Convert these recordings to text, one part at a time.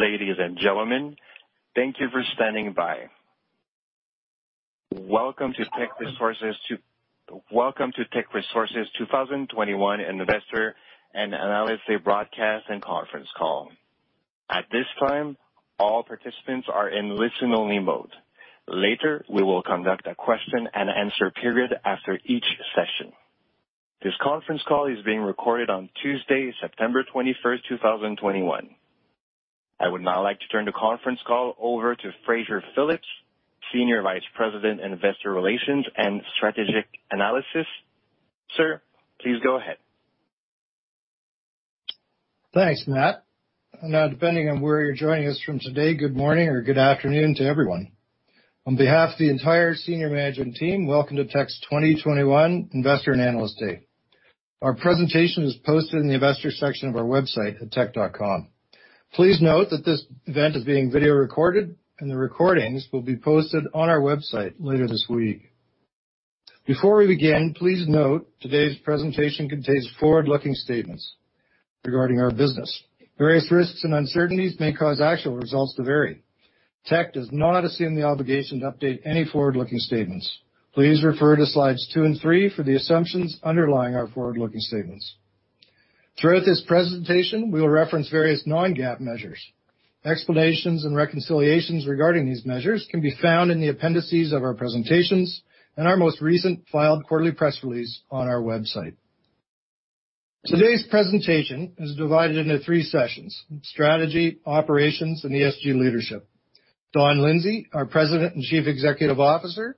Ladies and gentlemen, thank you for standing by. Welcome to Teck Resources 2021 Investor and Analyst Day Broadcast and Conference Call. At this time, all participants are in listen only mode. Later, we will conduct a question and answer period after each session. This conference call is being recorded on Tuesday, September 21st, 2021. I would now like to turn the conference call over to Fraser Phillips, Senior Vice President, Investor Relations and Strategic Analysis. Sir, please go ahead. Thanks, Matt. Depending on where you're joining us from today, good morning or good afternoon to everyone. On behalf of the entire senior management team, welcome to Teck's 2021 Investor and Analyst Day. Our presentation is posted in the investor section of our website at teck.com. Please note that this event is being video recorded, and the recordings will be posted on our website later this week. Before we begin, please note today's presentation contains forward-looking statements regarding our business. Various risks and uncertainties may cause actual results to vary. Teck does not assume the obligation to update any forward-looking statements. Please refer to slides two and three for the assumptions underlying our forward-looking statements. Throughout this presentation, we will reference various non-GAAP measures. Explanations and reconciliations regarding these measures can be found in the appendices of our presentations and our most recent filed quarterly press release on our website. Today's presentation is divided into three sessions: strategy, operations, and ESG leadership. Don Lindsay, our President and Chief Executive Officer,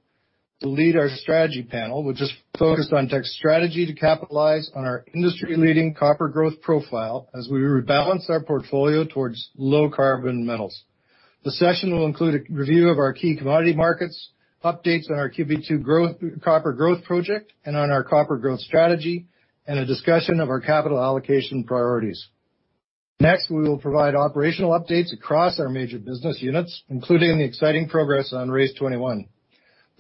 will lead our strategy panel, which is focused on Teck's strategy to capitalize on our industry-leading copper growth profile as we rebalance our portfolio towards low carbon metals. The session will include a review of our key commodity markets, updates on our QB2 copper growth project and on our copper growth strategy, and a discussion of our capital allocation priorities. Next, we will provide operational updates across our major business units, including the exciting progress on RACE21.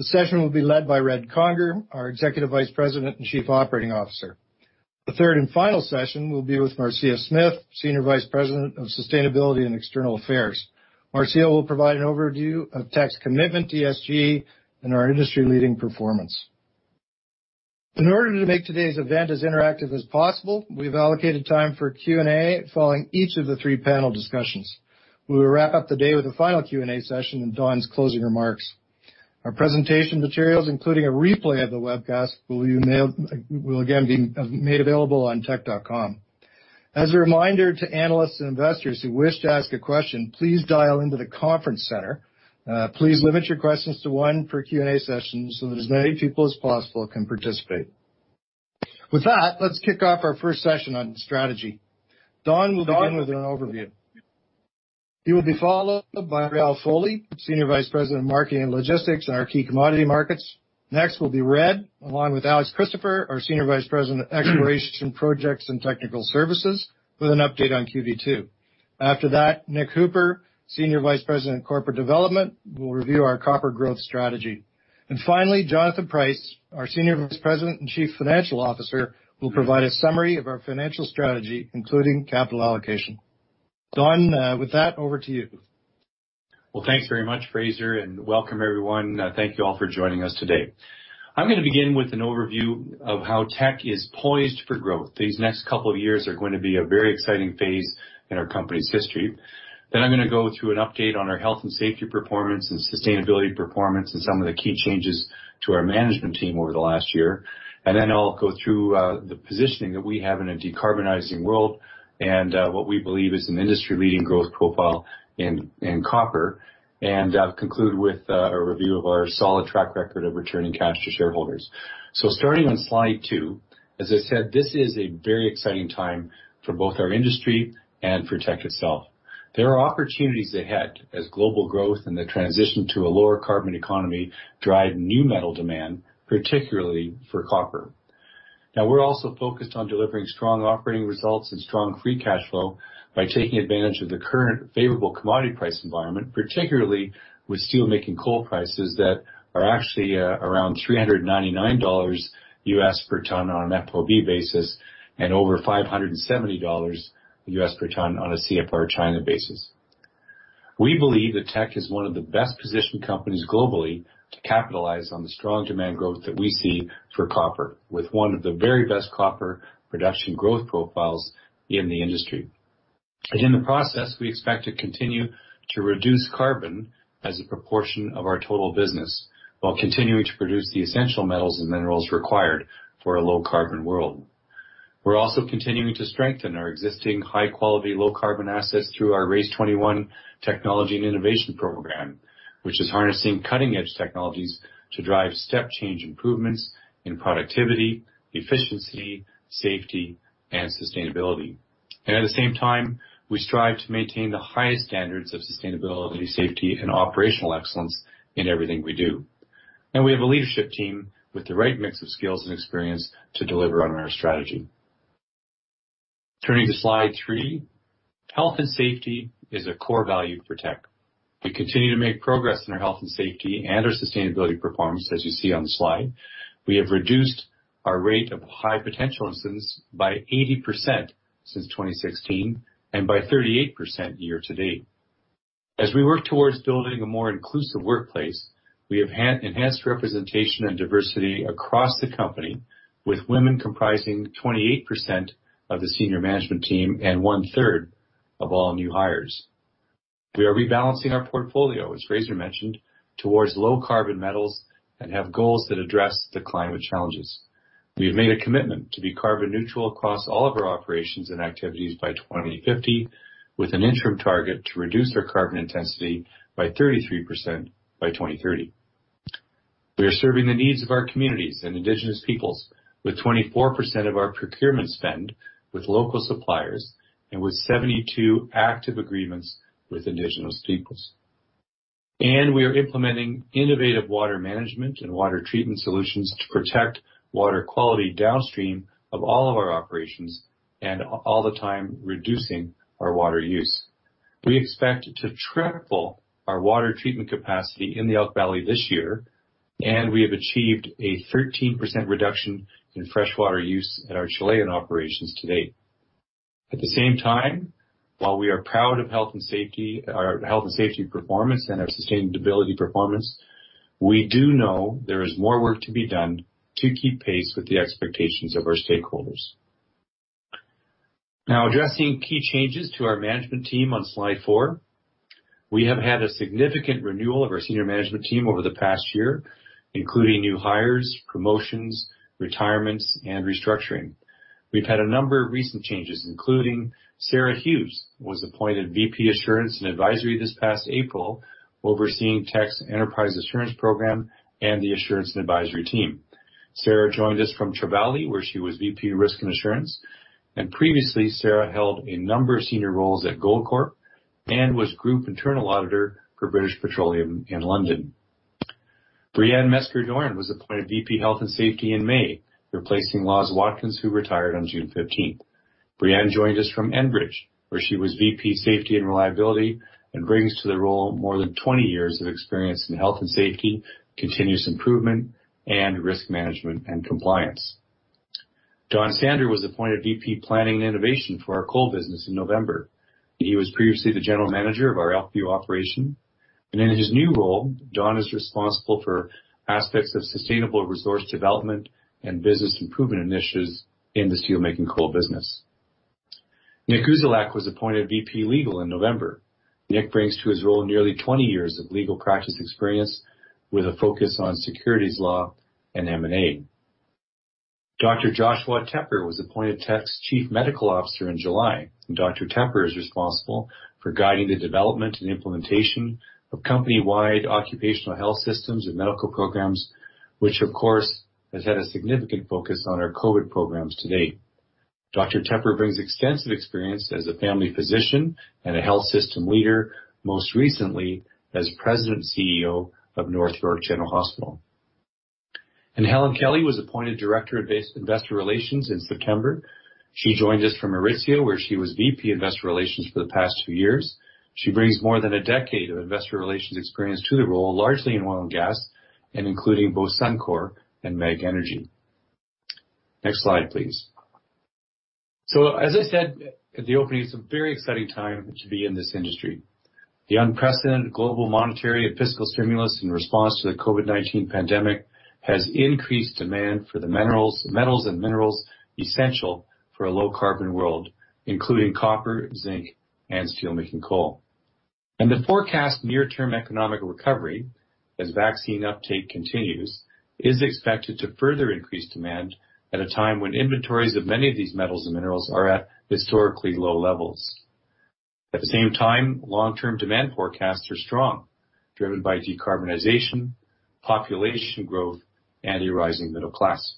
The session will be led by Red Conger, our Executive Vice President and Chief Operating Officer. The third and final session will be with Marcia Smith, Senior Vice President of Sustainability and External Affairs. Marcia will provide an overview of Teck's commitment to ESG and our industry-leading performance. In order to make today's event as interactive as possible, we've allocated time for Q&A following each of the three panel discussions. We will wrap up the day with a final Q&A session and Don's closing remarks. Our presentation materials, including a replay of the webcast, will again be made available on teck.com. As a reminder to analysts and investors who wish to ask a question, please dial into the conference center. Please limit your questions to one per Q&A session so that as many people as possible can participate. With that, let's kick off our first session on strategy. Don will begin with an overview. He will be followed by Réal Foley, Senior Vice President of Marketing and Logistics in our key commodity markets. Next will be Red Conger, along with Alex Christopher, our Senior Vice President of Exploration, Projects and Technical Services, with an update on QB2. After that, Nic Hooper, Senior Vice President of Corporate Development, will review our copper growth strategy. Finally, Jonathan Price, our Senior Vice President and Chief Financial Officer, will provide a summary of our financial strategy, including capital allocation. Don, with that, over to you. Well, thanks very much, Fraser, and welcome everyone. Thank you all for joining us today. I'm going to begin with an overview of how Teck is poised for growth. These next couple of years are going to be a very exciting phase in our company's history. I'm going to go through an update on our health and safety performance and sustainability performance and some of the key changes to our management team over the last year. I'll go through the positioning that we have in a decarbonizing world and what we believe is an industry-leading growth profile in copper, and conclude with a review of our solid track record of returning cash to shareholders. Starting on slide two, as I said, this is a very exciting time for both our industry and for Teck itself. There are opportunities ahead as global growth and the transition to a lower carbon economy drive new metal demand, particularly for copper. We're also focused on delivering strong operating results and strong free cash flow by taking advantage of the current favorable commodity price environment, particularly with steelmaking coal prices that are actually around $399 per ton on an FOB basis and over $570 per ton on a CFR China basis. We believe that Teck is one of the best positioned companies globally to capitalize on the strong demand growth that we see for copper, with one of the very best copper production growth profiles in the industry. In the process, we expect to continue to reduce carbon as a proportion of our total business while continuing to produce the essential metals and minerals required for a low carbon world. We're also continuing to strengthen our existing high quality, low carbon assets through our RACE21 technology and innovation program, which is harnessing cutting edge technologies to drive step change improvements in productivity, efficiency, safety, and sustainability. At the same time, we strive to maintain the highest standards of sustainability, safety, and operational excellence in everything we do. We have a leadership team with the right mix of skills and experience to deliver on our strategy. Turning to slide three, health and safety is a core value for Teck. We continue to make progress in our health and safety and our sustainability performance, as you see on the slide. We have reduced our rate of high potential incidents by 80% since 2016, and by 38% year-to-date. As we work towards building a more inclusive workplace, we have enhanced representation and diversity across the company, with women comprising 28% of the senior management team and 1/3 of all new hires. We are rebalancing our portfolio, as Fraser mentioned, towards low carbon metals and have goals that address the climate challenges. We have made a commitment to be carbon neutral across all of our operations and activities by 2050, with an interim target to reduce our carbon intensity by 33% by 2030. We are serving the needs of our communities and indigenous peoples with 24% of our procurement spend with local suppliers and with 72 active agreements with indigenous peoples. We are implementing innovative water management and water treatment solutions to protect water quality downstream of all of our operations, and all the time reducing our water use. We expect to triple our water treatment capacity in the Elk Valley this year, and we have achieved a 13% reduction in freshwater use at our Chilean operations to date. At the same time, while we are proud of our health and safety performance and our sustainability performance, we do know there is more work to be done to keep pace with the expectations of our stakeholders. Addressing key changes to our management team on slide four. We have had a significant renewal of our senior management team over the past year, including new hires, promotions, retirements, and restructuring. We have had a number of recent changes, including Sarah Hughes was appointed VP Assurance and Advisory this past April, overseeing Teck's Enterprise Assurance program and the assurance and advisory team. Sarah joined us from Trevali, where she was VP Risk and Assurance, and previously, Sarah held a number of senior roles at Goldcorp and was group internal auditor for British Petroleum in London. Brianne Metzger-Doran was appointed VP Health and Safety in May, replacing Loz Watkins, who retired on June 15th. Brianne joined us from Enbridge, where she was VP Safety and Reliability and brings to the role more than 20 years of experience in health and safety, continuous improvement, and risk management and compliance. Don Sander was appointed VP Planning and Innovation for our coal business in November. He was previously the general manager of our Elkview operation, and in his new role, Don is responsible for aspects of sustainable resource development and business improvement initiatives in the steelmaking coal business. Nick Uzelac was appointed VP Legal in November. Nick brings to his role nearly 20 years of legal practice experience with a focus on securities law and M&A. Dr. Joshua Tepper was appointed Teck's Chief Medical Officer in July. Dr. Tepper is responsible for guiding the development and implementation of company-wide occupational health systems and medical programs, which, of course, has had a significant focus on our COVID programs to date. Dr. Tepper brings extensive experience as a family physician and a health system leader, most recently as President and CEO of North York General Hospital. Helen Kelly was appointed Director of Investor Relations in September. She joined us from Aritzia, where she was VP Investor Relations for the past two years. She brings more than a decade of investor relations experience to the role, largely in oil and gas, and including both Suncor and MEG Energy. Next slide, please. As I said at the opening, it's a very exciting time to be in this industry. The unprecedented global monetary and fiscal stimulus in response to the COVID-19 pandemic has increased demand for the metals and minerals essential for a low-carbon world, including copper, zinc, and steelmaking coal. The forecast near-term economic recovery, as vaccine uptake continues, is expected to further increase demand at a time when inventories of many of these metals and minerals are at historically low levels. At the same time, long-term demand forecasts are strong, driven by decarbonization, population growth, and a rising middle class.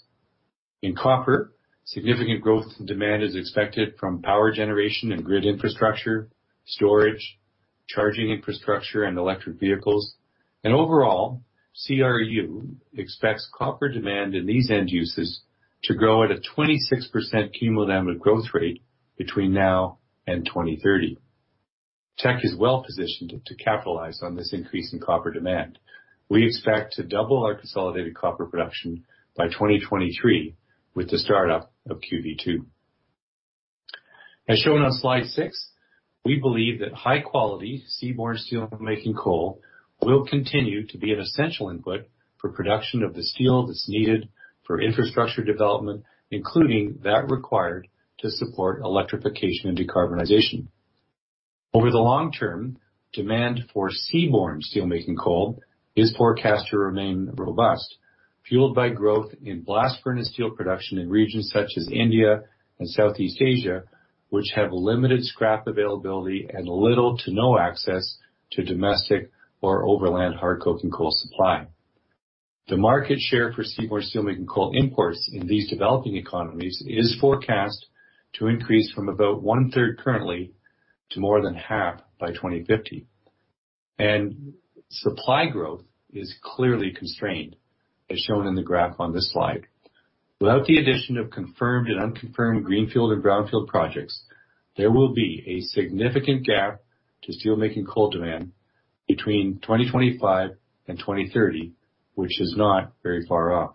In copper, significant growth in demand is expected from power generation and grid infrastructure, storage, charging infrastructure, and electric vehicles. Overall, CRU expects copper demand in these end uses to grow at a 26% cumulative growth rate between now and 2030. Teck is well-positioned to capitalize on this increase in copper demand. We expect to double our consolidated copper production by 2023 with the startup of QB2. As shown on slide six, we believe that high-quality seaborne steelmaking coal will continue to be an essential input for production of the steel that's needed for infrastructure development, including that required to support electrification and decarbonization. Over the long term, demand for seaborne steelmaking coal is forecast to remain robust, fueled by growth in blast furnace steel production in regions such as India and Southeast Asia, which have limited scrap availability and little to no access to domestic or overland hard coking coal supply. The market share for seaborne steelmaking coal imports in these developing economies is forecast to increase from about 1/3 currently to more than 1/2 by 2050. Supply growth is clearly constrained, as shown in the graph on this slide. Without the addition of confirmed and unconfirmed greenfield and brownfield projects, there will be a significant gap to steelmaking coal demand between 2025 and 2030, which is not very far off.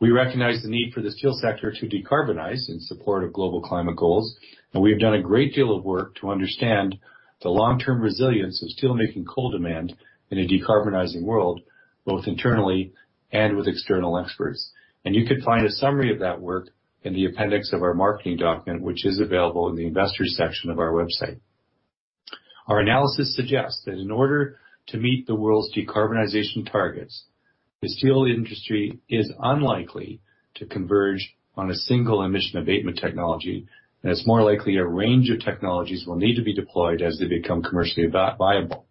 We recognize the need for the steel sector to decarbonize in support of global climate goals. We have done a great deal of work to understand the long-term resilience of steelmaking coal demand in a decarbonizing world, both internally and with external experts. You can find a summary of that work in the appendix of our marketing document, which is available in the investors section of our website. Our analysis suggests that in order to meet the world's decarbonization targets, the steel industry is unlikely to converge on a single emission abatement technology. That it's more likely a range of technologies will need to be deployed as they become commercially viable.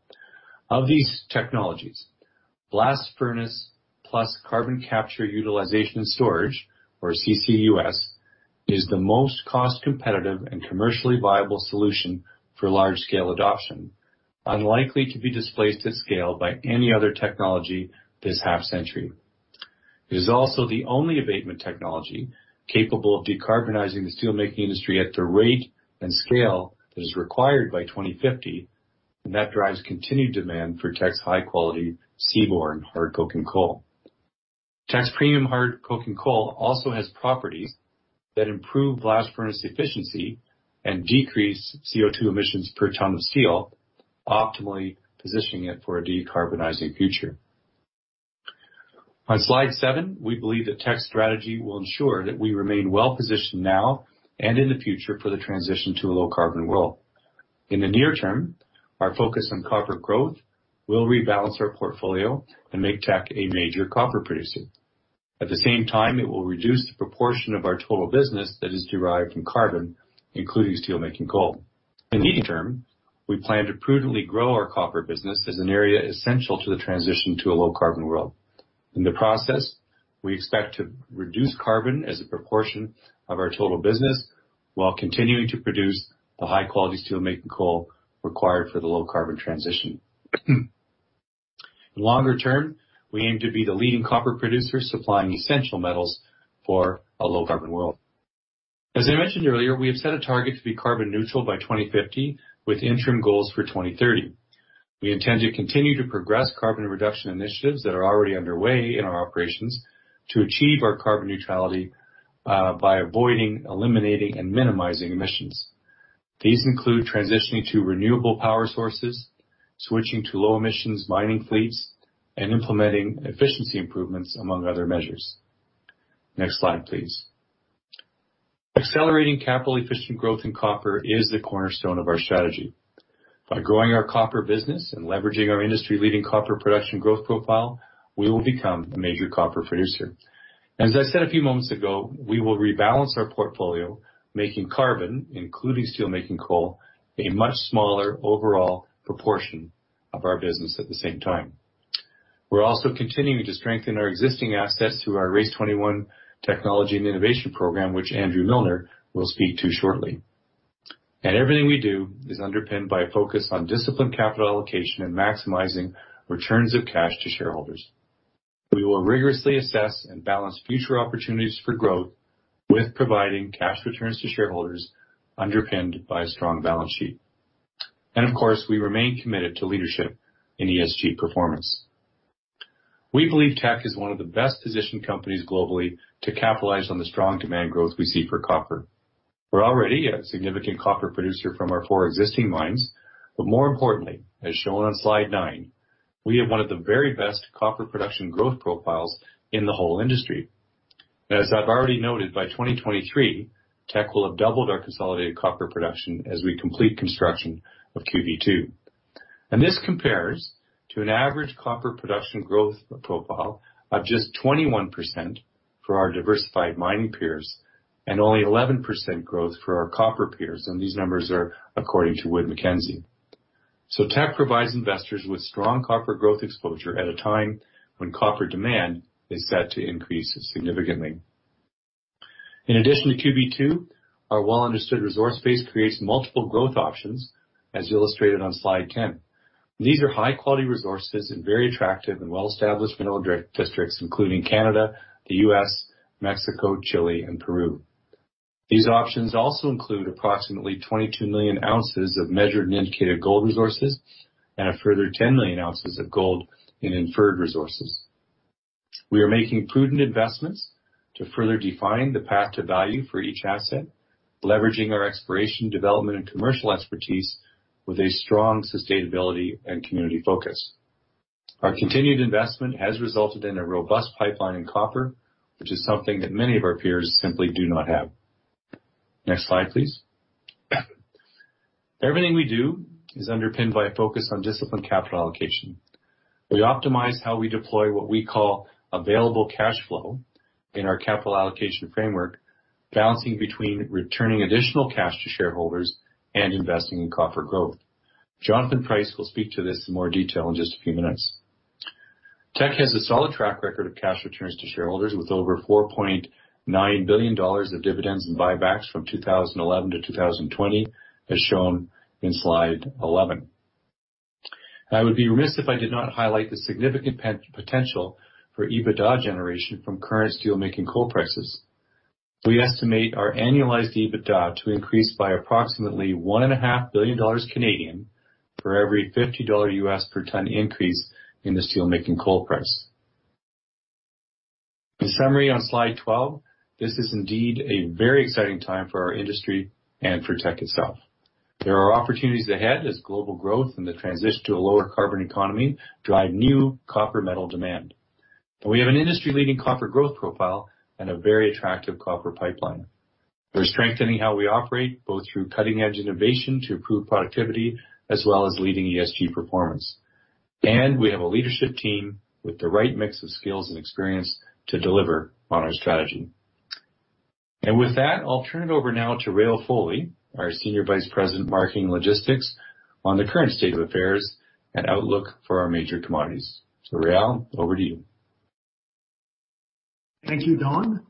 Of these technologies, blast furnace plus carbon capture utilization storage, or CCUS, is the most cost-competitive and commercially viable solution for large-scale adoption, unlikely to be displaced at scale by any other technology this half-century. It is also the only abatement technology capable of decarbonizing the steelmaking industry at the rate and scale that is required by 2050, and that drives continued demand for Teck's high-quality seaborne coking coal. Teck's premium hard coking coal also has properties that improve blast furnace efficiency and decrease CO2 emissions per ton of steel, optimally positioning it for a decarbonizing future. On slide seven, we believe that Teck's strategy will ensure that we remain well-positioned now and in the future for the transition to a low-carbon world. In the near term, our focus on copper growth will rebalance our portfolio and make Teck a major copper producer. At the same time, it will reduce the proportion of our total business that is derived from carbon, including steelmaking coal. In the near term, we plan to prudently grow our copper business as an area essential to the transition to a low-carbon world. In the process, we expect to reduce carbon as a proportion of our total business while continuing to produce the high-quality steelmaking coal required for the low-carbon transition. In longer term, we aim to be the leading copper producer supplying essential metals for a low-carbon world. As I mentioned earlier, we have set a target to be carbon neutral by 2050 with interim goals for 2030. We intend to continue to progress carbon reduction initiatives that are already underway in our operations to achieve our carbon neutrality by avoiding, eliminating, and minimizing emissions. These include transitioning to renewable power sources, switching to low-emissions mining fleets, and implementing efficiency improvements, among other measures. Next slide, please. Accelerating capital-efficient growth in copper is the cornerstone of our strategy. By growing our copper business and leveraging our industry-leading copper production growth profile, we will become a major copper producer. As I said a few moments ago, we will rebalance our portfolio, making carbon, including steelmaking coal, a much smaller overall proportion of our business at the same time. We're also continuing to strengthen our existing assets through our RACE21 technology and innovation program, which Andrew Milner will speak to shortly. Everything we do is underpinned by a focus on disciplined capital allocation and maximizing returns of cash to shareholders. We will rigorously assess and balance future opportunities for growth with providing cash returns to shareholders underpinned by a strong balance sheet. Of course, we remain committed to leadership in ESG performance. We believe Teck is one of the best-positioned companies globally to capitalize on the strong demand growth we see for copper. We're already a significant copper producer from our four existing mines, but more importantly, as shown on slide nine, we have one of the very best copper production growth profiles in the whole industry. As I've already noted, by 2023, Teck will have doubled our consolidated copper production as we complete construction of QB2. This compares to an average copper production growth profile of just 21% for our diversified mining peers and only 11% growth for our copper peers, and these numbers are according to Wood Mackenzie. Teck provides investors with strong copper growth exposure at a time when copper demand is set to increase significantly. In addition to QB2, our well-understood resource base creates multiple growth options, as illustrated on slide 10. These are high-quality resources in very attractive and well-established mineral districts, including Canada, the U.S., Mexico, Chile, and Peru. These options also include approximately 22 million oz of measured and indicated gold resources and a further 10 million oz of gold in inferred resources. We are making prudent investments to further define the path to value for each asset, leveraging our exploration, development, and commercial expertise with a strong sustainability and community focus. Our continued investment has resulted in a robust pipeline in copper, which is something that many of our peers simply do not have. Next slide, please. Everything we do is underpinned by a focus on disciplined capital allocation. We optimize how we deploy what we call available cash flow in our capital allocation framework, balancing between returning additional cash to shareholders and investing in copper growth. Jonathan Price will speak to this in more detail in just a few minutes. Teck has a solid track record of cash returns to shareholders with over 4.9 billion dollars of dividends and buybacks from 2011-2020, as shown in slide 11. I would be remiss if I did not highlight the significant potential for EBITDA generation from current steelmaking coal prices. We estimate our annualized EBITDA to increase by approximately 1.5 billion Canadian dollars for every $50 per tonne increase in the steelmaking coal price. In summary, on slide 12, this is indeed a very exciting time for our industry and for Teck itself. There are opportunities ahead as global growth and the transition to a lower carbon economy drive new copper metal demand. We have an industry-leading copper growth profile and a very attractive copper pipeline. We're strengthening how we operate, both through cutting-edge innovation to improve productivity as well as leading ESG performance. We have a leadership team with the right mix of skills and experience to deliver on our strategy. With that, I'll turn it over now to Réal Foley, our Senior Vice President of Marketing and Logistics, on the current state of affairs and outlook for our major commodities. Réal, over to you. Thank you, Don.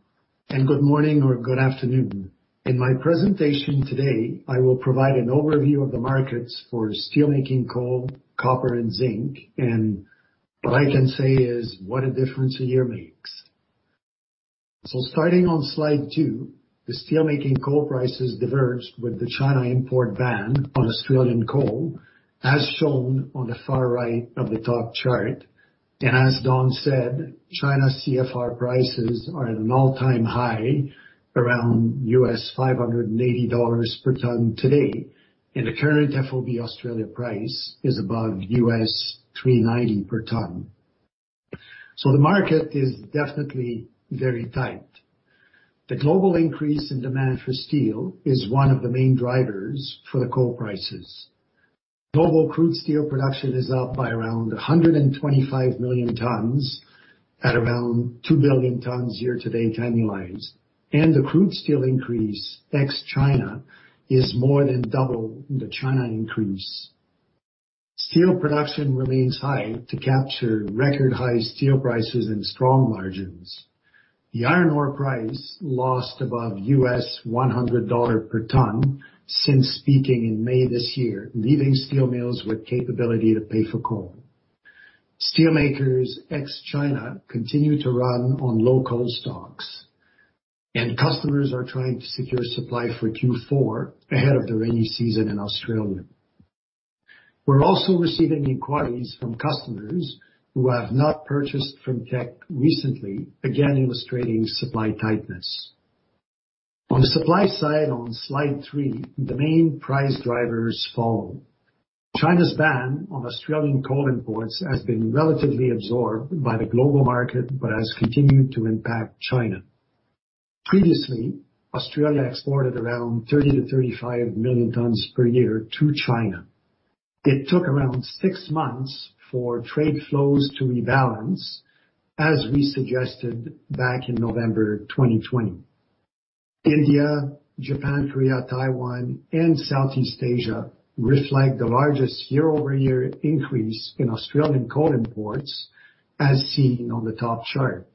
Good morning or good afternoon. In my presentation today, I will provide an overview of the markets for steelmaking coal, copper, and zinc. What I can say is what a difference a year makes. Starting on slide two, the steelmaking coal prices diverged with the China import ban on Australian coal, as shown on the far right of the top chart. As Don said, China CFR prices are at an all-time high, around $580 per ton today, and the current FOB Australia price is above $390 per ton. The market is definitely very tight. The global increase in demand for steel is one of the main drivers for the coal prices. Global crude steel production is up by around 125 million tonnes at around two billion tonnes year-to-date annualized, and the crude steel increase ex-China is more than double the China increase. Steel production remains high to capture record-high steel prices and strong margins. The iron ore price lost above $100 per tonne since peaking in May this year, leaving steel mills with capability to pay for coal. Steelmakers ex-China continue to run on low coal stocks, and customers are trying to secure supply for Q4 ahead of the rainy season in Australia. We are also receiving inquiries from customers who have not purchased from Teck recently, again illustrating supply tightness. On the supply side, on slide three, the main price drivers follow. China's ban on Australian coal imports has been relatively absorbed by the global market but has continued to impact China. Previously, Australia exported around 30 million tonnes-35 million tonnes per year to China. It took around six months for trade flows to rebalance, as we suggested back in November 2020. India, Japan, Korea, Taiwan, and Southeast Asia reflect the largest year-over-year increase in Australian coal imports, as seen on the top chart.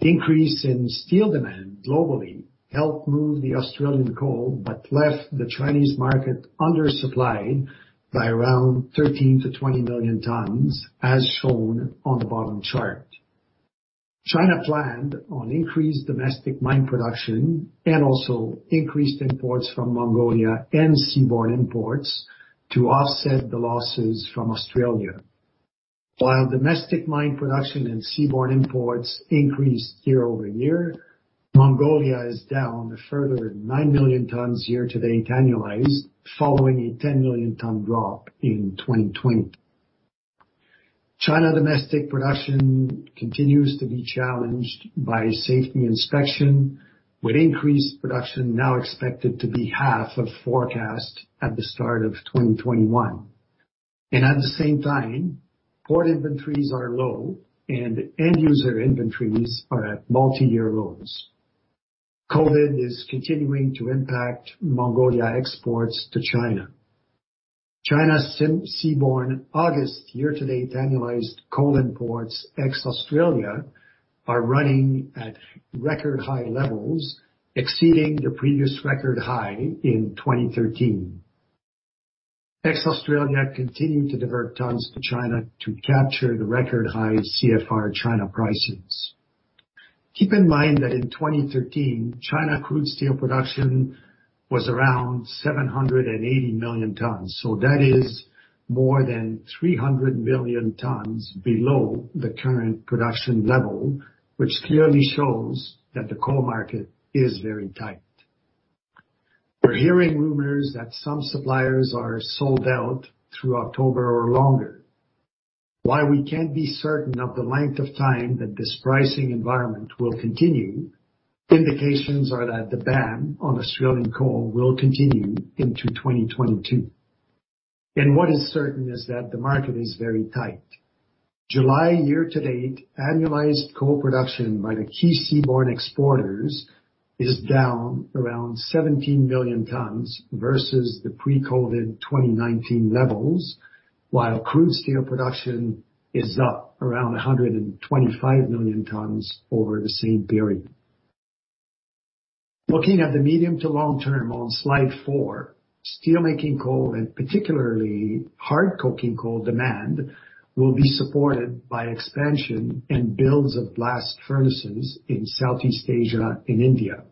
The increase in steel demand globally helped move the Australian coal but left the Chinese market undersupplied by around 13 million tonnes-20 million tonnes, as shown on the bottom chart. China planned on increased domestic mine production and also increased imports from Mongolia and seaborne imports to offset the losses from Australia. While domestic mine production and seaborne imports increased year-over-year, Mongolia is down a further nine million tonnes year-to-date annualized following a 10-million-tonne drop in 2020. China domestic production continues to be challenged by safety inspection, with increased production now expected to be half of forecast at the start of 2021. At the same time, port inventories are low and end-user inventories are at multi-year lows. Covid is continuing to impact Mongolia exports to China. China seaborne August year-to-date annualized coal imports ex-Australia are running at record high levels, exceeding the previous record high in 2013. Ex-Australia continued to divert tonnes to China to capture the record-high CFR China prices. Keep in mind that in 2013, China crude steel production was around 780 million tonnes, so that is more than 300 million tonnes below the current production level, which clearly shows that the coal market is very tight. We're hearing rumors that some suppliers are sold out through October or longer. While we can't be certain of the length of time that this pricing environment will continue, indications are that the ban on Australian coal will continue into 2022, and what is certain is that the market is very tight. July year-to-date annualized coal production by the key seaborne exporters is down around 17 million tonnes versus the pre-COVID 2019 levels, while crude steel production is up around 125 million tonnes over the same period. Looking at the medium to long term on slide four, steelmaking coal, and particularly hard coking coal demand, will be supported by expansion and builds of blast furnaces in Southeast Asia and India.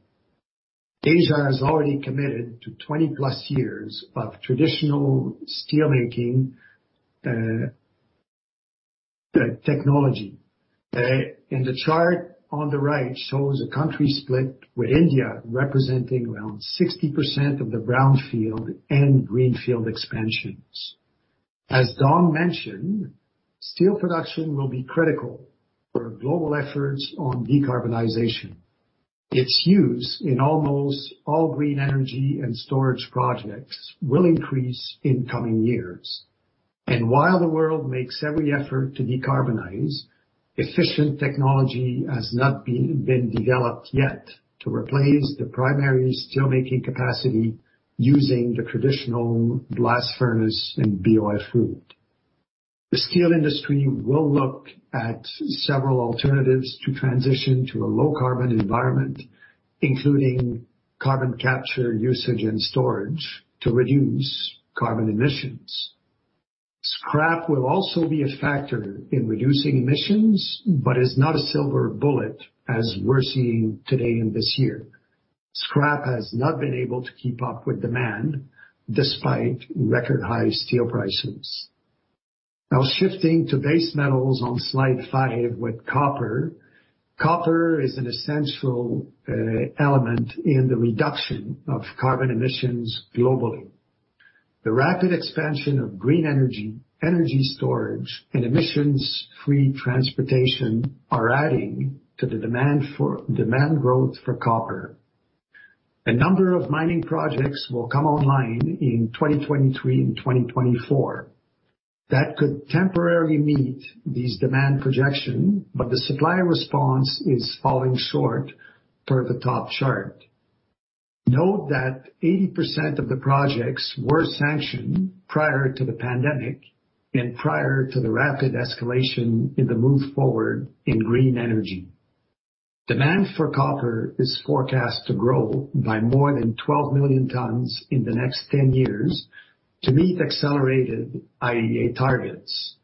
Asia has already committed to 20+ years of traditional steelmaking technology. The chart on the right shows a country split, with India representing around 60% of the brownfield and greenfield expansions. As Don mentioned, steel production will be critical for global efforts on decarbonization. Its use in almost all green energy and storage projects will increase in coming years. While the world makes every effort to decarbonize, efficient technology has not been developed yet to replace the primary steelmaking capacity using the traditional blast furnace and BOF route. The steel industry will look at several alternatives to transition to a low-carbon environment, including carbon capture usage and storage to reduce carbon emissions. Scrap will also be a factor in reducing emissions, but is not a silver bullet as we're seeing today in this year. Scrap has not been able to keep up with demand despite record high steel prices. Now shifting to base metals on slide five with copper. Copper is an essential element in the reduction of carbon emissions globally. The rapid expansion of green energy storage, and emissions-free transportation are adding to the demand growth for copper. A number of mining projects will come online in 2023 and 2024. That could temporarily meet these demand projection, the supply response is falling short per the top chart. Note that 80% of the projects were sanctioned prior to the pandemic and prior to the rapid escalation in the move forward in green energy. Demand for copper is forecast to grow by more than 12 million tonnes in the next 10 years to meet accelerated IEA targets.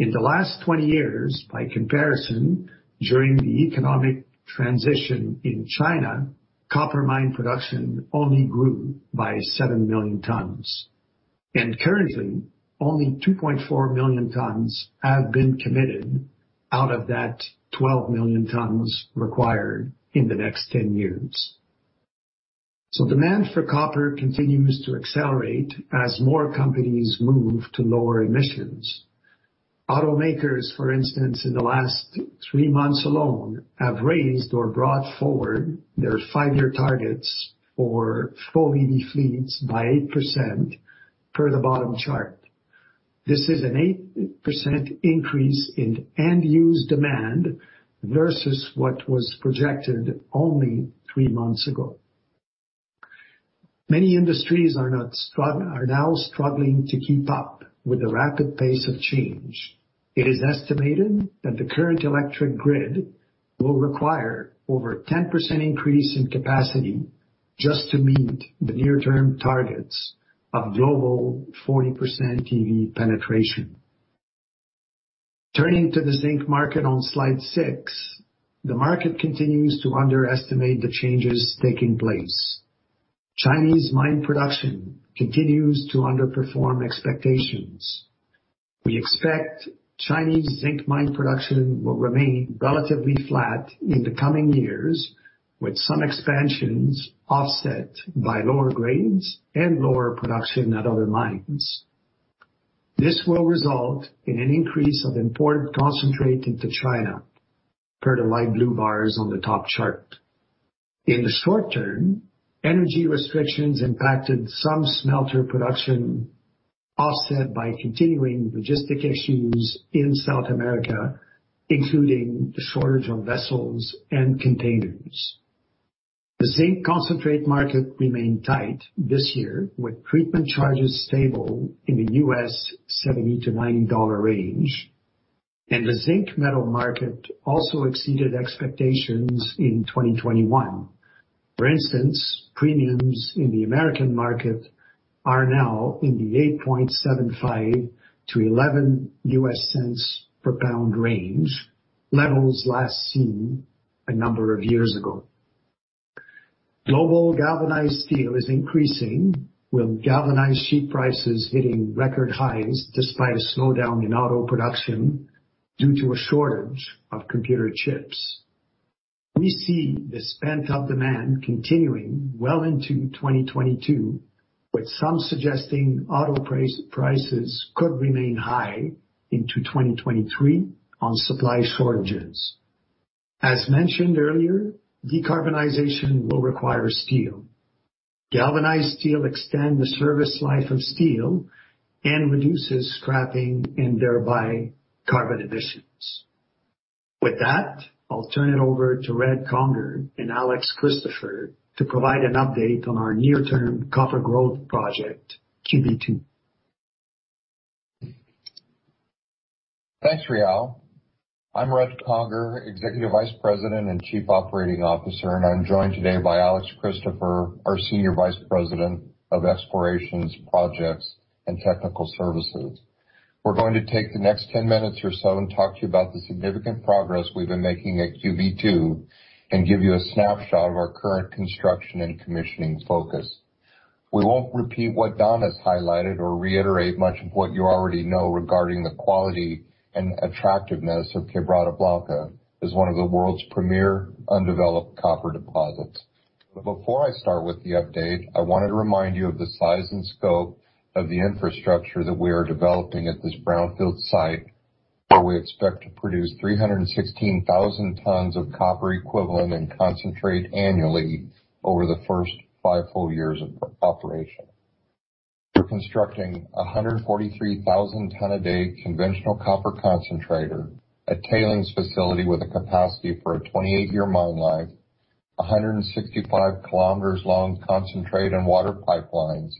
In the last 20 years, by comparison, during the economic transition in China, copper mine production only grew by seven million tonnes. Currently, only 2.4 million tonnes have been committed out of that 12 million tonnes required in the next 10 years. Demand for copper continues to accelerate as more companies move to lower emissions. Automakers, for instance, in the last three months alone, have raised or brought forward their five-year targets for full EV fleets by 8% per the bottom chart. This is an 8% increase in end-use demand versus what was projected only three months ago. Many industries are now struggling to keep up with the rapid pace of change. It is estimated that the current electric grid will require over 10% increase in capacity just to meet the near-term targets of global 40% EV penetration. Turning to the zinc market on slide six, the market continues to underestimate the changes taking place. Chinese mine production continues to underperform expectations. We expect Chinese zinc mine production will remain relatively flat in the coming years, with some expansions offset by lower grades and lower production at other mines. This will result in an increase of imported concentrate into China, per the light blue bars on the top chart. In the short term, energy restrictions impacted some smelter production, offset by continuing logistic issues in South America, including the shortage of vessels and containers. The zinc concentrate market remained tight this year, with treatment charges stable in the U.S. $70-$90 range, and the zinc metal market also exceeded expectations in 2021. For instance, premiums in the American market are now in the $0.0875-$0.11 per pound range, levels last seen a number of years ago. Global galvanized steel is increasing, with galvanized sheet prices hitting record highs despite a slowdown in auto production due to a shortage of computer chips. We see this pent-up demand continuing well into 2022, with some suggesting auto prices could remain high into 2023 on supply shortages. As mentioned earlier, decarbonization will require steel. Galvanized steel extend the service life of steel and reduces scrapping and thereby carbon emissions. With that, I'll turn it over to Red Conger and Alex Christopher to provide an update on our near-term copper growth project, QB2. Thanks, Réal. I'm Red Conger, Executive Vice President and Chief Operating Officer, and I'm joined today by Alex Christopher, our Senior Vice President of Exploration, Projects, and Technical Services. We're going to take the next 10 minutes or so and talk to you about the significant progress we've been making at QB2, and give you a snapshot of our current construction and commissioning focus. We won't repeat what Don has highlighted or reiterate much of what you already know regarding the quality and attractiveness of Quebrada Blanca as one of the world's premier undeveloped copper deposits. Before I start with the update, I want to remind you of the size and scope of the infrastructure that we are developing at this brownfield site, where we expect to produce 316,000 tonnes of copper equivalent and concentrate annually over the first five full years of operation. We're constructing a 143,000 ton a day conventional copper concentrator, a tailings facility with a capacity for a 28-year mine life, 165 km long concentrate and water pipelines,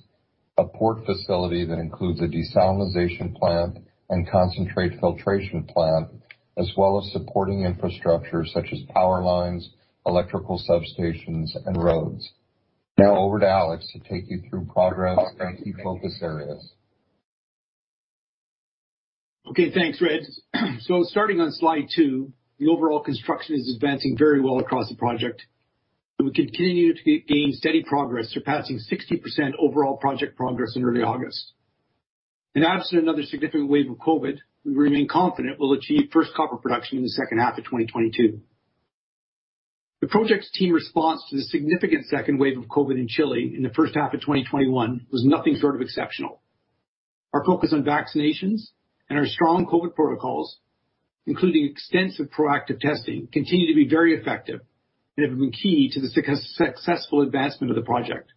a port facility that includes a desalinization plant and concentrate filtration plant, as well as supporting infrastructure such as power lines, electrical substations, and roads. Now over to Alex to take you through progress and key focus areas. Okay, thanks, Red. Starting on slide two, the overall construction is advancing very well across the project, and we continue to gain steady progress, surpassing 60% overall project progress in early August. Absent another significant wave of COVID, we remain confident we'll achieve first copper production in the second half of 2022. The project's team response to the significant second wave of COVID in Chile in the first half of 2021 was nothing short of exceptional. Our focus on vaccinations and our strong COVID protocols, including extensive proactive testing, continue to be very effective and have been key to the successful advancement of the project.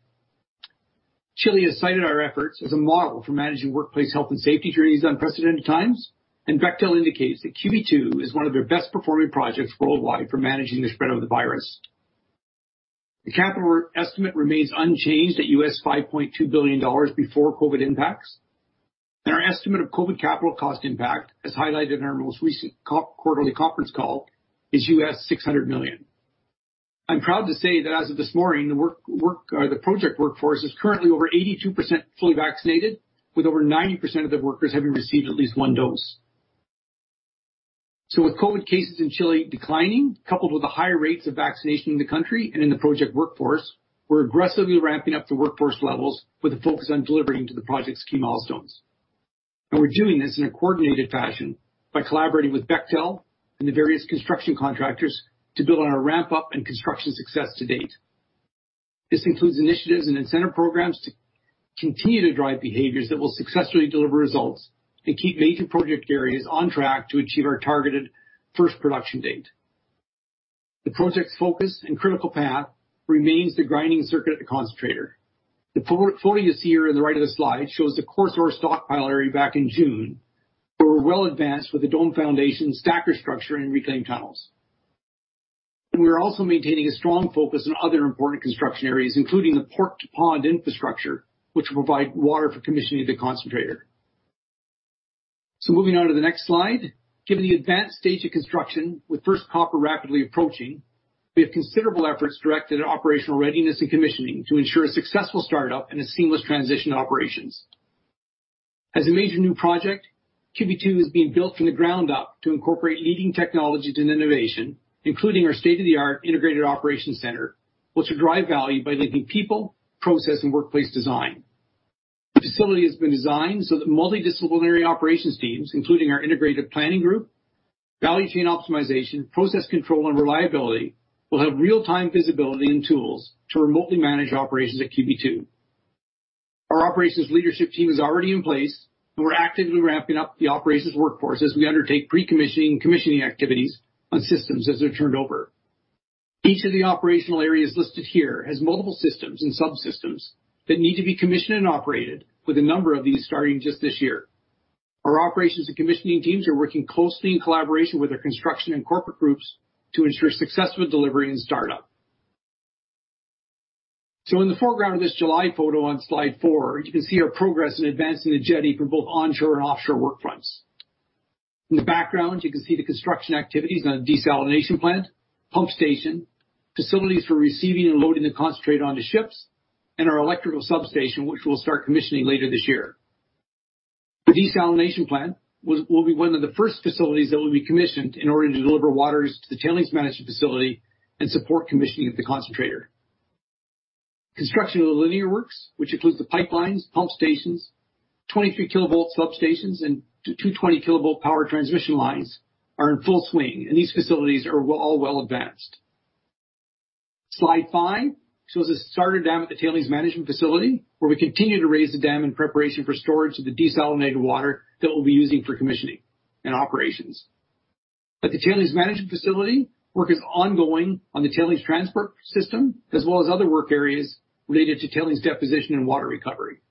Chile has cited our efforts as a model for managing workplace health and safety during these unprecedented times, and Bechtel indicates that QB2 is one of their best performing projects worldwide for managing the spread of the virus. The capital estimate remains unchanged at $5.2 billion before COVID impacts. Our estimate of COVID capital cost impact, as highlighted in our most recent quarterly conference call, is $600 million. I'm proud to say that as of this morning, the project workforce is currently over 82% fully vaccinated, with over 90% of the workers having received at least one dose. With COVID cases in Chile declining, coupled with the higher rates of vaccination in the country and in the project workforce, we're aggressively ramping up the workforce levels with a focus on delivering to the project's key milestones. We're doing this in a coordinated fashion by collaborating with Bechtel and the various construction contractors to build on our ramp-up and construction success to date. This includes initiatives and incentive programs to continue to drive behaviors that will successfully deliver results and keep major project areas on track to achieve our targeted first production date. The project's focus and critical path remains the grinding circuit at the concentrator. The photo you see here in the right of the slide shows the coarse ore stockpile area back in June, where we are well advanced with the dome foundation stacker structure and reclaim tunnels. We are also maintaining a strong focus on other important construction areas, including the port-to-pond infrastructure, which will provide water for commissioning the concentrator. Moving on to the next slide. Given the advanced stage of construction with first copper rapidly approaching, we have considerable efforts directed at operational readiness and commissioning to ensure a successful startup and a seamless transition to operations. As a major new project, QB2 is being built from the ground up to incorporate leading technologies and innovation, including our state-of-the-art integrated operations center, which will drive value by linking people, process, and workplace design. The facility has been designed so that multidisciplinary operations teams, including our integrated planning group, value chain optimization, process control and reliability, will have real-time visibility and tools to remotely manage operations at QB2. Our operations leadership team is already in place, and we are actively ramping up the operations workforce as we undertake pre-commissioning and commissioning activities on systems as they are turned over. Each of the operational areas listed here has multiple systems and subsystems that need to be commissioned and operated with a number of these starting just this year. Our operations and commissioning teams are working closely in collaboration with our construction and corporate groups to ensure successful delivery and startup. In the foreground of this July photo on slide four, you can see our progress in advancing the jetty for both onshore and offshore work fronts. In the background, you can see the construction activities on the desalination plant, pump station, facilities for receiving and loading the concentrate onto ships, and our electrical substation, which we'll start commissioning later this year. The desalination plant will be one of the first facilities that will be commissioned in order to deliver waters to the tailings management facility and support commissioning at the concentrator. Construction of the linear works, which includes the pipelines, pump stations, 23 kV substations, and 220 kV power transmission lines, are in full swing, and these facilities are all well advanced. Slide five shows the starter dam at the tailings management facility, where we continue to raise the dam in preparation for storage of the desalinated water that we'll be using for commissioning and operations. At the tailings management facility, work is ongoing on the tailings transport system, as well as other work areas related to tailings deposition and water recovery.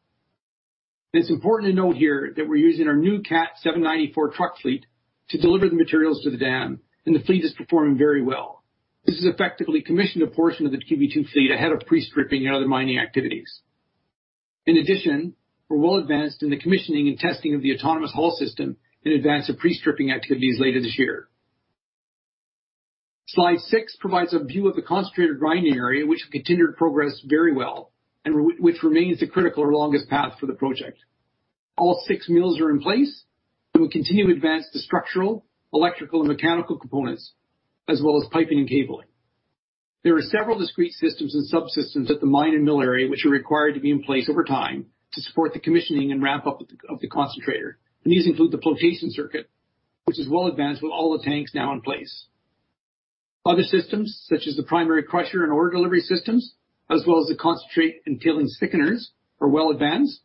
It's important to note here that we're using our new Cat 794 truck fleet to deliver the materials to the dam, and the fleet is performing very well. This has effectively commissioned a portion of the QB2 fleet ahead of pre-stripping and other mining activities. In addition, we're well advanced in the commissioning and testing of the autonomous haul system in advance of pre-stripping activities later this year. Slide six provides a view of the concentrated grinding area, which continued progress very well, and which remains the critical or longest path for the project. All six mills are in place, and we continue to advance the structural, electrical, and mechanical components, as well as piping and cabling. There are several discrete systems and subsystems at the mine and mill area which are required to be in place over time to support the commissioning and ramp-up of the concentrator. These include the flotation circuit, which is well advanced with all the tanks now in place. Other systems such as the primary crusher and ore delivery systems, as well as the concentrate and tailings thickeners are well advanced.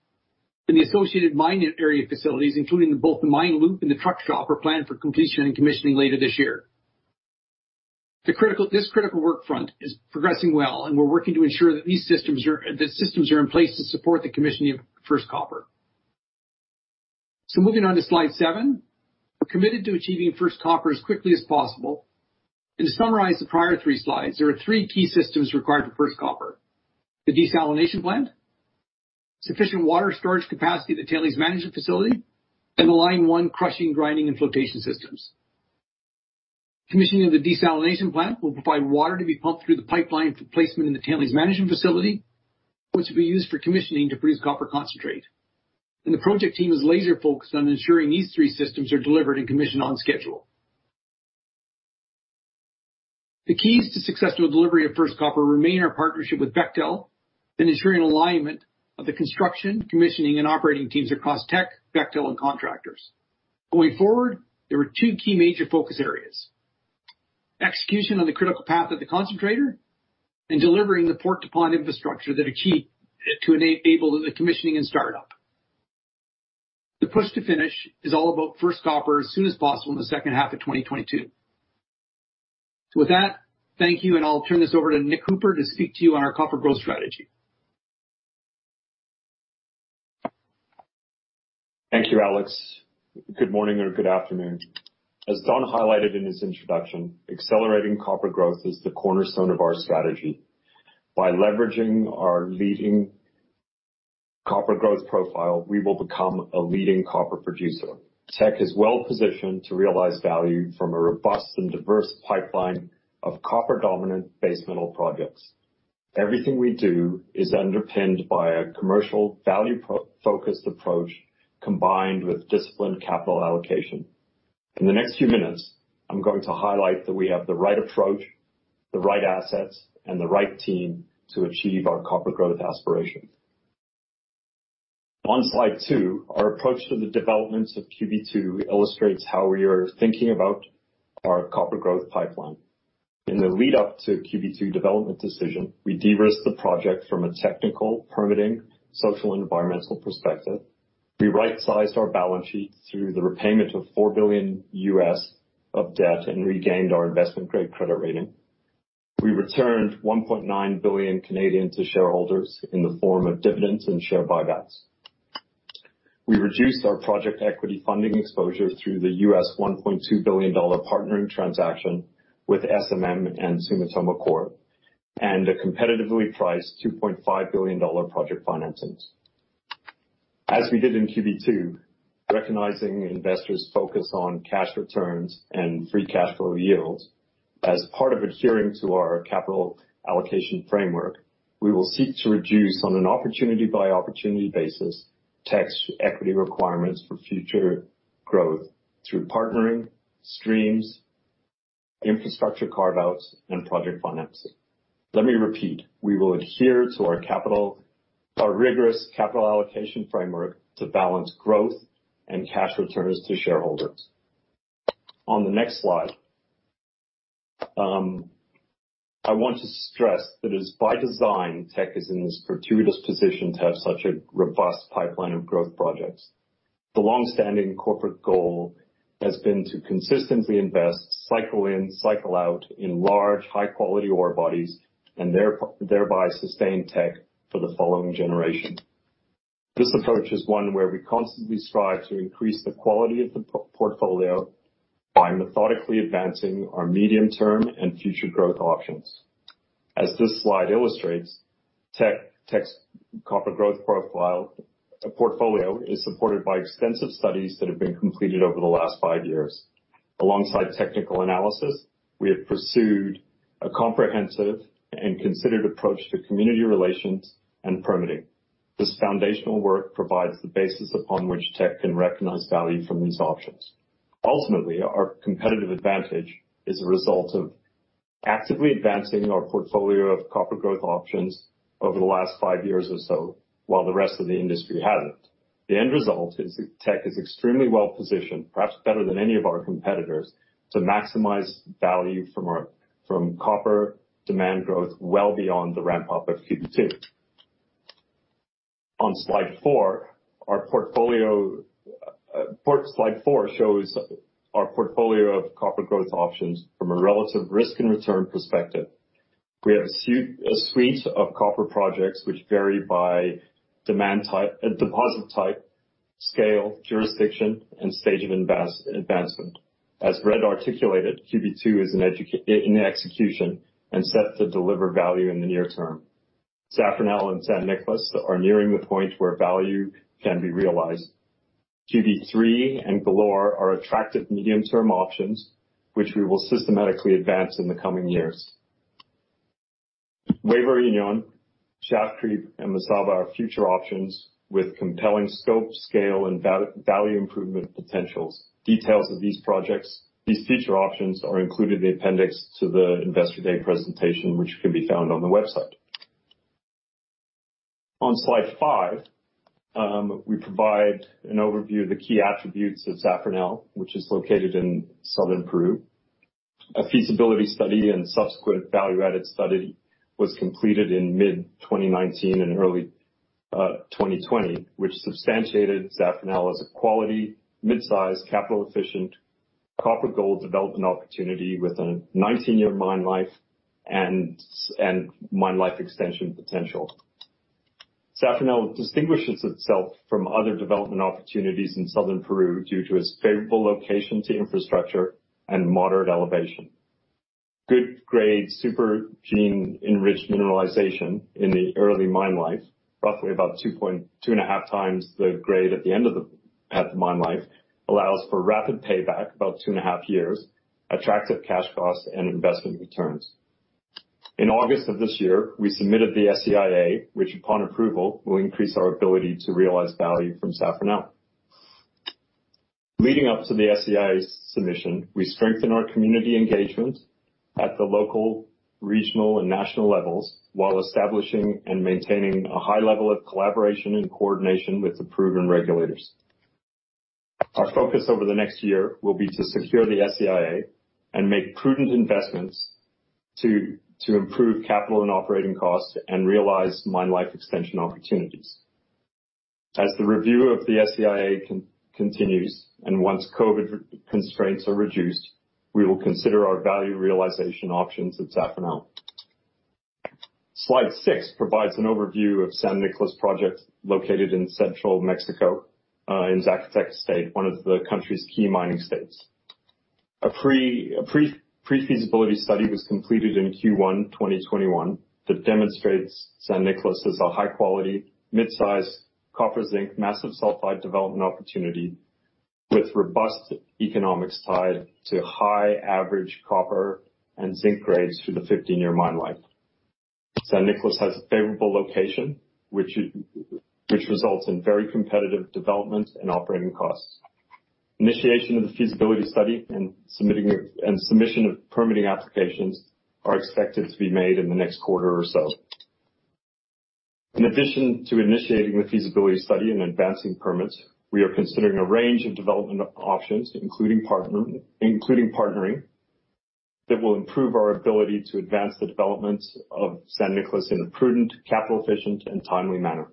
The associated mine area facilities, including both the mine loop and the truck shop, are planned for completion and commissioning later this year. This critical work front is progressing well, and we're working to ensure that systems are in place to support the commissioning of First Copper. Moving on to slide seven. Committed to achieving first copper as quickly as possible. To summarize the prior three slides, there are three key systems required for First Copper. The desalination plant, sufficient water storage capacity at the Tailings Management Facility, and the Line 1 crushing, grinding, and flotation systems. Commissioning of the desalination plant will provide water to be pumped through the pipeline for placement in the Tailings Management Facility, which will be used for commissioning to produce copper concentrate. The project team is laser-focused on ensuring these three systems are delivered and commissioned on schedule. The keys to successful delivery of first copper remain our partnership with Bechtel and ensuring alignment of the construction, commissioning, and operating teams across Teck, Bechtel, and contractors. Going forward, there are two key major focus areas. Execution on the critical path of the concentrator and delivering the port-to-pond infrastructure that are key to enable the commissioning and start-up. The push to finish is all about first copper as soon as possible in the second half of 2022. With that, thank you, and I'll turn this over to Nic Hooper to speak to you on our copper growth strategy. Thank you, Alex. Good morning or good afternoon. As Don highlighted in his introduction, accelerating copper growth is the cornerstone of our strategy. By leveraging our leading copper growth profile, we will become a leading copper producer. Teck is well-positioned to realize value from a robust and diverse pipeline of copper-dominant base metal projects. Everything we do is underpinned by a commercial value-focused approach, combined with disciplined capital allocation. In the next few minutes, I'm going to highlight that we have the right approach, the right assets, and the right team to achieve our copper growth aspirations. On slide two, our approach to the developments of QB2 illustrates how we are thinking about our copper growth pipeline. In the lead-up to QB2 development decision, we de-risked the project from a technical, permitting, social, and environmental perspective. We right-sized our balance sheet through the repayment of $4 billion of debt and regained our investment-grade credit rating. We returned 1.9 billion to shareholders in the form of dividends and share buybacks. We reduced our project equity funding exposure through the $1.2 billion partnering transaction with SMM and Sumitomo Corp, and a competitively priced 2.5 billion dollar project financings. As we did in QB2, recognizing investors' focus on cash returns and free cash flow yields, as part of adhering to our capital allocation framework, we will seek to reduce on an opportunity-by-opportunity basis, Teck's equity requirements for future growth through partnering, streams, infrastructure carve-outs, and project financing. Let me repeat. We will adhere to our rigorous capital allocation framework to balance growth and cash returns to shareholders. On the next slide, I want to stress that it is by design, Teck is in this fortuitous position to have such a robust pipeline of growth projects. The longstanding corporate goal has been to consistently invest cycle in, cycle out in large, high-quality ore bodies and thereby sustain Teck for the following generation. This approach is one where we constantly strive to increase the quality of the portfolio by methodically advancing our medium-term and future growth options. As this slide illustrates, Teck's copper growth profile portfolio is supported by extensive studies that have been completed over the last five years. Alongside technical analysis, we have pursued a comprehensive and considered approach to community relations and permitting. This foundational work provides the basis upon which Teck can recognize value from these options. Ultimately, our competitive advantage is a result of actively advancing our portfolio of copper growth options over the last five years or so while the rest of the industry hasn't. The end result is that Teck is extremely well-positioned, perhaps better than any of our competitors, to maximize value from copper demand growth well beyond the ramp-up of QB2. On slide four shows our portfolio of copper growth options from a relative risk and return perspective. We have a suite of copper projects which vary by demand type and deposit type, scale, jurisdiction, and stage of advancement. As Red articulated, QB2 is in execution and set to deliver value in the near term. Zafranal and San Nicolás are nearing the point where value can be realized. QB3 and Galore are attractive medium-term options, which we will systematically advance in the coming years. NuevaUnión, Schaft Creek, and Mesaba are future options with compelling scope, scale, and value improvement potentials. Details of these projects, these future options, are included in the appendix to the Investor Day presentation, which can be found on the website. On slide five, we provide an overview of the key attributes of Zafranal, which is located in southern Peru. A feasibility study and subsequent value-added study was completed in mid-2019 and early 2020, which substantiated Zafranal as a quality, mid-size, capital-efficient, copper-gold development opportunity with a 19-year mine life and mine life extension potential. Zafranal distinguishes itself from other development opportunities in southern Peru due to its favorable location to infrastructure and moderate elevation. Good grade supergene-enriched mineralization in the early mine life, roughly about 2.5 times the grade at the end of the path mine life, allows for rapid payback, about 2.5 years, attractive cash costs, and investment returns. In August of this year, we submitted the SEIA, which upon approval, will increase our ability to realize value from Zafranal. Leading up to the SEIA's submission, we strengthened our community engagement at the local, regional, and national levels while establishing and maintaining a high level of collaboration and coordination with the Peruvian regulators. Our focus over the next year will be to secure the SEIA and make prudent investments to improve capital and operating costs and realize mine life extension opportunities. As the review of the SEIA continues, and once COVID constraints are reduced, we will consider our value realization options at Zafranal. Slide six provides an overview of San Nicolás project located in central Mexico, in Zacatecas state, one of the country's key mining states. A pre-feasibility study was completed in Q1 2021 that demonstrates San Nicolás is a high-quality, mid-size, copper-zinc, massive sulfide development opportunity with robust economics tied to high average copper and zinc grades through the 15-year mine life. San Nicolás has a favorable location, which results in very competitive development and operating costs. Initiation of the feasibility study and submission of permitting applications are expected to be made in the next quarter or so. In addition to initiating the feasibility study and advancing permits, we are considering a range of development options, including partnering, that will improve our ability to advance the development of San Nicolás in a prudent, capital-efficient, and timely manner.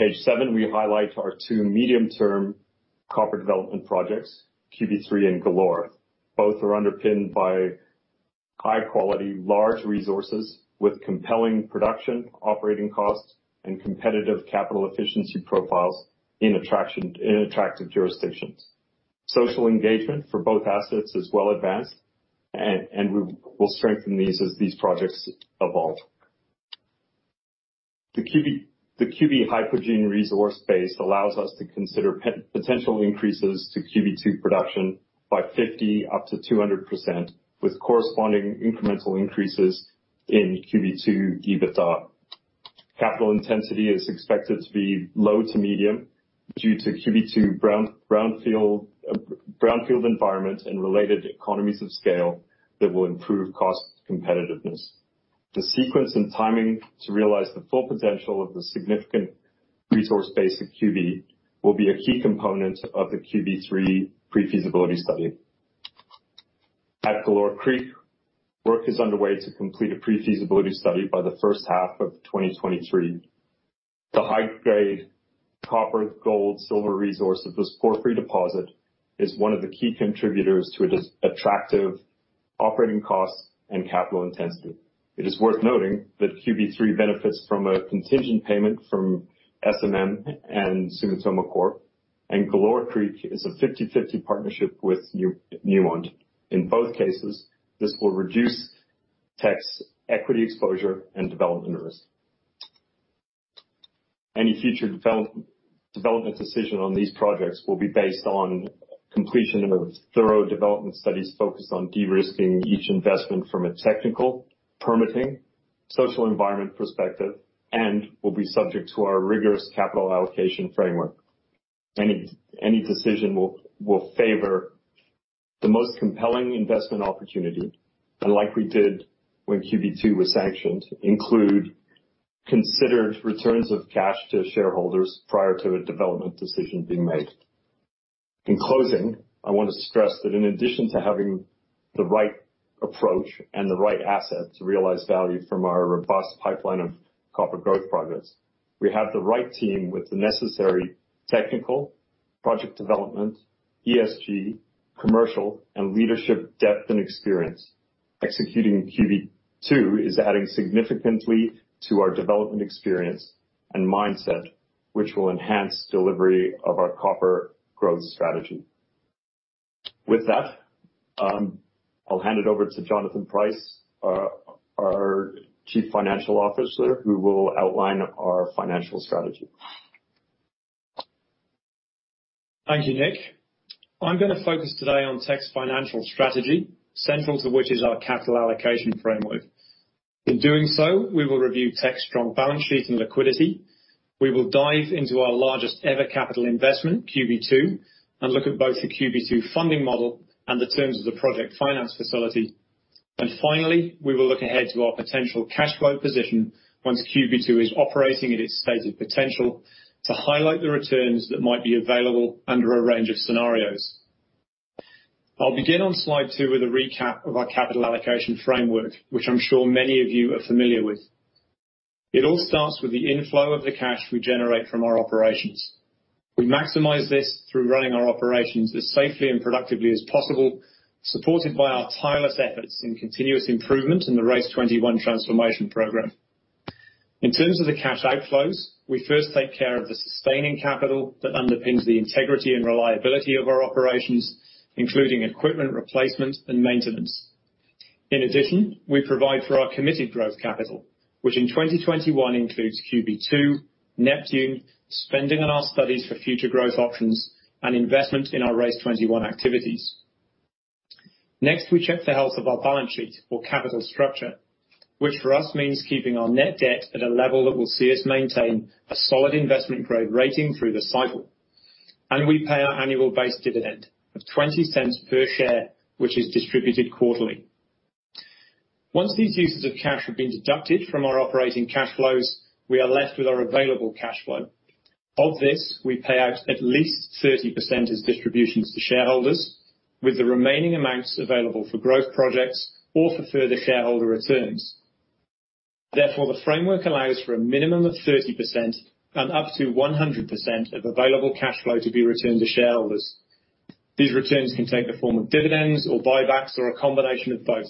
On page seven, we highlight our two medium-term copper development projects, QB3 and Galore. Both are underpinned by high-quality, large resources with compelling production, operating costs, and competitive capital efficiency profiles in attractive jurisdictions. Social engagement for both assets is well advanced, and we will strengthen these as these projects evolve. The QB hypogene resource base allows us to consider potential increases to QB2 production by 50%-200%, with corresponding incremental increases in QB2 EBITDA. Capital intensity is expected to be low to medium due to QB2 brownfield environment and related economies of scale that will improve cost competitiveness. The sequence and timing to realize the full potential of the significant resource base at QB will be a key component of the QB3 pre-feasibility study. At Galore Creek, work is underway to complete a pre-feasibility study by the first half of 2023. The high-grade copper gold silver resource of this porphyry deposit is one of the key contributors to its attractive operating costs and capital intensity. It is worth noting that QB3 benefits from a contingent payment from SMM and Sumitomo Corp, and Galore Creek is a 50/50 partnership with Newmont. In both cases, this will reduce Teck's equity exposure and development risk. Any future development decision on these projects will be based on completion of thorough development studies focused on de-risking each investment from a technical, permitting, social environment perspective, and will be subject to our rigorous capital allocation framework. Any decision will favor the most compelling investment opportunity, and like we did when QB2 was sanctioned, include considered returns of cash to shareholders prior to a development decision being made. In closing, I want to stress that in addition to having the right approach and the right assets to realize value from our robust pipeline of copper growth progress, we have the right team with the necessary technical, project development, ESG, commercial, and leadership depth and experience. Executing QB2 is adding significantly to our development experience and mindset, which will enhance delivery of our copper growth strategy. With that, I'll hand it over to Jonathan Price, our Chief Financial Officer, who will outline our financial strategy. Thank you, Nic. I'm going to focus today on Teck's financial strategy, central to which is our capital allocation framework. In doing so, we will review Teck's strong balance sheet and liquidity. We will dive into our largest ever capital investment, QB2, and look at both the QB2 funding model and the terms of the project finance facility. Finally, we will look ahead to our potential cash flow position once QB2 is operating at its stated potential to highlight the returns that might be available under a range of scenarios. I'll begin on slide two with a recap of our capital allocation framework, which I'm sure many of you are familiar with. It all starts with the inflow of the cash we generate from our operations. We maximize this through running our operations as safely and productively as possible, supported by our tireless efforts in continuous improvement in the RACE21 transformation program. In terms of the cash outflows, we first take care of the sustaining capital that underpins the integrity and reliability of our operations, including equipment replacement and maintenance. In addition, we provide for our committed growth capital, which in 2021 includes QB2, Neptune, spending on our studies for future growth options, and investment in our RACE21 activities. Next, we check the health of our balance sheet or capital structure, which for us means keeping our net debt at a level that will see us maintain a solid investment grade rating through the cycle. We pay our annual base dividend of 0.20 per share, which is distributed quarterly. Once these uses of cash have been deducted from our operating cash flows, we are left with our available cash flow. Of this, we pay out at least 30% as distributions to shareholders, with the remaining amounts available for growth projects or for further shareholder returns. Therefore, the framework allows for a minimum of 30%-100% of available cash flow to be returned to shareholders. These returns can take the form of dividends or buybacks, or a combination of both,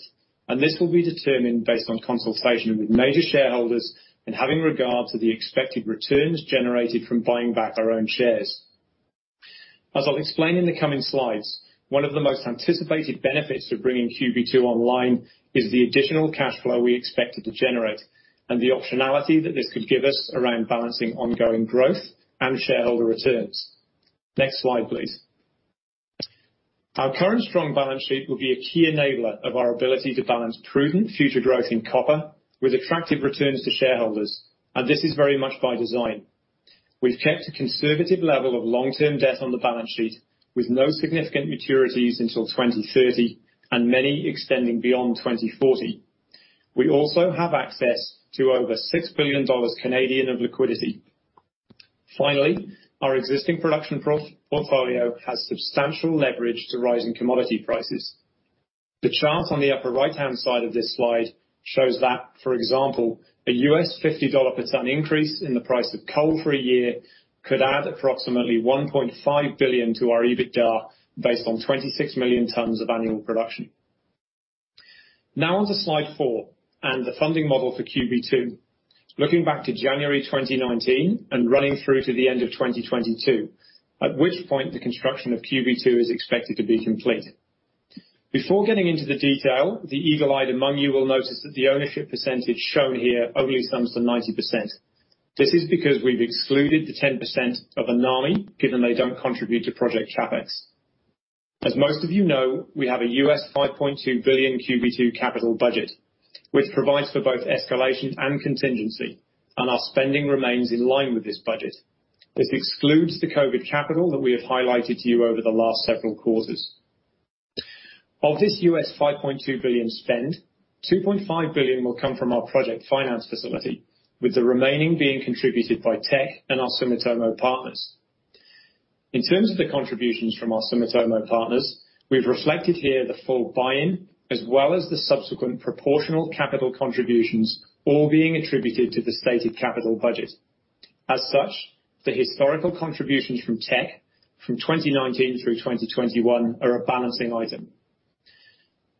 and this will be determined based on consultation with major shareholders and having regard to the expected returns generated from buying back our own shares. As I'll explain in the coming slides, one of the most anticipated benefits of bringing QB2 online is the additional cash flow we expect it to generate and the optionality that this could give us around balancing ongoing growth and shareholder returns. Next slide, please. Our current strong balance sheet will be a key enabler of our ability to balance prudent future growth in copper with attractive returns to shareholders. This is very much by design. We have kept a conservative level of long-term debt on the balance sheet with no significant maturities until 2030 and many extending beyond 2040. We also have access to over 6 billion Canadian dollars of liquidity. Finally, our existing production portfolio has substantial leverage to rising commodity prices. The chart on the upper right-hand side of this slide shows that, for example, a $50 per tonne increase in the price of coal for a year could add approximately 1.5 billion to our EBITDA based on 26 million tonnes of annual production. Onto slide four and the funding model for QB2. Looking back to January 2019 and running through to the end of 2022, at which point the construction of QB2 is expected to be complete. Before getting into the detail, the eagle-eyed among you will notice that the ownership percentage shown here only sums to 90%. This is because we've excluded the 10% of ENAMI, given they don't contribute to project CapEx. As most of you know, we have a $5.2 billion QB2 capital budget, which provides for both escalation and contingency. Our spending remains in line with this budget. This excludes the COVID capital that we have highlighted to you over the last several quarters. Of this $5.2 billion spend, $2.5 billion will come from our project finance facility, with the remaining being contributed by Teck and our Sumitomo partners. In terms of the contributions from our Sumitomo partners, we've reflected here the full buy-in as well as the subsequent proportional capital contributions, all being attributed to the stated capital budget. As such, the historical contributions from Teck from 2019 through 2021 are a balancing item.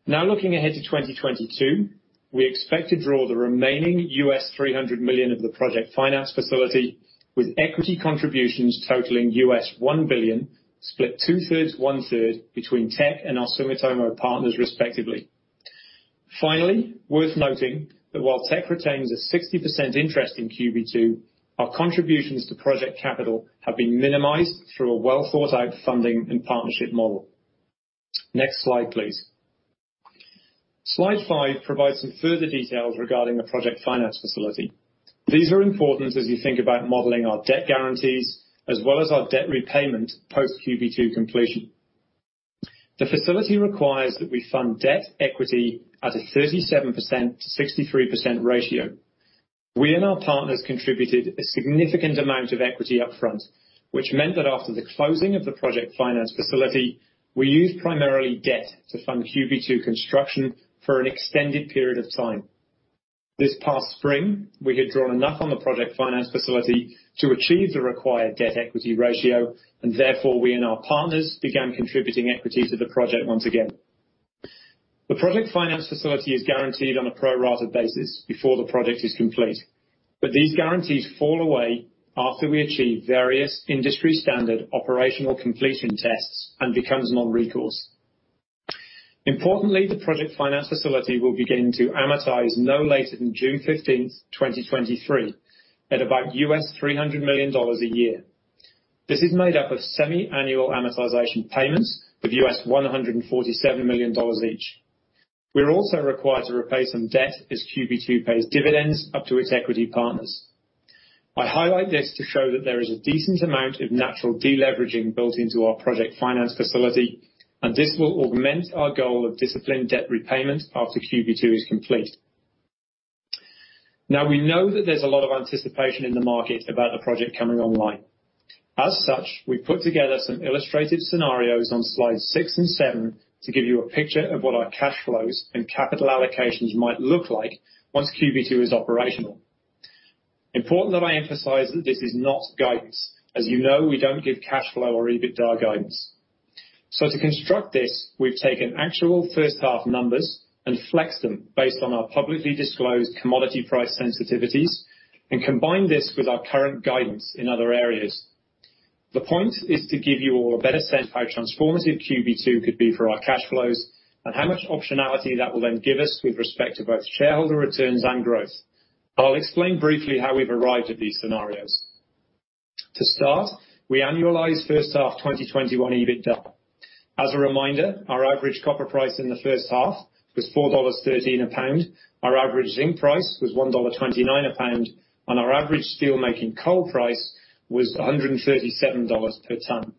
Looking ahead to 2022, we expect to draw the remaining $300 million of the project finance facility with equity contributions totaling $1 billion, split 2/3-1/3 between Teck and our Sumitomo partners, respectively. Finally, worth noting that while Teck retains a 60% interest in QB2, our contributions to project capital have been minimized through a well-thought-out funding and partnership model. Next slide, please. Slide five provides some further details regarding the project finance facility. These are important as you think about modeling our debt guarantees as well as our debt repayment post QB2 completion. The facility requires that we fund debt equity at a 37%-63% ratio. We and our partners contributed a significant amount of equity upfront, which meant that after the closing of the project finance facility, we used primarily debt to fund QB2 construction for an extended period of time. This past spring, we had drawn enough on the project finance facility to achieve the required debt equity ratio, and therefore, we and our partners began contributing equity to the project once again. The project finance facility is guaranteed on a pro rata basis before the project is complete, but these guarantees fall away after we achieve various industry-standard operational completion tests and becomes non-recourse. Importantly, the project finance facility will begin to amortize no later than June 15th, 2023, at about $300 million a year. This is made up of semi-annual amortization payments of $147 million each. We are also required to repay some debt as QB2 pays dividends up to its equity partners. I highlight this to show that there is a decent amount of natural de-leveraging built into our project finance facility, and this will augment our goal of disciplined debt repayment after QB2 is complete. Now, we know that there's a lot of anticipation in the market about the project coming online. As such, we've put together some illustrative scenarios on slides six and seven to give you a picture of what our cash flows and capital allocations might look like once QB2 is operational. Important that I emphasize that this is not guidance. As you know, we don't give cash flow or EBITDA guidance. To construct this, we've taken actual first half numbers and flexed them based on our publicly disclosed commodity price sensitivities and combined this with our current guidance in other areas. The point is to give you all a better sense how transformative QB2 could be for our cash flows and how much optionality that will then give us with respect to both shareholder returns and growth. I'll explain briefly how we've arrived at these scenarios. To start, we annualize first half 2021 EBITDA. As a reminder, our average copper price in the first half was 4.13 dollars a pound, our average zinc price was 1.29 dollar a pound, and our average steelmaking coal price was 137 dollars per ton.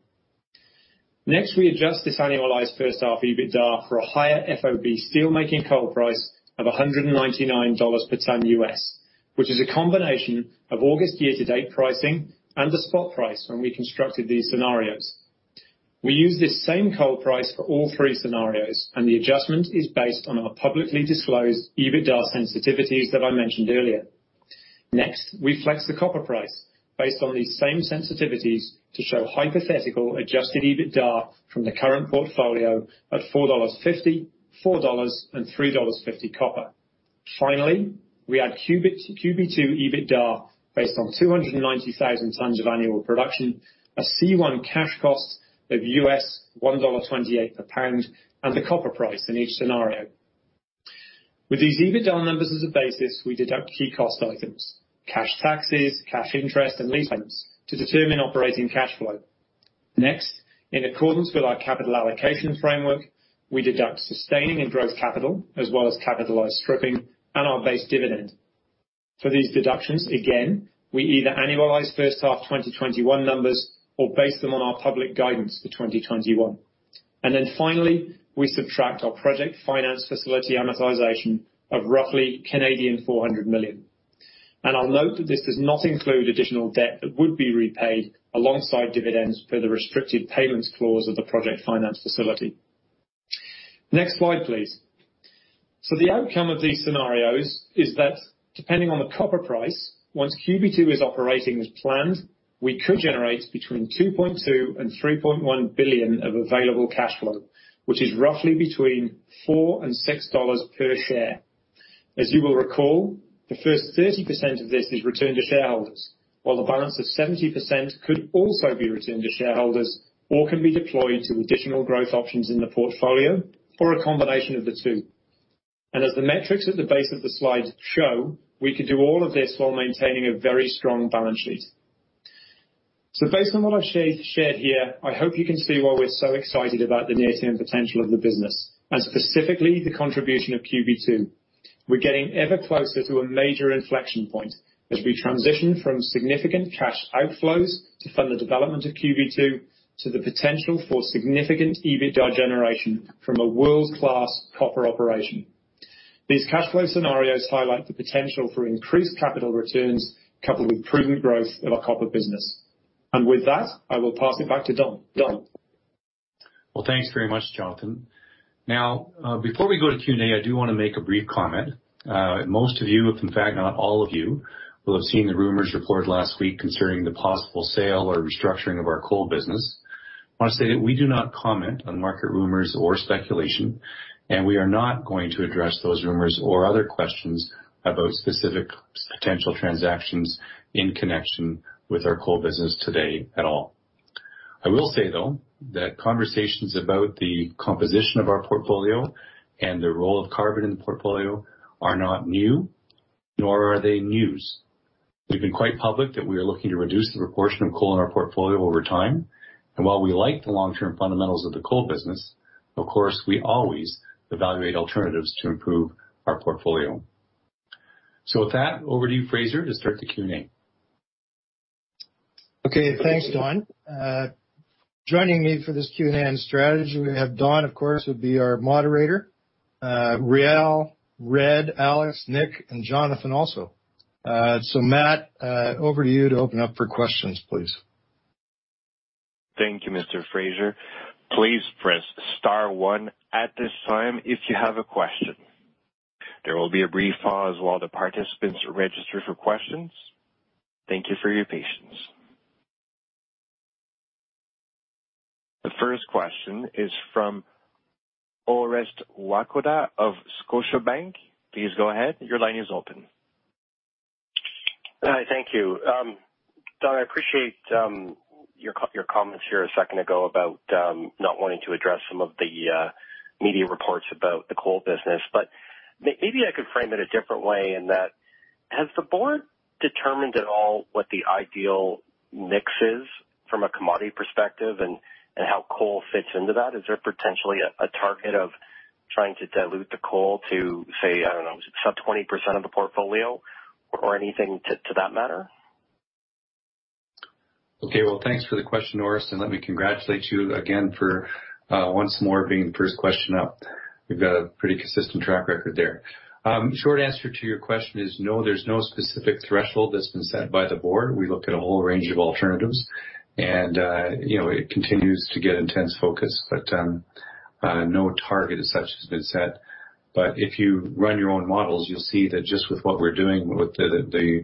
We adjust this annualized first-half EBITDA for a higher FOB steelmaking coal price of $199 per ton U.S., which is a combination of August year-to-date pricing and the spot price when we constructed these scenarios. We use this same coal price for all three scenarios, and the adjustment is based on our publicly disclosed EBITDA sensitivities that I mentioned earlier. Next, we flex the copper price based on these same sensitivities to show hypothetical adjusted EBITDA from the current portfolio at $4.50, $4.00, and $3.50 copper. Finally, we add QB2 EBITDA based on 290,000 tonnes of annual production, a C1 cash cost of $1.28 a pound, and the copper price in each scenario. With these EBITDA numbers as a basis, we deduct key cost items, cash taxes, cash interest, and lease payments to determine operating cash flow. In accordance with our capital allocation framework, we deduct sustaining and growth capital, as well as capitalized stripping and our base dividend. For these deductions, again, we either annualize first half 2021 numbers or base them on our public guidance for 2021. Finally, we subtract our project finance facility amortization of roughly 400 million. I'll note that this does not include additional debt that would be repaid alongside dividends per the restricted payments clause of the project finance facility. Next slide, please. The outcome of these scenarios is that depending on the copper price, once QB2 is operating as planned, we could generate between 2.2 billion and 3.1 billion of available cash flow, which is roughly between 4 and 6 dollars per share. As you will recall, the first 30% of this is returned to shareholders, while the balance of 70% could also be returned to shareholders or can be deployed to additional growth options in the portfolio or a combination of the two. As the metrics at the base of the slide show, we could do all of this while maintaining a very strong balance sheet. Based on what I've shared here, I hope you can see why we're so excited about the near-term potential of the business and specifically the contribution of QB2. We're getting ever closer to a major inflection point as we transition from significant cash outflows to fund the development of QB2 to the potential for significant EBITDA generation from a world-class copper operation. These cash flow scenarios highlight the potential for increased capital returns coupled with prudent growth of our copper business. With that, I will pass it back to Don. Don? Well, thanks very much, Jonathan. Now, before we go to Q&A, I do want to make a brief comment. Most of you, if in fact not all of you, will have seen the rumors reported last week concerning the possible sale or restructuring of our coal business. I want to state that we do not comment on market rumors or speculation. We are not going to address those rumors or other questions about specific potential transactions in connection with our coal business today at all. I will say, though, that conversations about the composition of our portfolio and the role of carbon in the portfolio are not new, nor are they news. We've been quite public that we are looking to reduce the proportion of coal in our portfolio over time. While we like the long-term fundamentals of the coal business, of course, we always evaluate alternatives to improve our portfolio. With that, over to you, Fraser, to start the Q&A. Okay. Thanks, Don. Joining me for this Q&A and strategy, we have Don, of course, who'll be our moderator, Réal, Red, Alex, Nic, and Jonathan also. Matt, over to you to open up for questions, please. Thank you, Mr. Fraser. Please press star one at this time if you have a question. There will be a brief pause while the participants register for questions. Thank you for your patience. The first question is from Orest Wowkodaw of Scotiabank. Please go ahead. Your line is open. Hi. Thank you. Don, I appreciate your comments here a second ago about not wanting to address some of the media reports about the coal business. Maybe I could frame it a different way in that, has the board determined at all what the ideal mix is from a commodity perspective and how coal fits into that? Is there potentially a target of trying to dilute the coal to say, I don't know, is it sub 20% of the portfolio or anything to that matter? Okay. Well, thanks for the question, Orest, and let me congratulate you again for once more being first question up. We've got a pretty consistent track record there. Short answer to your question is no, there's no specific threshold that's been set by the board. We looked at a whole range of alternatives and it continues to get intense focus, but no target as such has been set. If you run your own models, you'll see that just with what we're doing with the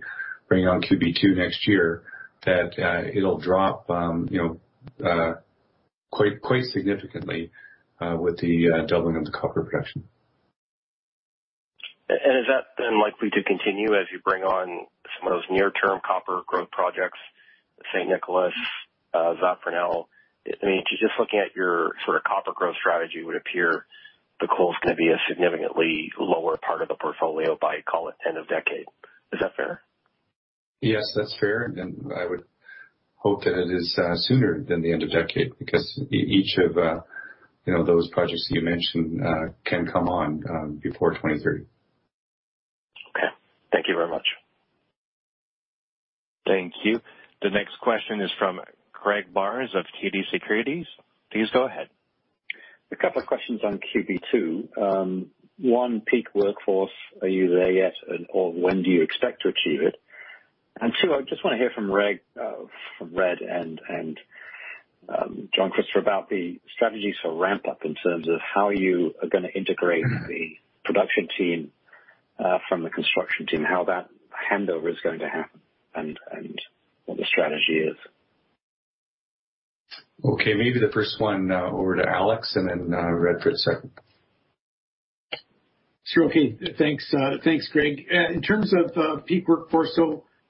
bringing on QB2 next year, that it'll drop quite significantly with the doubling of the copper production. Is that then likely to continue as you bring on some of those near term copper growth projects, San Nicolás, Zafranal? Just looking at your sort of copper growth strategy would appear the coal's going to be a significantly lower part of the portfolio by, call it end of decade. Is that fair? Yes, that's fair. I would hope that it is sooner than the end of decade because each of those projects that you mentioned can come on before 2030. Okay. Thank you very much. Thank you. The next question is from Greg Barnes of TD Securities. Please go ahead. A couple of questions on QB2. One, peak workforce, are you there yet? Or when do you expect to achieve it? Two, I just want to hear from Red and Jon Price about the strategies for ramp up in terms of how you are going to integrate the production team from the construction team, how that handover is going to happen and what the strategy is. Okay. Maybe the first one over to Alex and then Red for the second. Sure. Okay. Thanks, Greg. In terms of peak workforce,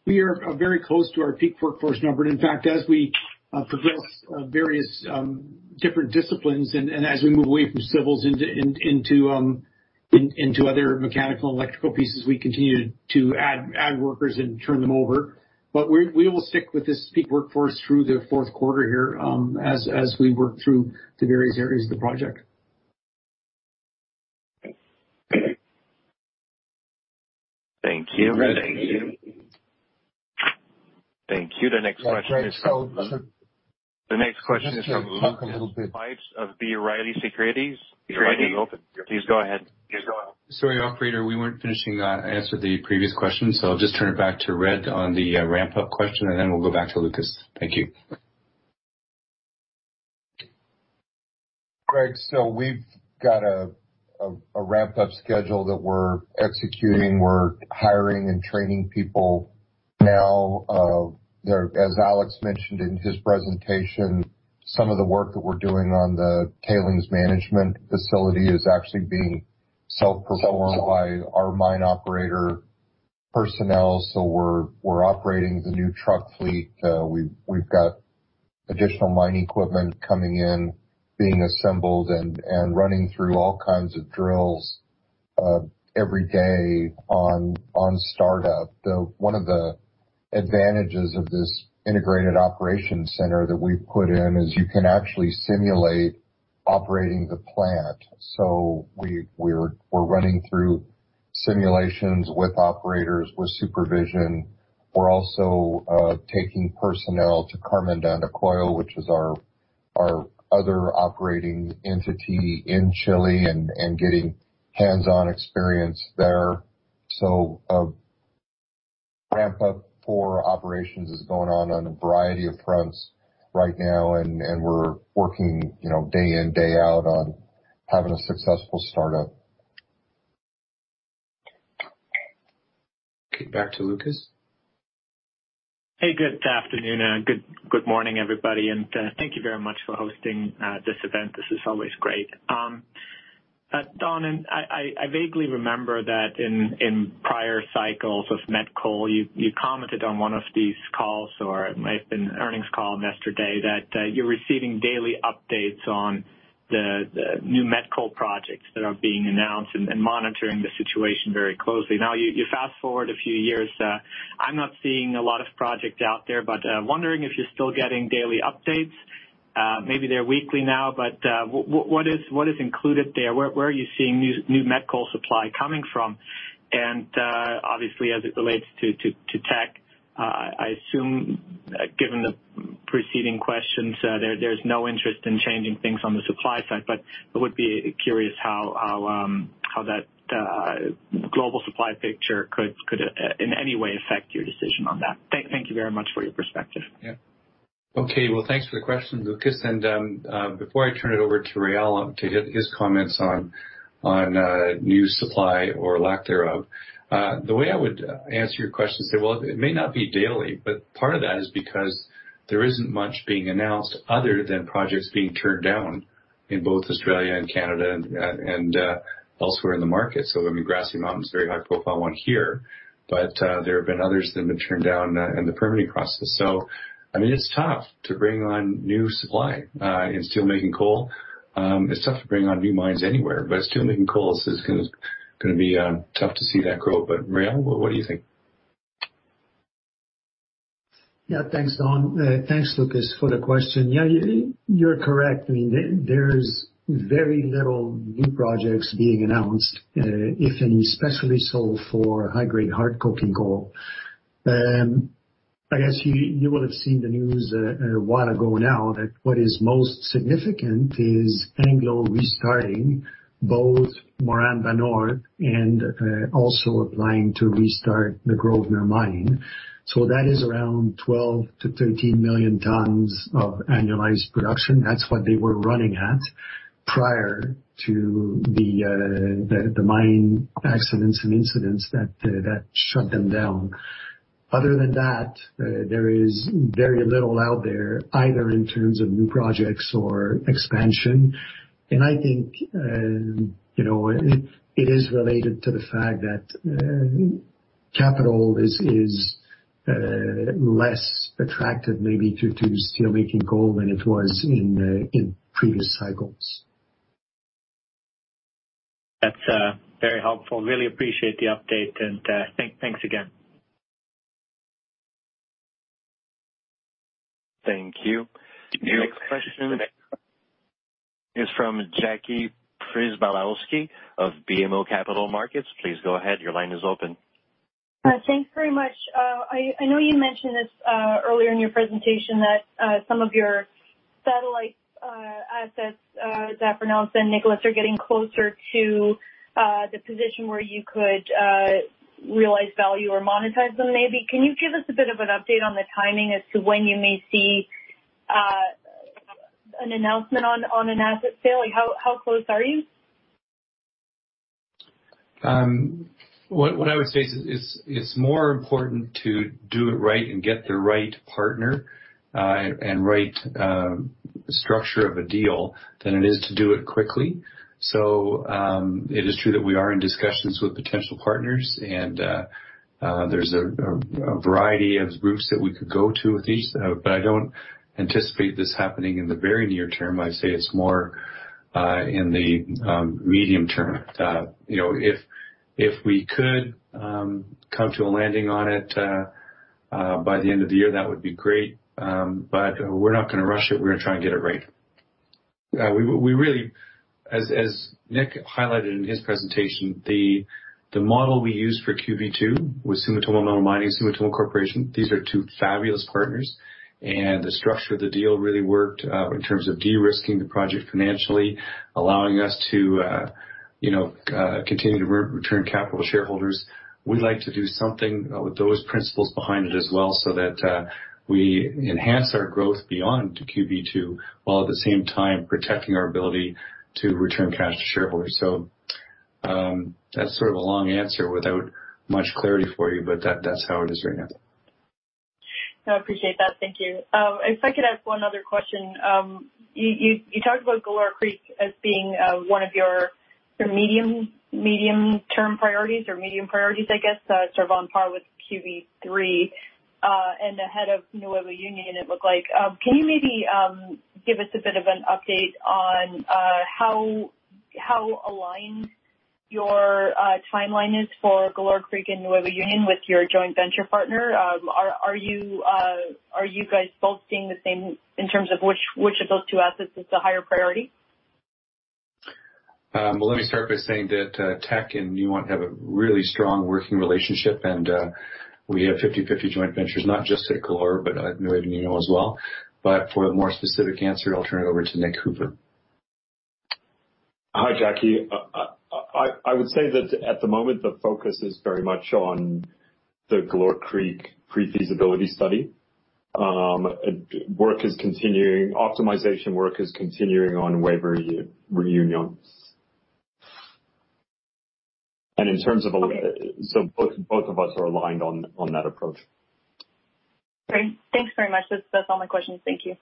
we are very close to our peak workforce number. In fact, as we progress various different disciplines and as we move away from civils into other mechanical and electrical pieces, we continue to add workers and turn them over. We will stick with this peak workforce through the fourth quarter here as we work through the various areas of the project. Thank you. Thank you. The next question is from Lucas Pipes of B. Riley Securities. Your line is open. Please go ahead. Sorry, operator, we weren't finishing answer the previous question. I'll just turn it back to Red on the ramp-up question. We'll go back to Lucas. Thank you. Greg. We've got a ramp-up schedule that we're executing. We're hiring and training people now. As Alex mentioned in his presentation, some of the work that we're doing on the tailings management facility is actually being self-performed by our mine operator personnel. We're operating the new truck fleet. We've got additional mining equipment coming in, being assembled, and running through all kinds of drills every day on startup. One of the advantages of this integrated operations center that we've put in is you can actually simulate operating the plant. We're running through simulations with operators, with supervision. We're also taking personnel to Carmen de Andacollo, which is our other operating entity in Chile, and getting hands-on experience there. Ramp up for operations is going on a variety of fronts right now, and we're working day in, day out on having a successful startup. Okay, back to Lucas. Good afternoon. Good morning, everybody, thank you very much for hosting this event. This is always great. Don, I vaguely remember that in prior cycles of met coal, you commented on one of these calls, or it may have been earnings call yesterday, that you're receiving daily updates on the new met coal projects that are being announced and monitoring the situation very closely. You fast-forward a few years, I'm not seeing a lot of projects out there, wondering if you're still getting daily updates. Maybe they're weekly now, what is included there? Where are you seeing new Met Coal supply coming from? Obviously as it relates to Teck, I assume, given the preceding questions, there's no interest in changing things on the supply side, I would be curious how that global supply picture could in any way affect your decision on that. Thank you very much for your perspective. Okay. Well, thanks for the question, Lucas. Before I turn it over to Réal to get his comments on new supply or lack thereof, the way I would answer your question is that, well, it may not be daily, but part of that is because there isn't much being announced other than projects being turned down in both Australia and Canada and elsewhere in the market. I mean, Grassy Mountain's a very high-profile one here, but there have been others that have been turned down in the permitting process. I mean, it's tough to bring on new supply in steelmaking coal. It's tough to bring on new mines anywhere, but steelmaking coal is going to be tough to see that grow. Réal, what do you think? Thanks, Don. Thanks, Lucas, for the question. You're correct. I mean, there's very little new projects being announced, if any, especially so for high-grade hard coking coal. I guess you will have seen the news a while ago now that what is most significant is Anglo restarting both Moranbah North and also applying to restart the Grosvenor Mine. That is around 12 million tonnes-13 million tonnes of annualized production. That's what they were running at prior to the mine accidents and incidents that shut them down. Other than that, there is very little out there, either in terms of new projects or expansion. I think, it is related to the fact that capital is less attractive maybe to steelmaking coal than it was in previous cycles. That's very helpful. Really appreciate the update and thanks again. Thank you. The next question is from Jackie Przybylowski of BMO Capital Markets. Please go ahead. Your line is open. Thanks very much. I know you mentioned this earlier in your presentation, that some of your satellite assets, Zafranal, San Nicolás, are getting closer to the position where you could realize value or monetize them, maybe. Can you give us a bit of an update on the timing as to when you may see an announcement on an asset sale? How close are you? What I would say is, it's more important to do it right and get the right partner, and right structure of a deal than it is to do it quickly. It is true that we are in discussions with potential partners and there's a variety of groups that we could go to with each, but I don't anticipate this happening in the very near term. I'd say it's more in the medium term. If we could come to a landing on it by the end of the year, that would be great. We're not going to rush it. We're going to try and get it right. As Nic highlighted in his presentation, the model we used for QB2 with Sumitomo Metal Mining, Sumitomo Corporation, these are two fabulous partners, and the structure of the deal really worked in terms of de-risking the project financially, allowing us to continue to return capital to shareholders. We'd like to do something with those principles behind it as well, so that we enhance our growth beyond QB2, while at the same time protecting our ability to return cash to shareholders. That's sort of a long answer without much clarity for you, but that's how it is right now. No, I appreciate that. Thank you. If I could ask one other question. You talked about Galore Creek as being one of your sort of medium-term priorities or medium priorities, I guess, sort of on par with QB3, and ahead of NuevaUnión, it looked like. Can you maybe give us a bit of an update on how aligned your timeline is for Galore Creek and NuevaUnión with your joint venture partner? Are you guys both seeing the same in terms of which of those two assets is the higher priority? Let me start by saying that Teck and Newmont have a really strong working relationship and we have 50/50 joint ventures, not just at Galore, but at NuevaUnión as well. For the more specific answer, I'll turn it over to Nic Hooper. Hi, Jackie. I would say that at the moment, the focus is very much on the Galore Creek pre-feasibility study. Optimization work is continuing on NuevaUnión. Both of us are aligned on that approach. Great. Thanks very much. That's all my questions. Thank you.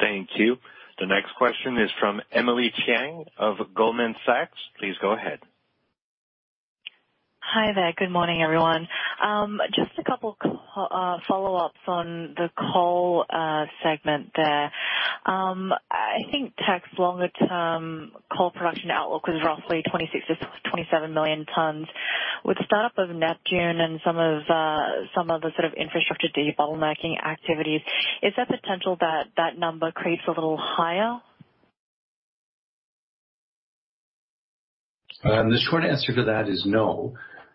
Thank you. The next question is from Emily Chieng of Goldman Sachs. Please go ahead. Hi there. Good morning, everyone. Just a couple follow-ups on the coal segment there. I think Teck's longer-term coal production outlook is roughly 26 million tonnes-27 million tonnes. With the start up of Neptune and some of the sort of infrastructure debottlenecking activities, is that potential that number creeps a little higher? The short answer to that is no.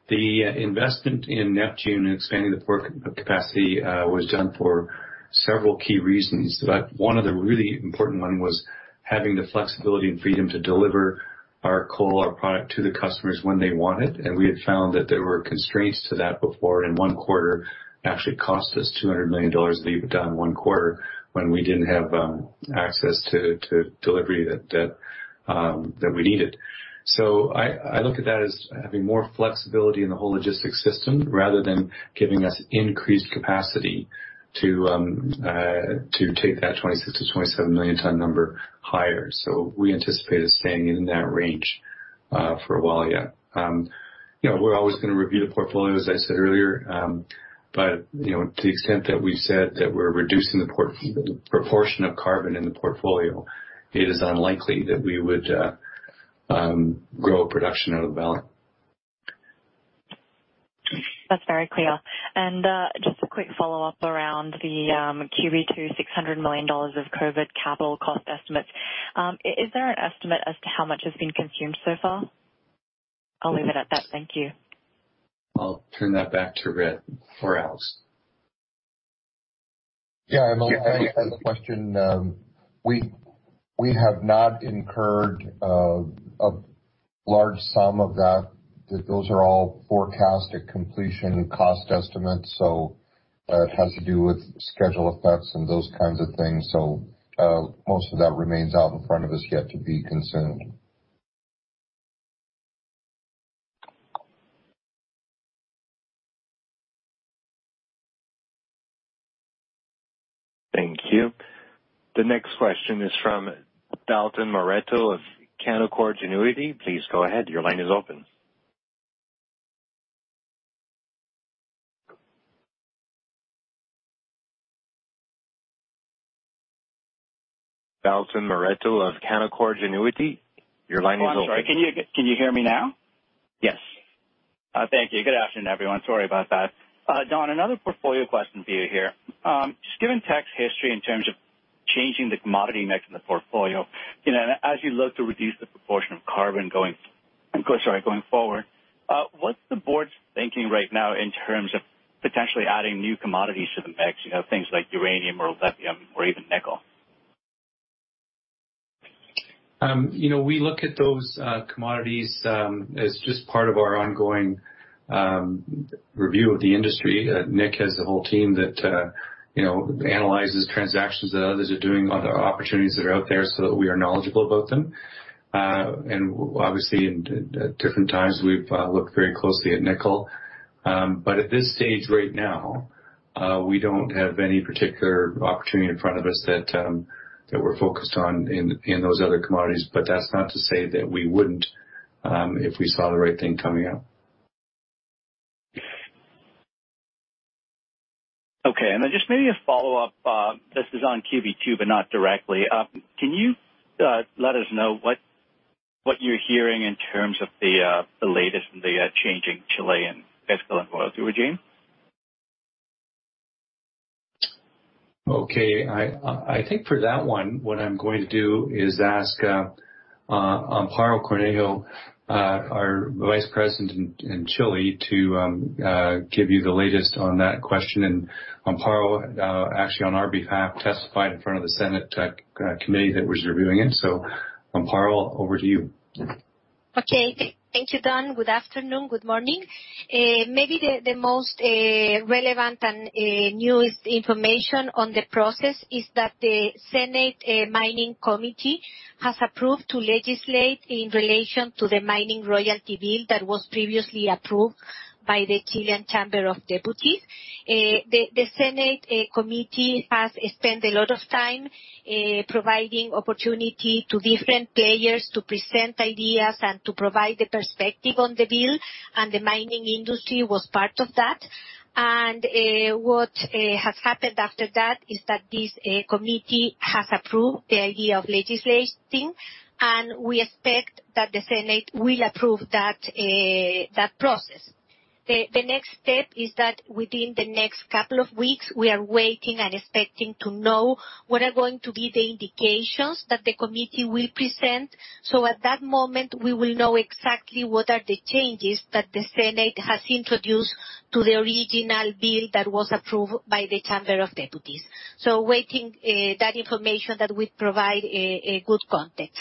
The investment in Neptune and expanding the port capacity was done for several key reasons, but one of the really important one was having the flexibility and freedom to deliver our coal, our product to the customers when they want it. We had found that there were constraints to that before, and one quarter actually cost us 200 million dollars EBITDA one quarter when we didn't have access to delivery that we needed. I look at that as having more flexibility in the whole logistics system, rather than giving us increased capacity to take that 26 million tonnes-27 million tonnes number higher. We anticipate it staying in that range for a while yet. We're always going to review the portfolio, as I said earlier, but to the extent that we've said that we're reducing the proportion of carbon in the portfolio, it is unlikely that we would grow production out of the Valley. That's very clear. Just a quick follow-up around the QB2 600 million dollars of COVID capital cost estimates. Is there an estimate as to how much has been consumed so far? I'll leave it at that. Thank you. I'll turn that back to Red or Alex. Yeah. Thanks for the question. We have not incurred a large sum of that. Those are all forecast at completion cost estimates, so it has to do with schedule effects and those kinds of things. Most of that remains out in front of us yet to be consumed. Thank you. The next question is from Dalton Baretto of Canaccord Genuity. Oh, I'm sorry. Can you hear me now? Yes. Thank you. Good afternoon, everyone. Sorry about that. Don, another portfolio question for you here. Just given Teck's history in terms of changing the commodity mix in the portfolio, as you look to reduce the proportion of carbon going forward, what's the board's thinking right now in terms of potentially adding new commodities to the mix, things like uranium or lithium or even nickel? We look at those commodities as just part of our ongoing review of the industry. Nicholas has a whole team that analyzes transactions that others are doing, other opportunities that are out there, so that we are knowledgeable about them. Obviously, at different times, we've looked very closely at nickel. At this stage right now, we don't have any particular opportunity in front of us that we're focused on in those other commodities. That's not to say that we wouldn't if we saw the right thing coming up. Okay. Just maybe a follow-up. This is on QB2, not directly. Can you let us know what you're hearing in terms of the latest in the changing Chilean fiscal and royalty regime? Okay. I think for that one, what I am going to do is ask Amparo Cornejo, our Vice President in Chile, to give you the latest on that question. Amparo, actually on our behalf, testified in front of the Senate committee that was reviewing it. Amparo, over to you. Okay. Thank you, Don. Good afternoon. Good morning. Maybe the most relevant and newest information on the process is that the Senate Mining Committee has approved to legislate in relation to the mining royalty bill that was previously approved by the Chilean Chamber of Deputies. The Senate committee has spent a lot of time providing opportunity to different players to present ideas and to provide the perspective on the bill, and the mining industry was part of that. What has happened after that is that this committee has approved the idea of legislating, and we expect that the Senate will approve that process. The next step is that within the next couple of weeks, we are waiting and expecting to know what are going to be the indications that the committee will present. At that moment, we will know exactly what are the changes that the Senate has introduced to the original bill that was approved by the Chamber of Deputies. Waiting that information that will provide a good context.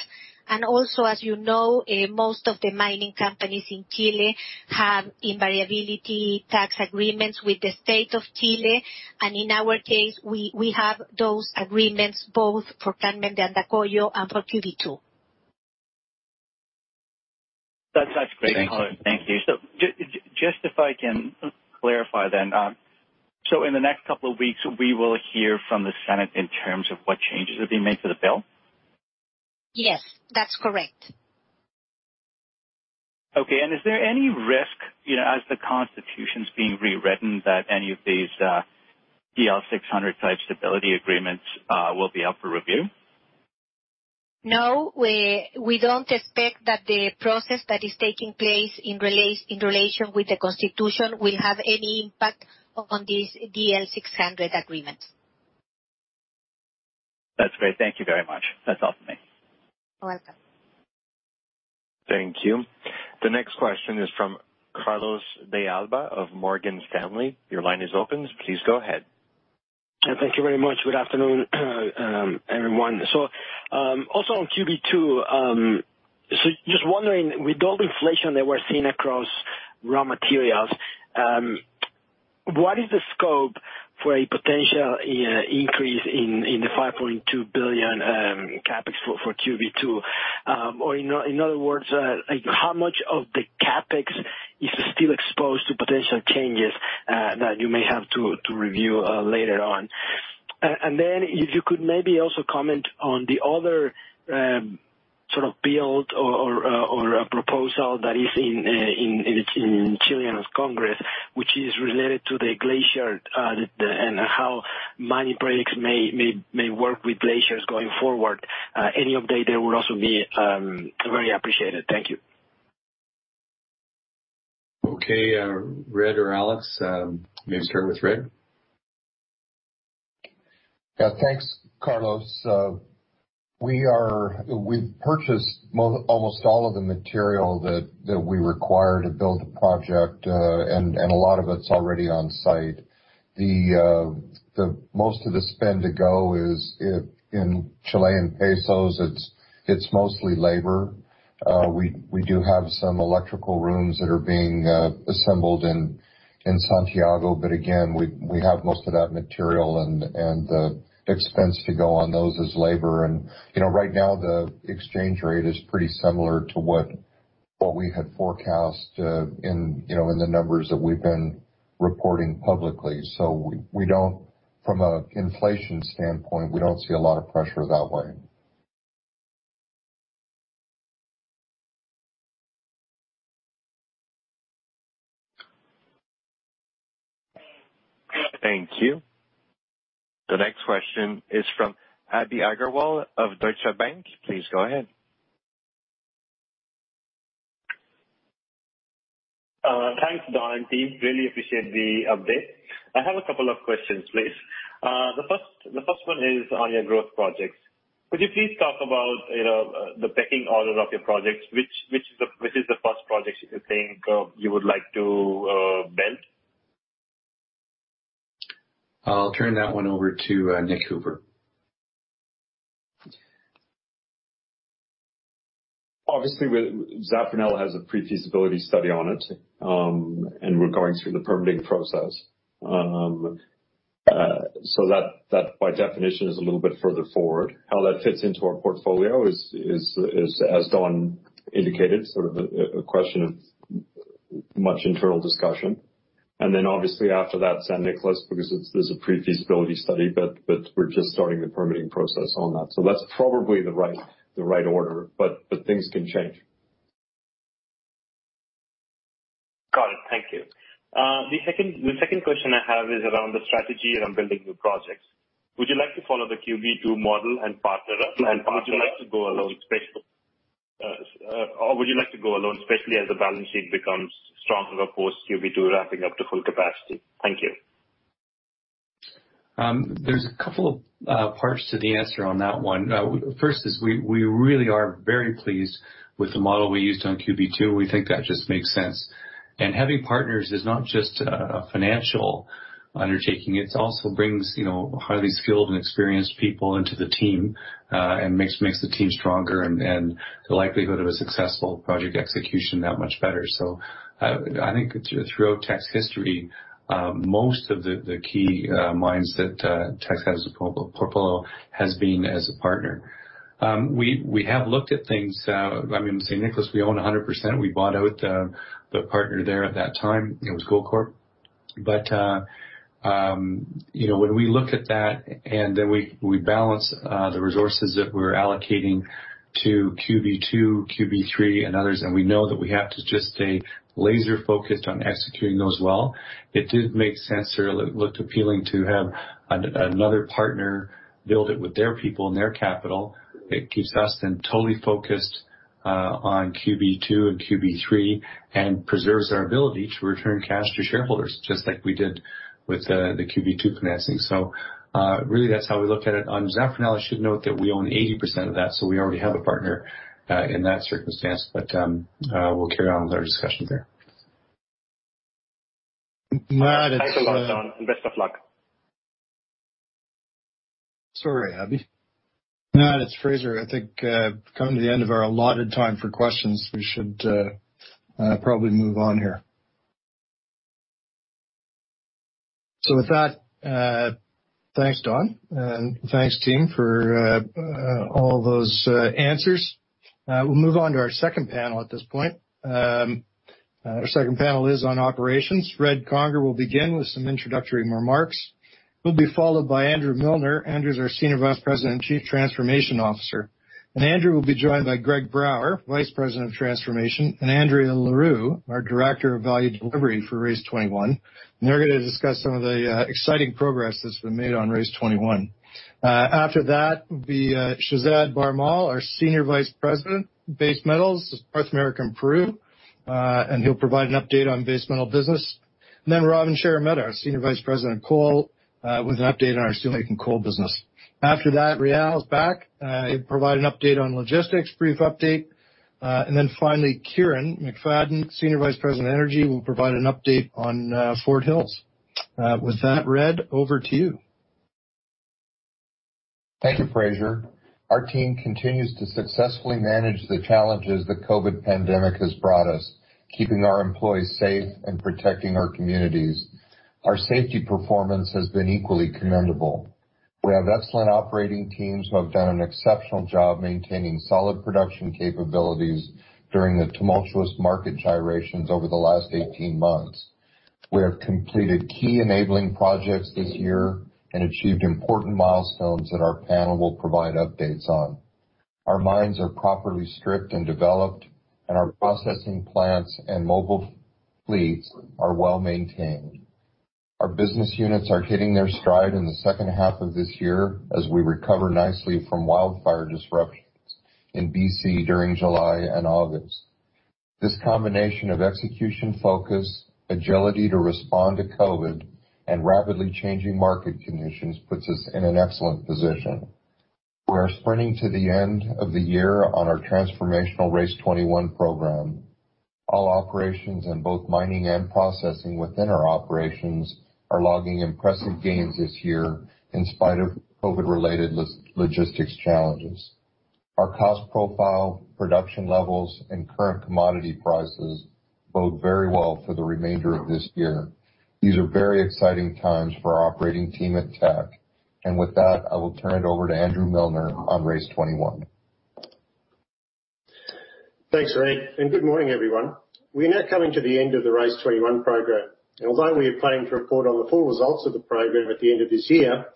Also, as you know, most of the mining companies in Chile have invariability tax agreements with the state of Chile. In our case, we have those agreements both for Carmen de Andacollo and for QB2. That's great. Thank you. Thank you. Just if I can clarify then. In the next couple of weeks, we will hear from the Senate in terms of what changes are being made to the bill? Yes, that's correct. Okay. Is there any risk, as the constitution's being rewritten, that any of these DL 600 type stability agreements will be up for review? No, we don't expect that the process that is taking place in relation with the constitution will have any impact on these DL 600 agreements. That's great. Thank you very much. That's all for me. You're welcome. Thank you. The next question is from Carlos de Alba of Morgan Stanley. Your line is open. Please go ahead. Thank you very much. Good afternoon, everyone. Also on QB2, just wondering, with all the inflation that we're seeing across raw materials, what is the scope for a potential increase in the 5.2 billion CapEx for QB2? In other words, how much of the CapEx is still exposed to potential changes that you may have to review later on? Then if you could maybe also comment on the other sort of build or proposal that is in Chilean Congress, which is related to the glacier, and how mining projects may work with glaciers going forward. Any update there would also be very appreciated. Thank you. Okay. Red or Alex? May I start with Red? Yeah. Thanks, Carlos. We've purchased almost all of the material that we require to build the project, and a lot of it's already on site. Most of the spend to go is in Chilean pesos. It's mostly labor. We do have some electrical rooms that are being assembled in Santiago, but again, we have most of that material, and the expense to go on those is labor. Right now, the exchange rate is pretty similar to what we had forecast in the numbers that we've been reporting publicly. From an inflation standpoint, we don't see a lot of pressure that way. Thank you. The next question is from Abhi Agarwal of Deutsche Bank. Please go ahead. Thanks, Don and team. Really appreciate the update. I have a couple of questions, please. The first one is on your growth projects. Could you please talk about the pecking order of your projects, which is the first project you think you would like to build? I'll turn that one over to Nic Hooper. Obviously, Zafranal has a pre-feasibility study on it, and we're going through the permitting process. That, by definition, is a little bit further forward. How that fits into our portfolio is, as Don indicated, sort of a question of much internal discussion. Then, obviously, after that, San Nicolás, because there's a pre-feasibility study, but we're just starting the permitting process on that. That's probably the right order, but things can change. Got it. Thank you. The second question I have is around the strategy around building new projects. Would you like to follow the QB2 model and partner up? Or would you like to go alone, especially as the balance sheet becomes stronger post QB2 ramping up to full capacity? Thank you. There's a couple of parts to the answer on that one. First is we really are very pleased with the model we used on QB2. We think that just makes sense. Having partners is not just a financial undertaking, it also brings highly skilled and experienced people into the team, and makes the team stronger and the likelihood of a successful project execution that much better. I think throughout Teck's history, most of the key mines that Teck has as a portfolio has been as a partner. We have looked at things. San Nicolás we own 100%. We bought out the partner there at that time. It was Goldcorp. When we looked at that and then we balance the resources that we're allocating to QB2, QB3, and others, and we know that we have to just stay laser focused on executing those well, it did make sense or it looked appealing to have another partner build it with their people and their capital. It keeps us then totally focused on QB2 and QB3 and preserves our ability to return cash to shareholders, just like we did with the QB2 financing. Really that's how we look at it. On Zafranal, I should note that we own 80% of that, so we already have a partner in that circumstance. We'll carry on with our discussions there. Thanks a lot, Don, and best of luck. Sorry, Abhi. No, it's Fraser. I think coming to the end of our allotted time for questions, we should probably move on here. With that, thanks, Don, and thanks team for all those answers. We'll move on to our second panel at this point. Our second panel is on operations. Red Conger will begin with some introductory remarks. He'll be followed by Andrew Milner. Andrew is our Senior Vice President and Chief Transformation Officer. Andrew will be joined by Greg Brouwer, Vice President of Transformation, and Andrea Leroux, our Director of Value Delivery for RACE21. They're going to discuss some of the exciting progress that's been made on RACE21. After that will be Shehzad Bharmal, our Senior Vice President, Base Metals, North America and Peru, he'll provide an update on base metal business. Robin Sheremeta, our Senior Vice President, Coal, with an update on our steelmaking coal business. After that, Réal is back. He'll provide an update on logistics, brief update. Finally, Kieron McFadyen, Senior Vice President of Energy, will provide an update on Fort Hills. With that, Red, over to you. Thank you, Fraser. Our team continues to successfully manage the challenges the COVID pandemic has brought us, keeping our employees safe and protecting our communities. Our safety performance has been equally commendable. We have excellent operating teams who have done an exceptional job maintaining solid production capabilities during the tumultuous market gyrations over the last 18 months. We have completed key enabling projects this year and achieved important milestones that our panel will provide updates on. Our mines are properly stripped and developed, and our processing plants and mobile fleets are well-maintained. Our business units are hitting their stride in the second half of this year as we recover nicely from wildfire disruptions in B.C. during July and August. This combination of execution focus, agility to respond to COVID, and rapidly changing market conditions puts us in an excellent position. We are sprinting to the end of the year on our transformational RACE21 program. All operations in both mining and processing within our operations are logging impressive gains this year in spite of COVID-related logistics challenges. Our cost profile, production levels, and current commodity prices bode very well for the remainder of this year. These are very exciting times for our operating team at Teck. With that, I will turn it over to Andrew Milner on RACE21. Thanks, Red, and good morning, everyone. We are now coming to the end of the RACE21 program, and although we are planning to report on the full results of the program at the end of this year,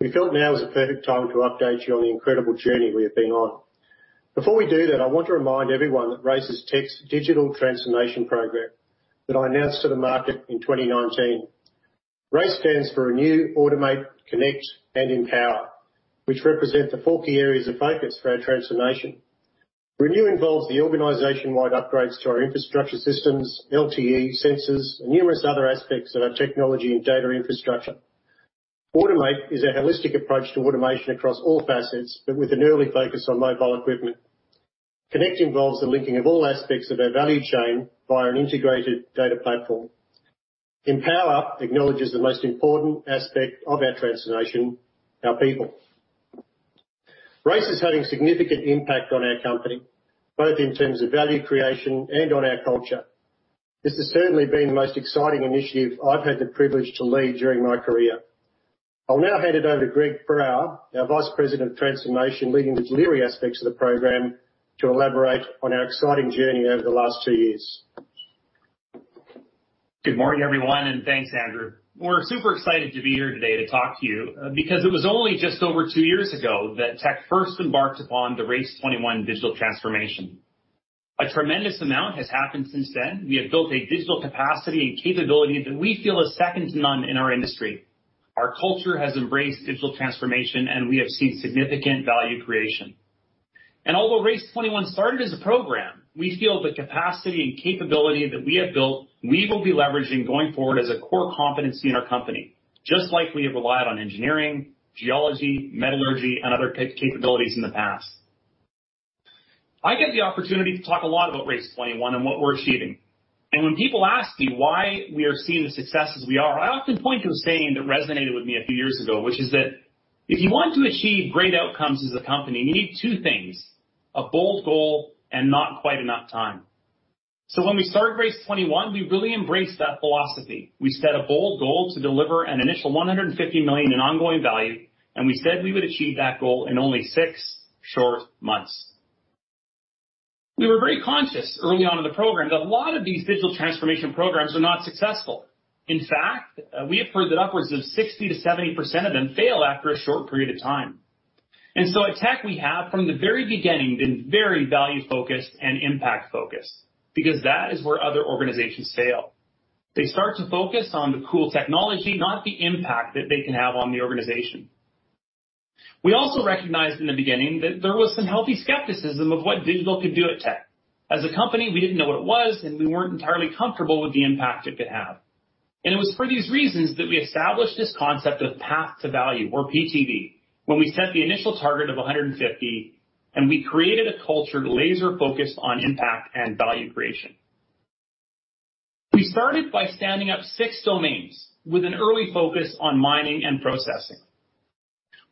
we felt now is a perfect time to update you on the incredible journey we have been on. Before we do that, I want to remind everyone that RACE is Teck's digital transformation program that I announced to the market in 2019. RACE stands for Renew, Automate, Connect, and Empower, which represent the four key areas of focus for our transformation. Renew involves the organization-wide upgrades to our infrastructure systems, LTE sensors, and numerous other aspects of our technology and data infrastructure. Automate is a holistic approach to automation across all facets, but with an early focus on mobile equipment. Connect involves the linking of all aspects of our value chain via an integrated data platform. Empower acknowledges the most important aspect of our transformation, our people. RACE is having significant impact on our company, both in terms of value creation and on our culture. This has certainly been the most exciting initiative I've had the privilege to lead during my career. I'll now hand it over to Greg Brouwer, our Vice President of Transformation, leading the delivery aspects of the program, to elaborate on our exciting journey over the last two years. Good morning, everyone, and thanks, Andrew. We're super excited to be here today to talk to you because it was only just over two years ago that Teck first embarked upon the RACE21 digital transformation. A tremendous amount has happened since then. We have built a digital capacity and capability that we feel is second to none in our industry. Our culture has embraced digital transformation, and we have seen significant value creation. Although RACE21 started as a program, we feel the capacity and capability that we have built, we will be leveraging going forward as a core competency in our company, just like we have relied on engineering, geology, metallurgy, and other capabilities in the past. I get the opportunity to talk a lot about RACE21 and what we're achieving. When people ask me why we are seeing the successes we are, I often point to a saying that resonated with me a few years ago, which is that if you want to achieve great outcomes as a company, you need two things, a bold goal and not quite enough time. When we started RACE21, we really embraced that philosophy. We set a bold goal to deliver an initial 150 million in ongoing value, and we said we would achieve that goal in only six short months. We were very conscious early on in the program that a lot of these digital transformation programs are not successful. In fact, we have heard that upwards of 60%-70% of them fail after a short period of time. At Teck, we have, from the very beginning, been very value-focused and impact-focused because that is where other organizations fail. They start to focus on the cool technology, not the impact that they can have on the organization. We also recognized in the beginning that there was some healthy skepticism of what digital could do at Teck. As a company, we didn't know what it was, and we weren't entirely comfortable with the impact it could have. It was for these reasons that we established this concept of Path to Value, or PTV, when we set the initial target of 150, and we created a culture laser-focused on impact and value creation. We started by standing up six domains with an early focus on mining and processing.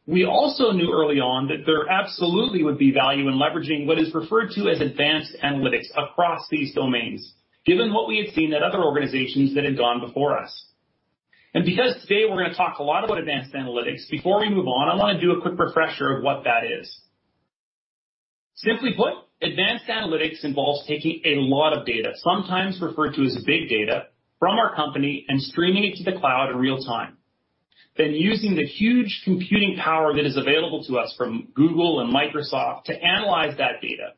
We also knew early on that there absolutely would be value in leveraging what is referred to as advanced analytics across these domains, given what we had seen at other organizations that had gone before us. Because today we're going to talk a lot about advanced analytics, before we move on, I want to do a quick refresher of what that is. Simply put, advanced analytics involves taking a lot of data, sometimes referred to as big data, from our company and streaming it to the cloud in real time. Using the huge computing power that is available to us from Google and Microsoft to analyze that data,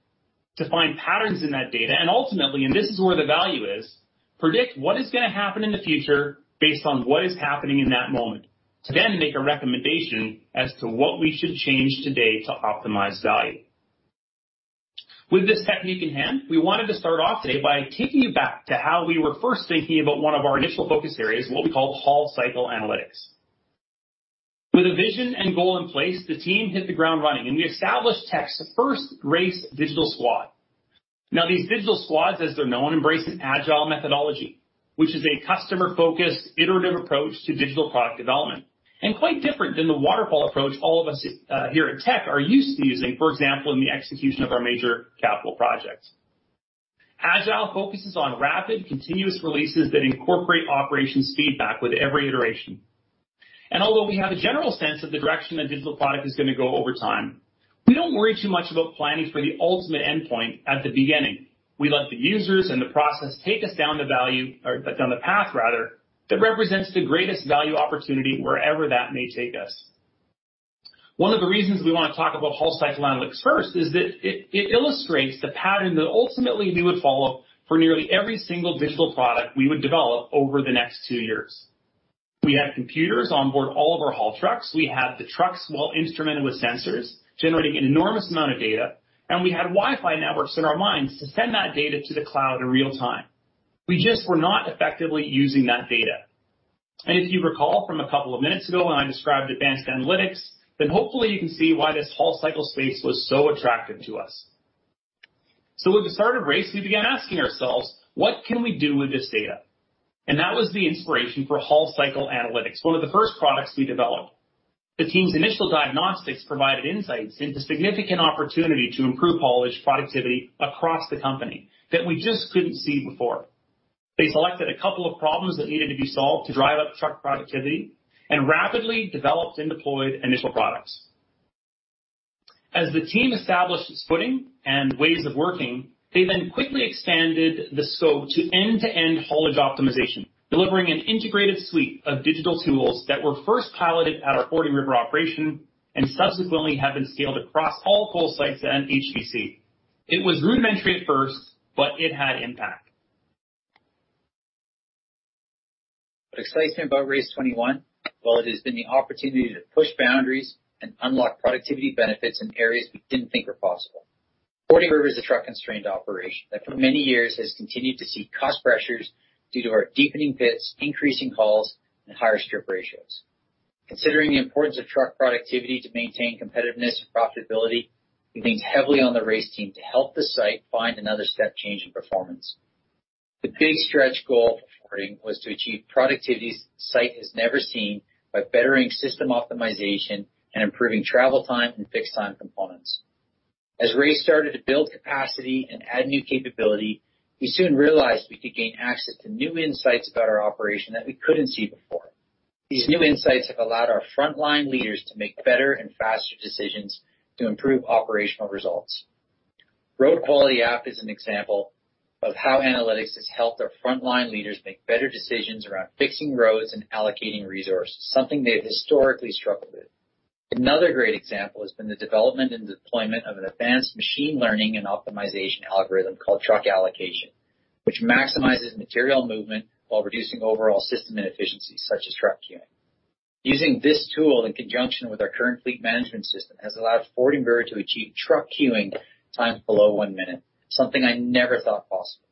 to find patterns in that data, and ultimately, and this is where the value is, predict what is gonna happen in the future based on what is happening in that moment to then make a recommendation as to what we should change today to optimize value. With this technique in hand, we wanted to start off today by taking you back to how we were first thinking about one of our initial focus areas, what we call haul cycle analytics. With a vision and goal in place, the team hit the ground running and we established Teck's first RACE digital squad. These digital squads, as they're known, embrace an agile methodology, which is a customer-focused, iterative approach to digital product development, and quite different than the waterfall approach all of us here at Teck are used to using, for example, in the execution of our major capital projects. Agile focuses on rapid, continuous releases that incorporate operations feedback with every iteration. Although we have a general sense of the direction a digital product is going to go over time, we don't worry too much about planning for the ultimate endpoint at the beginning. We let the users and the process take us down the value, or down the path rather, that represents the greatest value opportunity wherever that may take us. One of the reasons we want to talk about haul cycle analytics first is that it illustrates the pattern that ultimately we would follow for nearly every single digital product we would develop over the next two years. We had computers on board all of our haul trucks. We had the trucks well-instrumented with sensors, generating an enormous amount of data, and we had Wi-Fi networks in our minds to send that data to the cloud in real time. We just were not effectively using that data. If you recall from a couple of minutes ago when I described advanced analytics, hopefully you can see why this haul cycle space was so attractive to us. With the start of RACE, we began asking ourselves, "What can we do with this data?" That was the inspiration for Haul Cycle Analytics, one of the first products we developed. The team's initial diagnostics provided insights into significant opportunity to improve haulage productivity across the company that we just couldn't see before. They selected a couple of problems that needed to be solved to drive up truck productivity and rapidly developed and deployed initial products. As the team established its footing and ways of working, they then quickly expanded the scope to end-to-end haulage optimization, delivering an integrated suite of digital tools that were first piloted at our Fording River operation and subsequently have been scaled across all coal sites and HVC. It was rudimentary at first. It had impact. What excites me about RACE21? Well, it has been the opportunity to push boundaries and unlock productivity benefits in areas we didn't think were possible. Fording River is a truck-constrained operation that for many years has continued to see cost pressures due to our deepening pits, increasing hauls, and higher strip ratios. Considering the importance of truck productivity to maintain competitiveness and profitability, we leaned heavily on the RACE team to help the site find another step change in performance. The big stretch goal of Fording was to achieve productivities the site has never seen by bettering system optimization and improving travel time and fixed time components. As RACE started to build capacity and add new capability, we soon realized we could gain access to new insights about our operation that we couldn't see before. These new insights have allowed our frontline leaders to make better and faster decisions to improve operational results. Road Quality App is an example of how analytics has helped our frontline leaders make better decisions around fixing roads and allocating resources, something they've historically struggled with. Another great example has been the development and deployment of an advanced machine learning and optimization algorithm called Truck Allocation, which maximizes material movement while reducing overall system inefficiencies such as truck queuing. Using this tool in conjunction with our current fleet management system has allowed Fording River to achieve truck queuing time below one minute, something I never thought possible.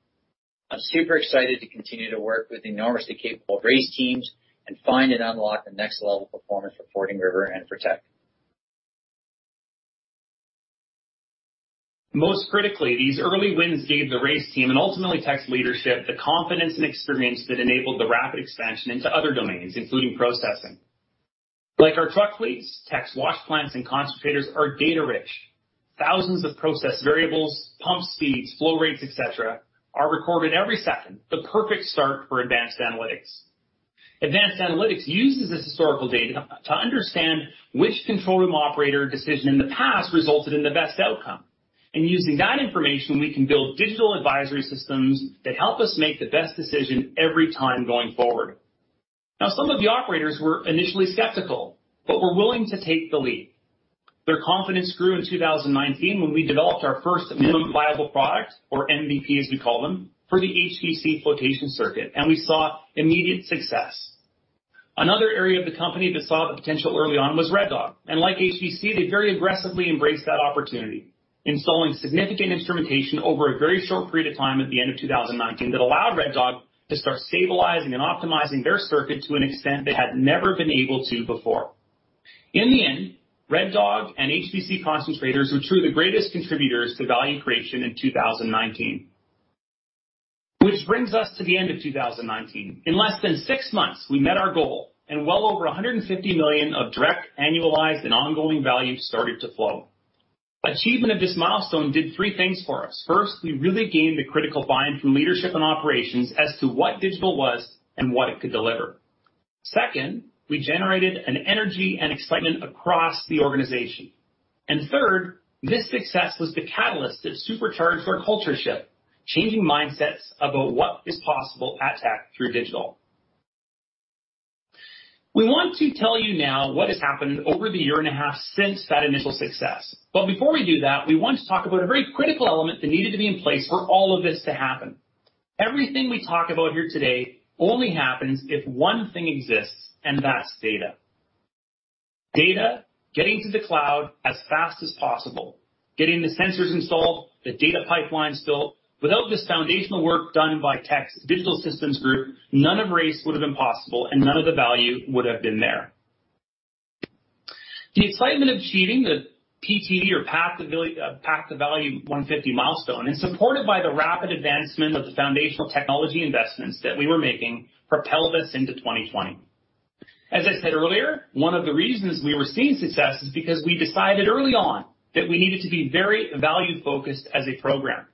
I'm super excited to continue to work with enormously capable RACE teams and find and unlock the next level of performance for Fording River and for Teck. Most critically, these early wins gave the RACE team, and ultimately Teck's leadership, the confidence and experience that enabled the rapid expansion into other domains, including processing. Like our truck fleets, Teck's wash plants and concentrators are data-rich. Thousands of process variables, pump speeds, flow rates, et cetera, are recorded every second, the perfect start for advanced analytics. Advanced analytics uses this historical data to understand which control room operator decision in the past resulted in the best outcome. Using that information, we can build digital advisory systems that help us make the best decision every time going forward. Now, some of the operators were initially skeptical, but were willing to take the leap. Their confidence grew in 2019 when we developed our first minimum viable product, or MVP as we call them, for the HVC flotation circuit, and we saw immediate success. Another area of the company that saw the potential early on was Red Dog. Like HVC, they very aggressively embraced that opportunity, installing significant instrumentation over a very short period of time at the end of 2019 that allowed Red Dog to start stabilizing and optimizing their circuit to an extent they had never been able to before. In the end, Red Dog and HVC concentrators were two of the greatest contributors to value creation in 2019. Which brings us to the end of 2019. In less than six months, we met our goal, and well over 150 million of direct, annualized, and ongoing value started to flow. Achievement of this milestone did three things for us. First, we really gained the critical buy-in from leadership and operations as to what digital was and what it could deliver. Second, we generated an energy and excitement across the organization. Third, this success was the catalyst that supercharged our culture shift, changing mindsets about what is possible at Teck through digital. We want to tell you now what has happened over the year and a half since that initial success. Before we do that, we want to talk about a very critical element that needed to be in place for all of this to happen. Everything we talk about here today only happens if one thing exists, and that's data, getting to the cloud as fast as possible, getting the sensors installed, the data pipelines built. Without this foundational work done by Teck's Digital Systems Group, none of RACE would've been possible, and none of the value would've been there. The excitement of achieving the PTV or Path to Value 150 milestone is supported by the rapid advancement of the foundational technology investments that we were making propelled us into 2020. As I said earlier, one of the reasons we were seeing success is because we decided early on that we needed to be very value-focused as a program.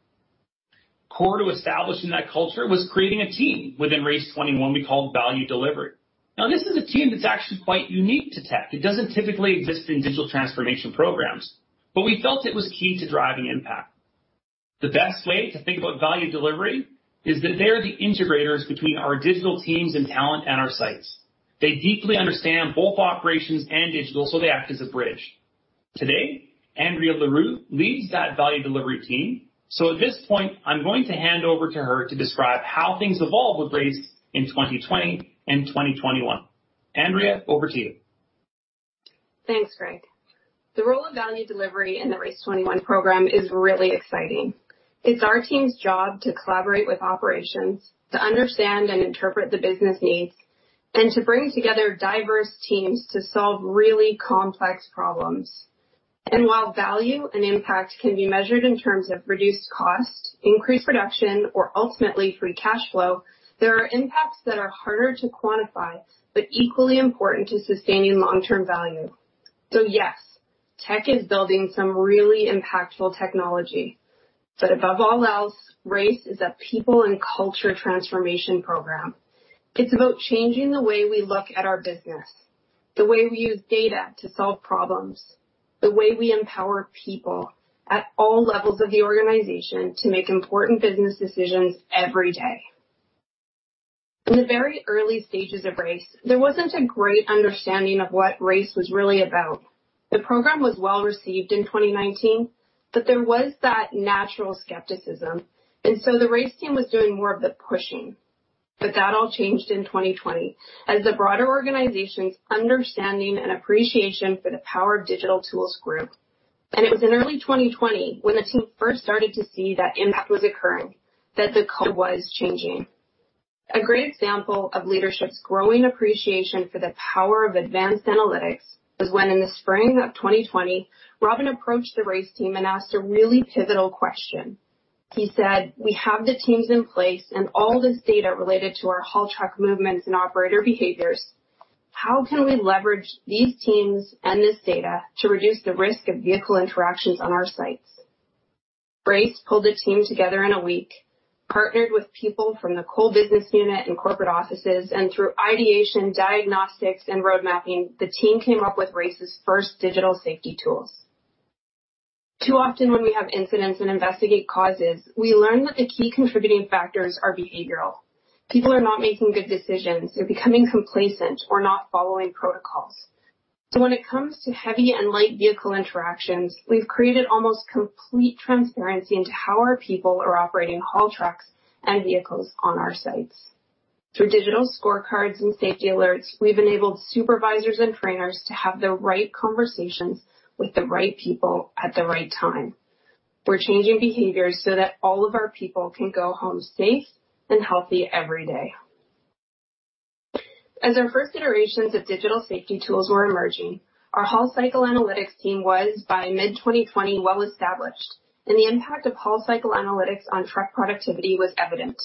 Core to establishing that culture was creating a team within RACE21 we called Value Delivery. Now, this is a team that's actually quite unique to Teck. It doesn't typically exist in digital transformation programs, but we felt it was key to driving impact. The best way to think about Value Delivery is that they are the integrators between our digital teams and talent at our sites. They deeply understand both operations and digital, so they act as a bridge. Today, Andrea Leroux leads that Value Delivery team. At this point, I’m going to hand over to her to describe how things evolved with RACE in 2020 and 2021. Andrea, over to you. Thanks, Greg. The role of value delivery in the RACE21 program is really exciting. It's our team's job to collaborate with operations, to understand and interpret the business needs, and to bring together diverse teams to solve really complex problems. While value and impact can be measured in terms of reduced cost, increased production, or ultimately, free cash flow, there are impacts that are harder to quantify, but equally important to sustaining long-term value. Yes, Teck is building some really impactful technology. Above all else, RACE is a people and culture transformation program. It's about changing the way we look at our business, the way we use data to solve problems, the way we empower people at all levels of the organization to make important business decisions every day. In the very early stages of RACE, there wasn't a great understanding of what RACE was really about. The program was well-received in 2019, but there was that natural skepticism, and so the RACE team was doing more of the pushing. That all changed in 2020 as the broader organization's understanding and appreciation for the power of digital tools grew. It was in early 2020 when the team first started to see that impact was occurring, that the code was changing. A great example of leadership's growing appreciation for the power of advanced analytics was when, in the spring of 2020, Robin approached the RACE team and asked a really pivotal question. He said, "We have the teams in place and all this data related to our haul truck movements and operator behaviors. How can we leverage these teams and this data to reduce the risk of vehicle interactions on our sites? RACE pulled a team together in a week, partnered with people from the coal business unit and corporate offices, and through ideation, diagnostics, and road mapping, the team came up with RACE's first digital safety tools. Too often when we have incidents and investigate causes, we learn that the key contributing factors are behavioral. People are not making good decisions. They're becoming complacent or not following protocols. When it comes to heavy and light vehicle interactions, we've created almost complete transparency into how our people are operating haul trucks and vehicles on our sites. Through digital scorecards and safety alerts, we've enabled supervisors and trainers to have the right conversations with the right people at the right time. We're changing behaviors so that all of our people can go home safe and healthy every day. As our first iterations of digital safety tools were emerging, our Haul Cycle Analytics team was, by mid 2020, well-established, and the impact of Haul Cycle Analytics on truck productivity was evident.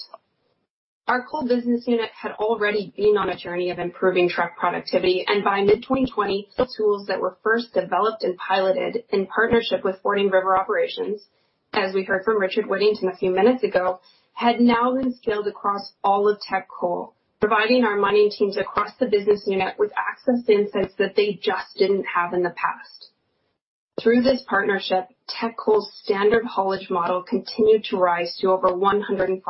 Our coal business unit had already been on a journey of improving truck productivity. By mid 2020, the tools that were first developed and piloted in partnership with Fording River Operations, as we heard from Richard Whittington a few minutes ago, had now been scaled across all of Teck Coal, providing our mining teams across the business unit with access to insights that they just didn't have in the past. Through this partnership, Teck Coal's standard haulage model continued to rise to over 105%.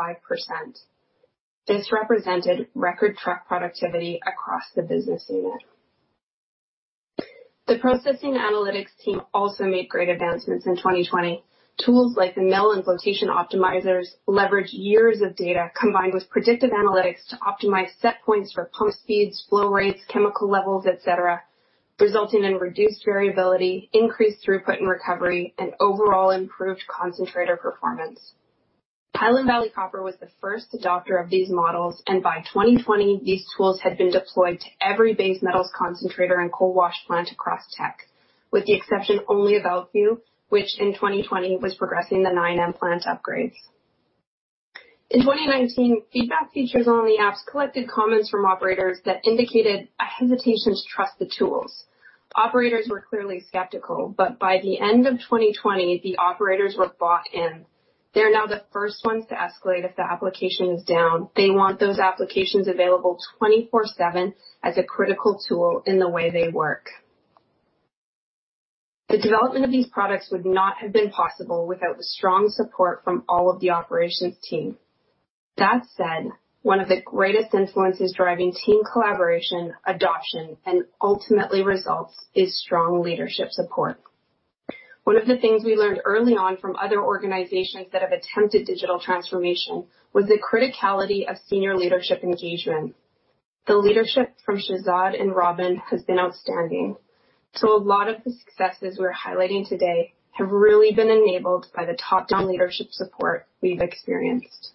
This represented record truck productivity across the business unit. The Processing Analytics team also made great advancements in 2020. Tools like the mill and flotation optimizers leveraged years of data combined with predictive analytics to optimize set points for pump speeds, flow rates, chemical levels, et cetera, resulting in reduced variability, increased throughput and recovery, and overall improved concentrator performance. Highland Valley Copper was the first adopter of these models, and by 2020, these tools had been deployed to every base metals concentrator and coal wash plant across Teck, with the exception only of Elkview, which in 2020 was progressing the 9M plant upgrades. In 2019, feedback features on the apps collected comments from operators that indicated a hesitation to trust the tools. Operators were clearly skeptical. By the end of 2020, the operators were bought in. They're now the first ones to escalate if the application is down. They want those applications available 24/7 as a critical tool in the way they work. The development of these products would not have been possible without the strong support from all of the operations team. That said, one of the greatest influences driving team collaboration, adoption, and ultimately results, is strong leadership support. One of the things we learned early on from other organizations that have attempted digital transformation was the criticality of senior leadership engagement. The leadership from Shehzad and Robin has been outstanding. A lot of the successes we're highlighting today have really been enabled by the top-down leadership support we've experienced.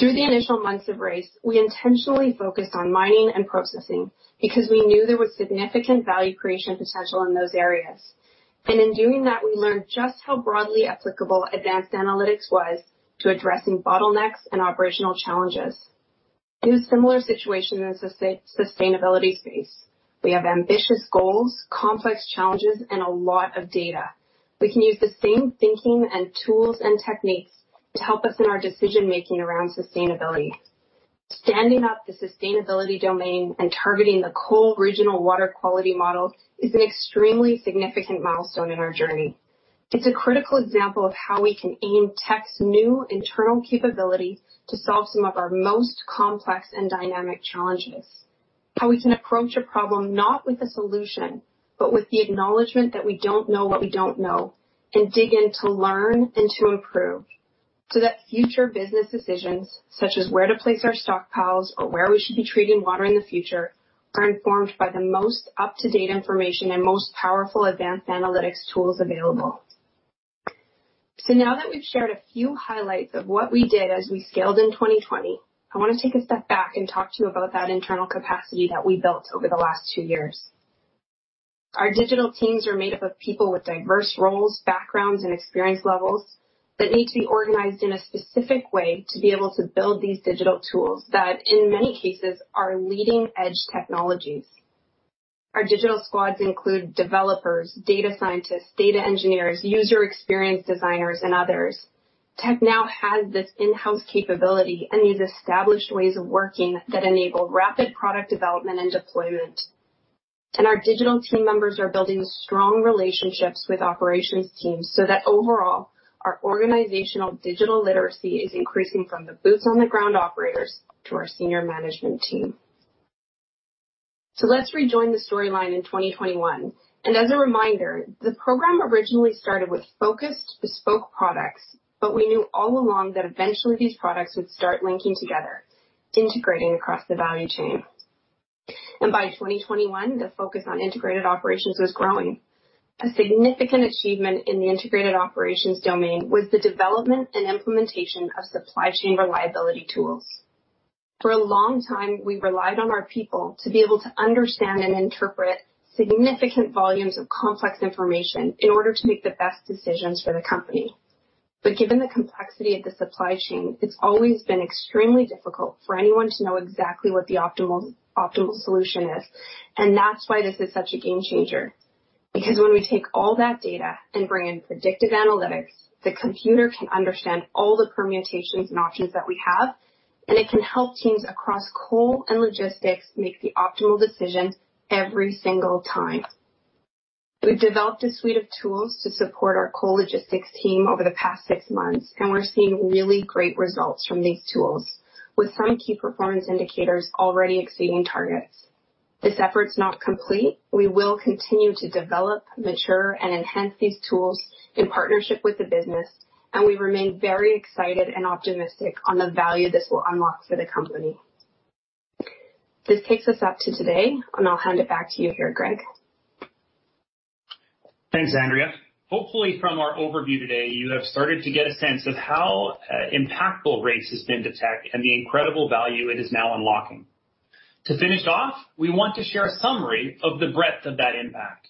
Through the initial months of RACE, we intentionally focused on mining and processing because we knew there was significant value creation potential in those areas. In doing that, we learned just how broadly applicable advanced analytics was to addressing bottlenecks and operational challenges. In a similar situation in sustainability space, we have ambitious goals, complex challenges, and a lot of data. We can use the same thinking and tools and techniques to help us in our decision-making around sustainability. Standing up the sustainability domain and targeting the coal regional water quality model is an extremely significant milestone in our journey. It's a critical example of how we can aim Teck's new internal capability to solve some of our most complex and dynamic challenges. How we can approach a problem not with a solution, but with the acknowledgement that we don't know what we don't know, and dig in to learn and to improve so that future business decisions, such as where to place our stockpiles or where we should be treating water in the future, are informed by the most up-to-date information and most powerful advanced analytics tools available. Now that we've shared a few highlights of what we did as we scaled in 2020, I want to take a step back and talk to you about that internal capacity that we built over the last two years. Our digital teams are made up of people with diverse roles, backgrounds, and experience levels that need to be organized in a specific way to be able to build these digital tools that, in many cases, are leading-edge technologies. Our digital squads include developers, data scientists, data engineers, user experience designers, and others. Teck now has this in-house capability and these established ways of working that enable rapid product development and deployment. Our digital team members are building strong relationships with operations teams so that overall, our organizational digital literacy is increasing from the boots on the ground operators to our senior management team. Let's rejoin the storyline in 2021. As a reminder, the program originally started with focused bespoke products, but we knew all along that eventually these products would start linking together, integrating across the value chain. By 2021, the focus on integrated operations was growing. A significant achievement in the integrated operations domain was the development and implementation of supply chain reliability tools. For a long time, we relied on our people to be able to understand and interpret significant volumes of complex information in order to make the best decisions for the company. But given the complexity of the supply chain, it's always been extremely difficult for anyone to know exactly what the optimal solution is. That's why this is such a game changer. When we take all that data and bring in predictive analytics, the computer can understand all the permutations and options that we have, and it can help teams across coal and logistics make the optimal decision every single time. We've developed a suite of tools to support our coal logistics team over the past six months, and we're seeing really great results from these tools, with some key performance indicators already exceeding targets. This effort's not complete. We will continue to develop, mature, and enhance these tools in partnership with the business, and we remain very excited and optimistic on the value this will unlock for the company. This takes us up to today, and I'll hand it back to you here, Greg. Thanks, Andrea. Hopefully, from our overview today, you have started to get a sense of how impactful RACE has been to Teck and the incredible value it is now unlocking. To finish off, we want to share a summary of the breadth of that impact.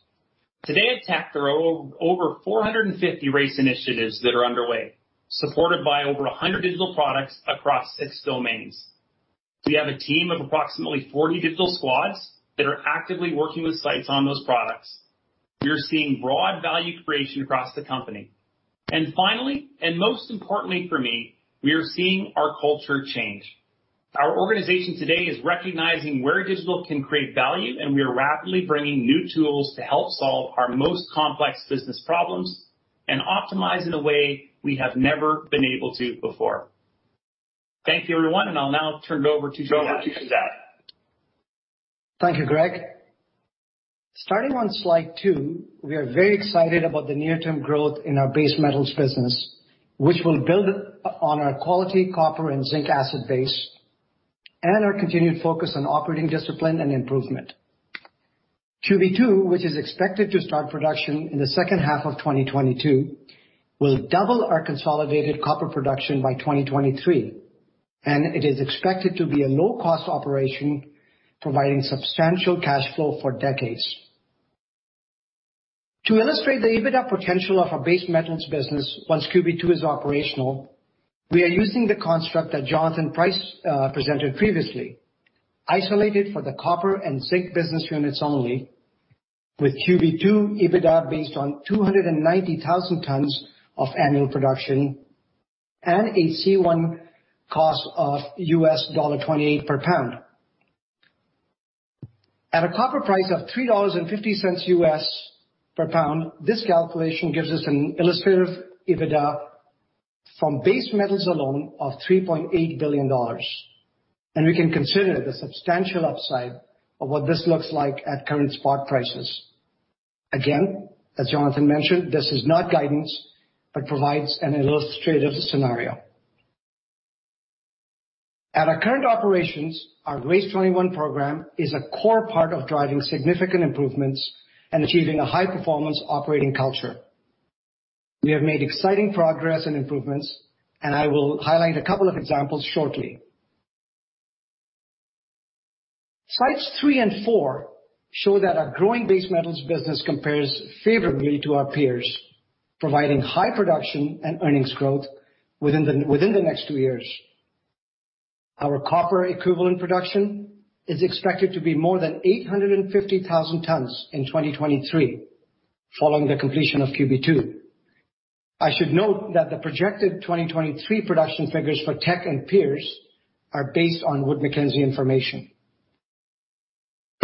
Today at Teck, there are over 450 RACE initiatives that are underway, supported by over 100 digital products across six domains. We have a team of approximately 40 digital squads that are actively working with sites on those products. We are seeing broad value creation across the company. Finally, and most importantly for me, we are seeing our culture change. Our organization today is recognizing where digital can create value, and we are rapidly bringing new tools to help solve our most complex business problems and optimize in a way we have never been able to before. Thank you, everyone. I'll now turn it over to Shehzad. Thank you, Greg. Starting on slide two, we are very excited about the near-term growth in our base metals business, which will build on our quality copper and zinc acid base and our continued focus on operating discipline and improvement. QB2, which is expected to start production in the second half of 2022, will double our consolidated copper production by 2023, and it is expected to be a low-cost operation, providing substantial cash flow for decades. To illustrate the EBITDA potential of our base metals business once QB2 is operational, we are using the construct that Jonathan Price presented previously, isolated for the copper and zinc business units only, with QB2 EBITDA based on 290,000 tonnes of annual production and a C1 cost of $28 per pound. At a copper price of $3.50 per pound, this calculation gives us an illustrative EBITDA from base metals alone of $3.8 billion, and we can consider the substantial upside of what this looks like at current spot prices. Again, as Jonathan mentioned, this is not guidance, but provides an illustrative scenario. At our current operations, our RACE21 program is a core part of driving significant improvements and achieving a high-performance operating culture. We have made exciting progress and improvements, and I will highlight a couple of examples shortly. Slides three and four show that our growing base metals business compares favorably to our peers, providing high production and earnings growth within the next two years. Our copper equivalent production is expected to be more than 850,000 tonnes in 2023, following the completion of QB2. I should note that the projected 2023 production figures for Teck and peers are based on Wood Mackenzie information.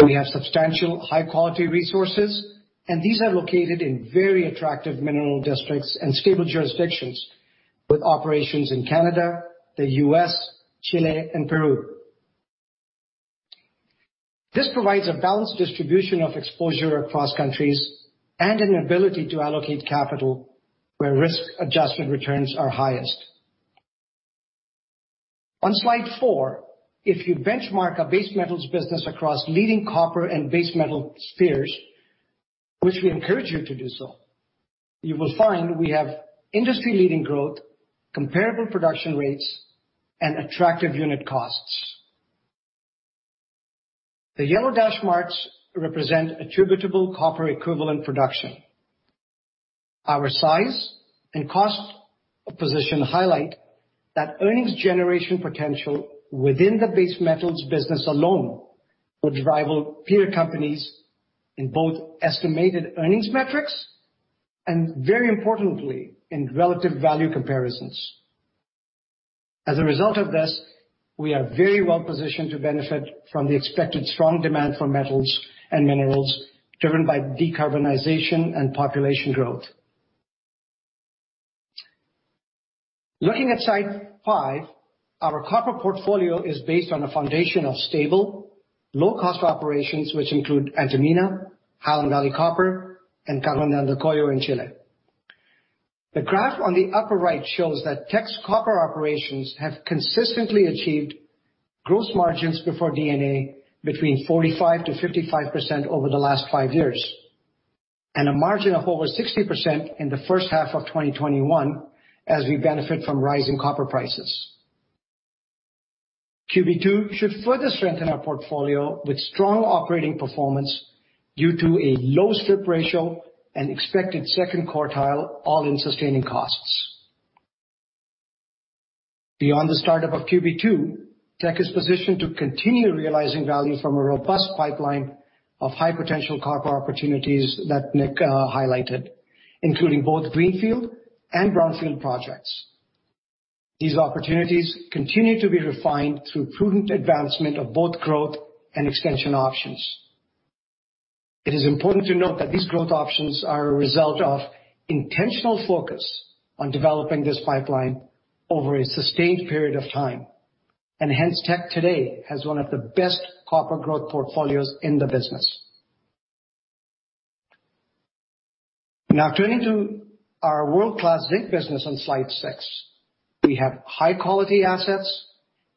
We have substantial high-quality resources. These are located in very attractive mineral districts and stable jurisdictions with operations in Canada, the U.S., Chile, and Peru. This provides a balanced distribution of exposure across countries and an ability to allocate capital where risk-adjusted returns are highest. On slide four, if you benchmark a base metals business across leading copper and base metal spheres, which we encourage you to do so, you will find we have industry-leading growth, comparable production rates, and attractive unit costs. The yellow dash marks represent attributable copper equivalent production. Our size and cost position highlight that earnings generation potential within the base metals business alone will rival peer companies in both estimated earnings metrics and very importantly, in relative value comparisons. As a result of this, we are very well-positioned to benefit from the expected strong demand for metals and minerals driven by decarbonization and population growth. Looking at slide five, our copper portfolio is based on a foundation of stable, low-cost operations, which include Antamina, Highland Valley Copper, and Candelaria in Chile. The graph on the upper right shows that Teck's copper operations have consistently achieved gross margins before D&A between 45%-55% over the last five years, and a margin of over 60% in the first half of 2021 as we benefit from rising copper prices. QB2 should further strengthen our portfolio with strong operating performance due to a low strip ratio and expected second quartile all-in sustaining costs. Beyond the startup of QB2, Teck is positioned to continue realizing value from a robust pipeline of high-potential copper opportunities that Nic highlighted, including both greenfield and brownfield projects. These opportunities continue to be refined through prudent advancement of both growth and extension options. It is important to note that these growth options are a result of intentional focus on developing this pipeline over a sustained period of time, Teck today has one of the best copper growth portfolios in the business. Now turning to our world-class zinc business on slide six. We have high-quality assets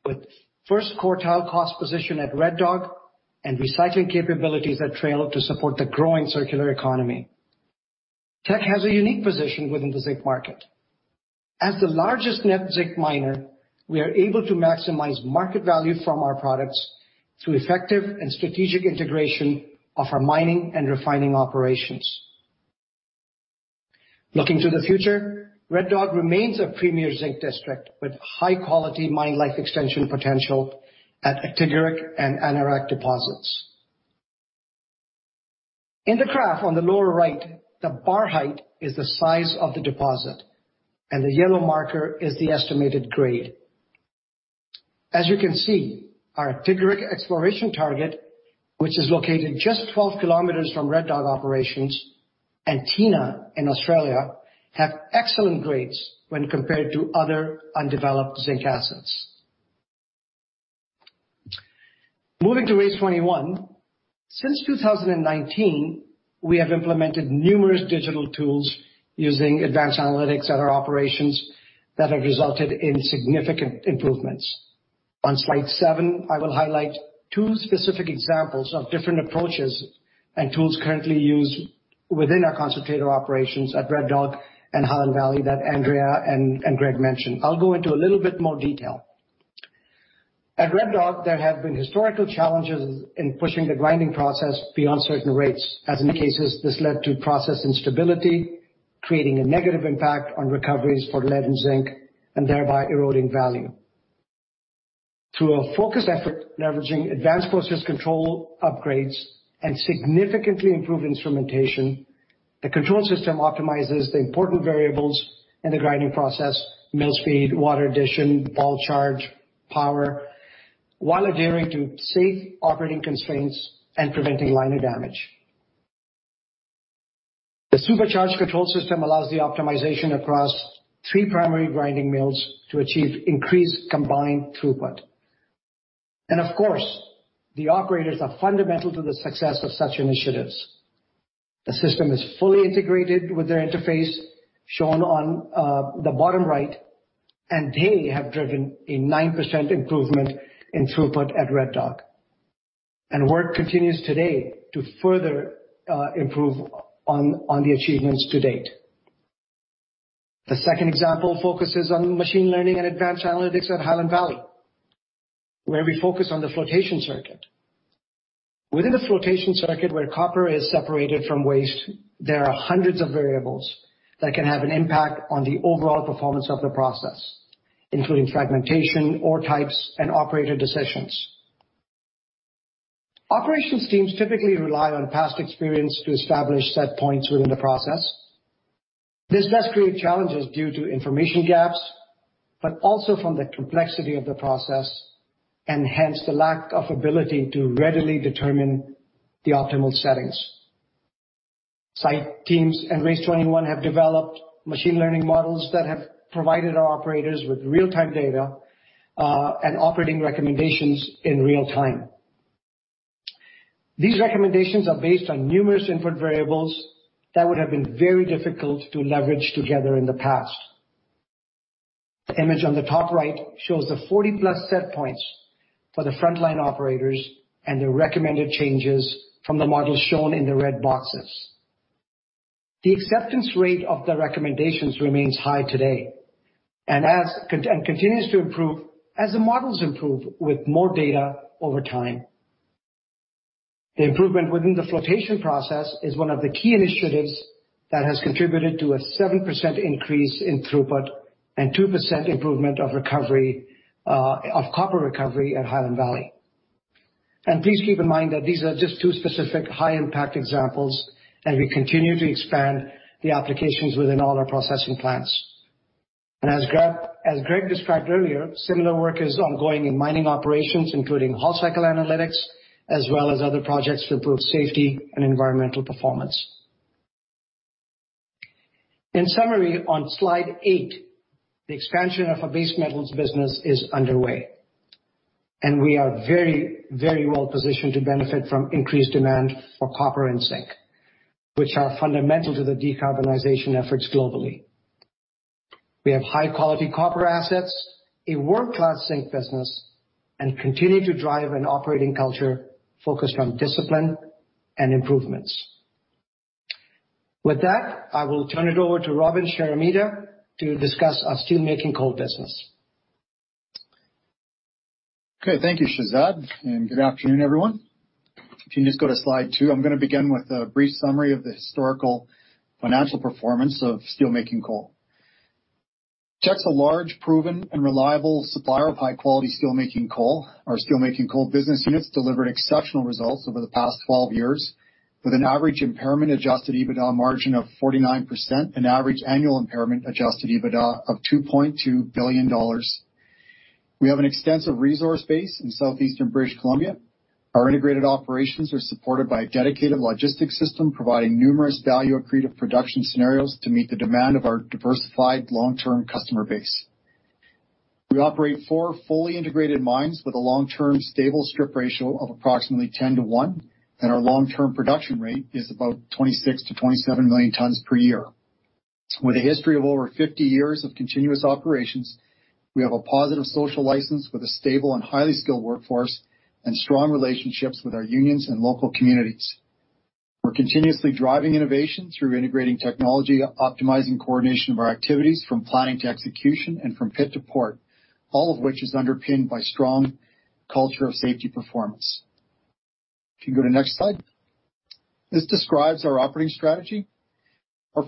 with first quartile cost position at Red Dog and recycling capabilities at Trail to support the growing circular economy. Teck has a unique position within the zinc market. As the largest net zinc miner, we are able to maximize market value from our products through effective and strategic integration of our mining and refining operations. Looking to the future, Red Dog remains a premier zinc district with high-quality mine life extension potential at Aktigiruq and Anarraaq deposits. In the graph on the lower right, the bar height is the size of the deposit, and the yellow marker is the estimated grade. As you can see, our Aktigiruq exploration target, which is located just 12 km from Red Dog Operations and Teena in Australia, have excellent grades when compared to other undeveloped zinc assets. Moving to RACE21. Since 2019, we have implemented numerous digital tools using advanced analytics at our operations that have resulted in significant improvements. On slide seven, I will highlight two specific examples of different approaches and tools currently used within our concentrator operations at Red Dog and Highland Valley that Andrea and Greg mentioned. I'll go into a little bit more detail. At Red Dog, there have been historical challenges in pushing the grinding process beyond certain rates. As in cases, this led to process instability, creating a negative impact on recoveries for lead and zinc, and thereby eroding value. Through a focused effort leveraging advanced process control upgrades and significantly improved instrumentation, the control system optimizes the important variables in the grinding process, mill speed, water addition, ball charge, power, while adhering to safe operating constraints and preventing liner damage. The supercharged control system allows the optimization across three primary grinding mills to achieve increased combined throughput. Of course, the operators are fundamental to the success of such initiatives. The system is fully integrated with their interface, shown on the bottom right, and they have driven a 9% improvement in throughput at Red Dog. Work continues today to further improve on the achievements to date. The second example focuses on machine learning and advanced analytics at Highland Valley, where we focus on the flotation circuit. Within the flotation circuit where copper is separated from waste, there are hundreds of variables that can have an impact on the overall performance of the process, including fragmentation, ore types, and operator decisions. Operations teams typically rely on past experience to establish set points within the process. This does create challenges due to information gaps, but also from the complexity of the process, and hence the lack of ability to readily determine the optimal settings. Site teams and RACE21 have developed machine learning models that have provided our operators with real-time data, and operating recommendations in real time. These recommendations are based on numerous input variables that would have been very difficult to leverage together in the past. The image on the top right shows the 40+ set points for the frontline operators and the recommended changes from the models shown in the red boxes. The acceptance rate of the recommendations remains high today, and continues to improve as the models improve with more data over time. The improvement within the flotation process is one of the key initiatives that has contributed to a 7% increase in throughput and 2% improvement of copper recovery at Highland Valley. Please keep in mind that these are just two specific high-impact examples, and we continue to expand the applications within all our processing plants. As Greg described earlier, similar work is ongoing in mining operations, including haul cycle analytics, as well as other projects to improve safety and environmental performance. In summary, on slide eight, the expansion of our base metals business is underway, and we are very well positioned to benefit from increased demand for copper and zinc, which are fundamental to the decarbonization efforts globally. We have high-quality copper assets, a world-class zinc business, and continue to drive an operating culture focused on discipline and improvements. With that, I will turn it over to Robin Sheremeta to discuss our steelmaking coal business. Thank you, Shehzad, and good afternoon, everyone. If you can just go to slide two, I'm going to begin with a brief summary of the historical financial performance of steelmaking coal. Teck's a large, proven, and reliable supplier of high-quality steelmaking coal. Our steelmaking coal business units delivered exceptional results over the past 12 years with an average impairment adjusted EBITDA margin of 49% and average annual impairment adjusted EBITDA of 2.2 billion dollars. We have an extensive resource base in Southeastern British Columbia. Our integrated operations are supported by a dedicated logistics system providing numerous value-accretive production scenarios to meet the demand of our diversified long-term customer base. We operate four fully integrated mines with a long-term stable strip ratio of approximately 10:1, and our long-term production rate is about 26 million tonnes-27 million tonnes per year. With a history of over 50 years of continuous operations, we have a positive social license with a stable and highly skilled workforce and strong relationships with our unions and local communities. We're continuously driving innovation through integrating technology, optimizing coordination of our activities from planning to execution, and from pit to port, all of which is underpinned by strong culture of safety performance. If you go to next slide. This describes our operating strategy. Our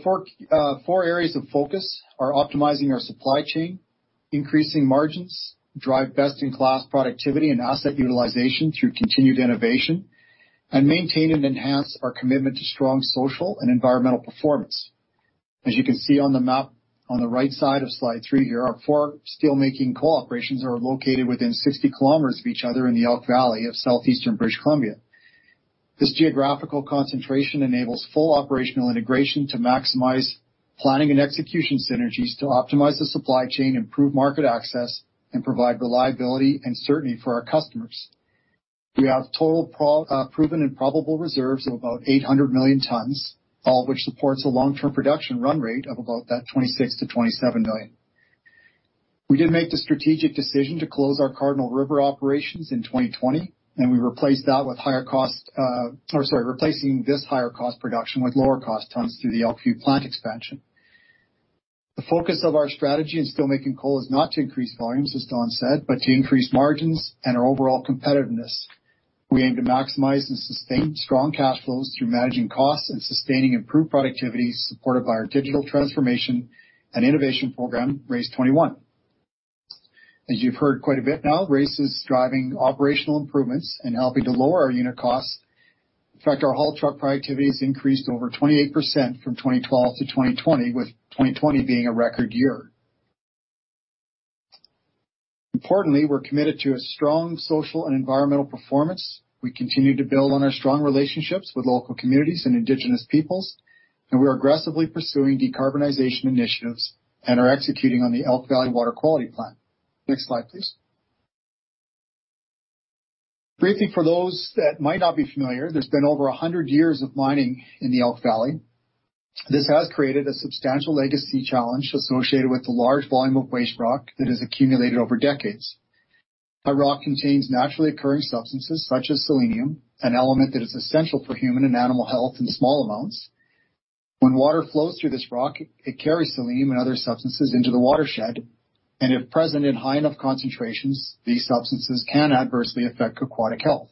four areas of focus are optimizing our supply chain, increasing margins, drive best-in-class productivity and asset utilization through continued innovation, and maintain and enhance our commitment to strong social and environmental performance. As you can see on the map on the right side of slide three here, our four steelmaking coal operations are located within 60 km of each other in the Elk Valley of Southeastern British Columbia. This geographical concentration enables full operational integration to maximize planning and execution synergies to optimize the supply chain, improve market access, and provide reliability and certainty for our customers. We have total proven and probable reserves of about 800 million tonnes, all of which supports a long-term production run rate of about that 26 million-27 million. We did make the strategic decision to close our Cardinal River operations in 2020, and we replaced that with higher cost, or sorry, replacing this higher cost production with lower cost tonnes through the Elkview plant expansion. The focus of our strategy in steelmaking coal is not to increase volumes, as Don said, but to increase margins and our overall competitiveness. We aim to maximize and sustain strong cash flows through managing costs and sustaining improved productivity supported by our digital transformation and innovation program, RACE21. As you've heard quite a bit now, RACE21 is driving operational improvements and helping to lower our unit costs. In fact, our haul truck productivity has increased over 28% from 2012 to 2020, with 2020 being a record year. Importantly, we're committed to a strong social and environmental performance. We continue to build on our strong relationships with local communities and indigenous peoples, and we are aggressively pursuing decarbonization initiatives and are executing on the Elk Valley Water Quality Plan. Next slide, please. Briefly, for those that might not be familiar, there's been over 100 years of mining in the Elk Valley. This has created a substantial legacy challenge associated with the large volume of waste rock that has accumulated over decades. That rock contains naturally occurring substances such as selenium, an element that is essential for human and animal health in small amounts. When water flows through this rock, it carries selenium and other substances into the watershed. If present in high enough concentrations, these substances can adversely affect aquatic health.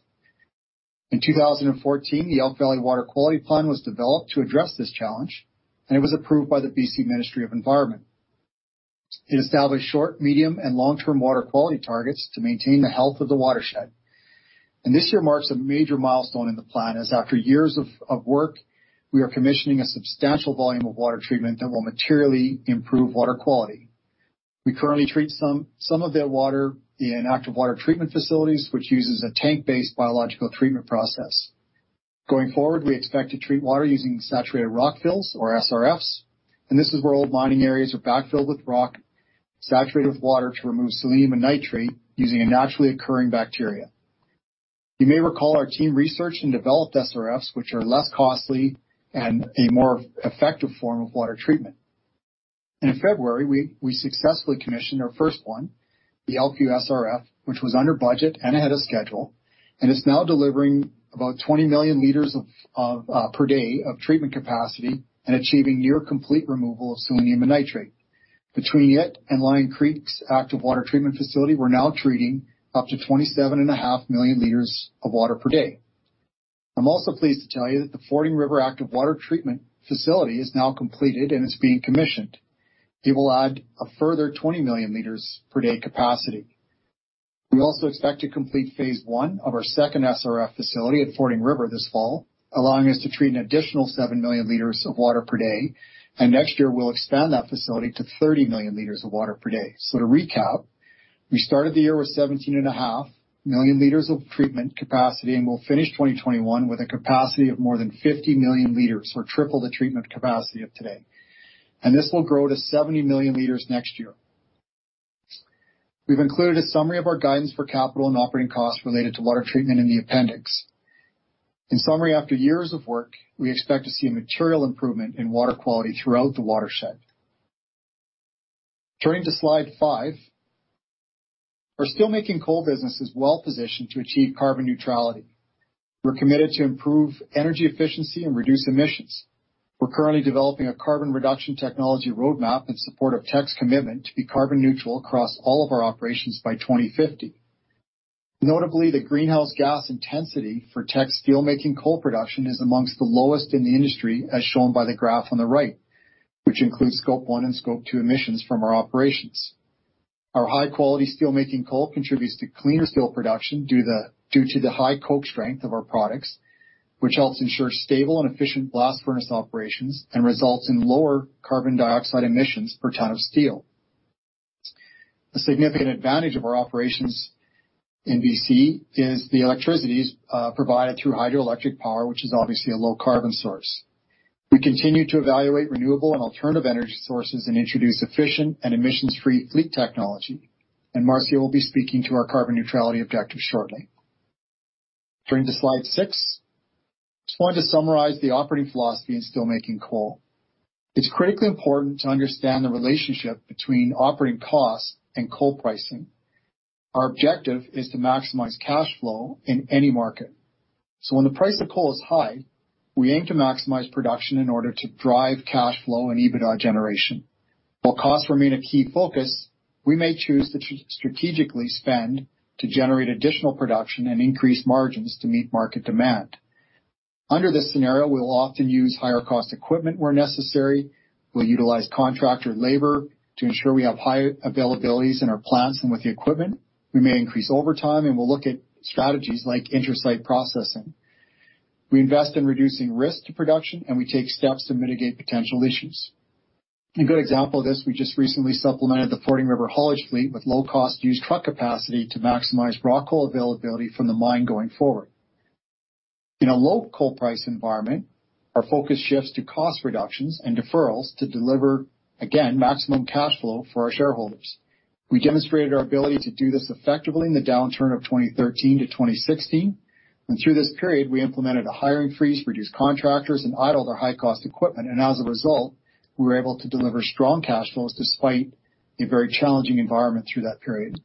In 2014, the Elk Valley Water Quality Plan was developed to address this challenge. It was approved by the BC Ministry of Environment. It established short, medium, and long-term water quality targets to maintain the health of the watershed. This year marks a major milestone in the plan, as after years of work, we are commissioning a substantial volume of water treatment that will materially improve water quality. We currently treat some of that water in active water treatment facilities, which uses a tank-based biological treatment process. Going forward, we expect to treat water using saturated rock fills, or SRFs, this is where old mining areas are backfilled with rock saturated with water to remove selenium and nitrate using a naturally occurring bacteria. You may recall our team researched and developed SRFs, which are less costly and a more effective form of water treatment. In February, we successfully commissioned our first one, the Elkview SRF, which was under budget and ahead of schedule, and is now delivering about 20 million L per day of treatment capacity and achieving near complete removal of selenium and nitrate. Between it and Line Creek's active water treatment facility, we're now treating up to 27.5 million L of water per day. I'm also pleased to tell you that the Fording River active water treatment facility is now completed and is being commissioned. It will add a further 20 million L per day capacity. We also expect to complete phase one of our second SRF facility at Fording River this fall, allowing us to treat an additional 7 million L of water per day. Next year, we'll expand that facility to 30 million L of water per day. To recap, we started the year with 17.5 million L of treatment capacity, and we'll finish 2021 with a capacity of more than 50 million L, or triple the treatment capacity of today. This will grow to 70 million L next year. We've included a summary of our guidance for capital and operating costs related to water treatment in the appendix. In summary, after years of work, we expect to see a material improvement in water quality throughout the watershed. Turning to slide five. Our steelmaking coal business is well-positioned to achieve carbon neutrality. We are committed to improve energy efficiency and reduce emissions. We are currently developing a carbon reduction technology roadmap in support of Teck's commitment to be carbon neutral across all of our operations by 2050. Notably, the greenhouse gas intensity for Teck's steelmaking coal production is amongst the lowest in the industry, as shown by the graph on the right, which includes Scope 1 and Scope 2 emissions from our operations. Our high-quality steelmaking coal contributes to cleaner steel production due to the high coke strength of our products, which helps ensure stable and efficient blast furnace operations and results in lower carbon dioxide emissions per ton of steel. A significant advantage of our operations in B.C. is the electricity is provided through hydroelectric power, which is obviously a low carbon source. We continue to evaluate renewable and alternative energy sources and introduce efficient and emissions-free fleet technology. Marcia will be speaking to our carbon neutrality objective shortly. Turning to slide six. Just wanted to summarize the operating philosophy in steelmaking coal. It's critically important to understand the relationship between operating costs and coal pricing. Our objective is to maximize cash flow in any market. When the price of coal is high, we aim to maximize production in order to drive cash flow and EBITDA generation. While costs remain a key focus, we may choose to strategically spend to generate additional production and increase margins to meet market demand. Under this scenario, we will often use higher cost equipment where necessary. We'll utilize contractor labor to ensure we have high availabilities in our plants and with the equipment. We may increase overtime, and we'll look at strategies like intra-site processing. We invest in reducing risk to production, and we take steps to mitigate potential issues. A good example of this, we just recently supplemented the Fording River haulage fleet with low-cost used truck capacity to maximize raw coal availability from the mine going forward. In a low coal price environment, our focus shifts to cost reductions and deferrals to deliver, again, maximum cash flow for our shareholders. We demonstrated our ability to do this effectively in the downturn of 2013-2016. Through this period, we implemented a hiring freeze, reduced contractors, and idled our high-cost equipment. As a result, we were able to deliver strong cash flows despite a very challenging environment through that period.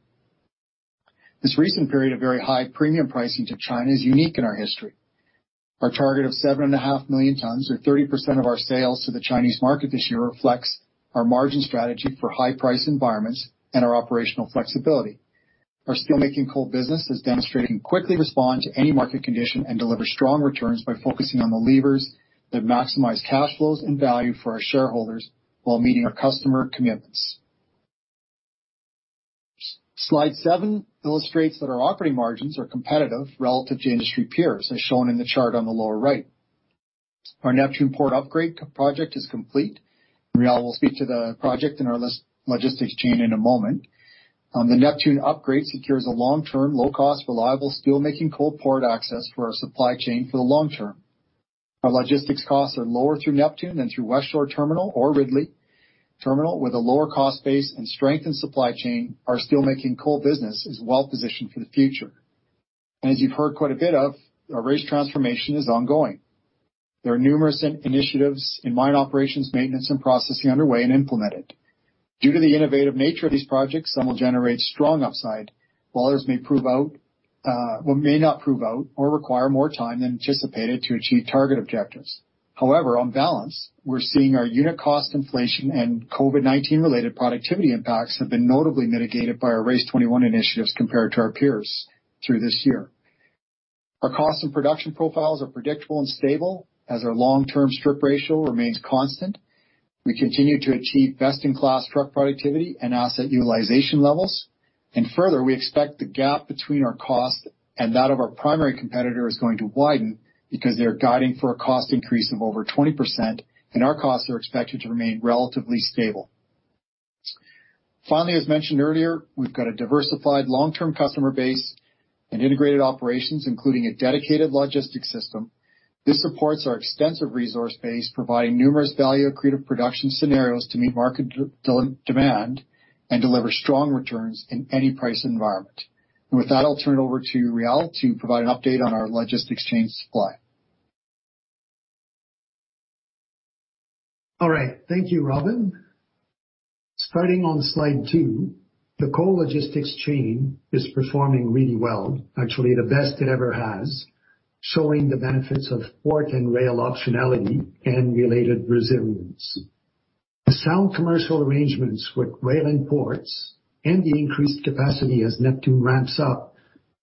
This recent period of very high premium pricing to China is unique in our history. Our target of 7.5 million tonnes or 30% of our sales to the Chinese market this year reflects our margin strategy for high price environments and our operational flexibility. Our steelmaking coal business has demonstrated it can quickly respond to any market condition and deliver strong returns by focusing on the levers that maximize cash flows and value for our shareholders while meeting our customer commitments. Slide seven illustrates that our operating margins are competitive relative to industry peers, as shown in the chart on the lower right. Our Neptune Port upgrade project is complete. Réal will speak to the project and our logistics chain in a moment. The Neptune upgrade secures a long-term, low-cost, reliable steelmaking coal port access for our supply chain for the long term. Our logistics costs are lower through Neptune than through Westshore Terminals or Ridley Terminals. With a lower cost base and strengthened supply chain, our steelmaking coal business is well-positioned for the future. As you've heard quite a bit of, our RACE transformation is ongoing. There are numerous initiatives in mine operations, maintenance, and processing underway and implemented. Due to the innovative nature of these projects, some will generate strong upside, while others may not prove out or require more time than anticipated to achieve target objectives. However, on balance, we're seeing our unit cost inflation and COVID-19-related productivity impacts have been notably mitigated by our RACE21 initiatives compared to our peers through this year. Our cost and production profiles are predictable and stable as our long-term strip ratio remains constant. We continue to achieve best-in-class truck productivity and asset utilization levels. Further, we expect the gap between our cost and that of our primary competitor is going to widen because they're guiding for a cost increase of over 20%, and our costs are expected to remain relatively stable. Finally, as mentioned earlier, we've got a diversified long-term customer base and integrated operations, including a dedicated logistics system. This supports our extensive resource base, providing numerous value-accretive production scenarios to meet market demand and deliver strong returns in any price environment. With that, I'll turn it over to Réal to provide an update on our logistics chain supply. All right. Thank you, Robin. Starting on slide two, the coal logistics chain is performing really well, actually the best it ever has, showing the benefits of port and rail optionality and related resilience. The sound commercial arrangements with rail and ports and the increased capacity as Neptune ramps up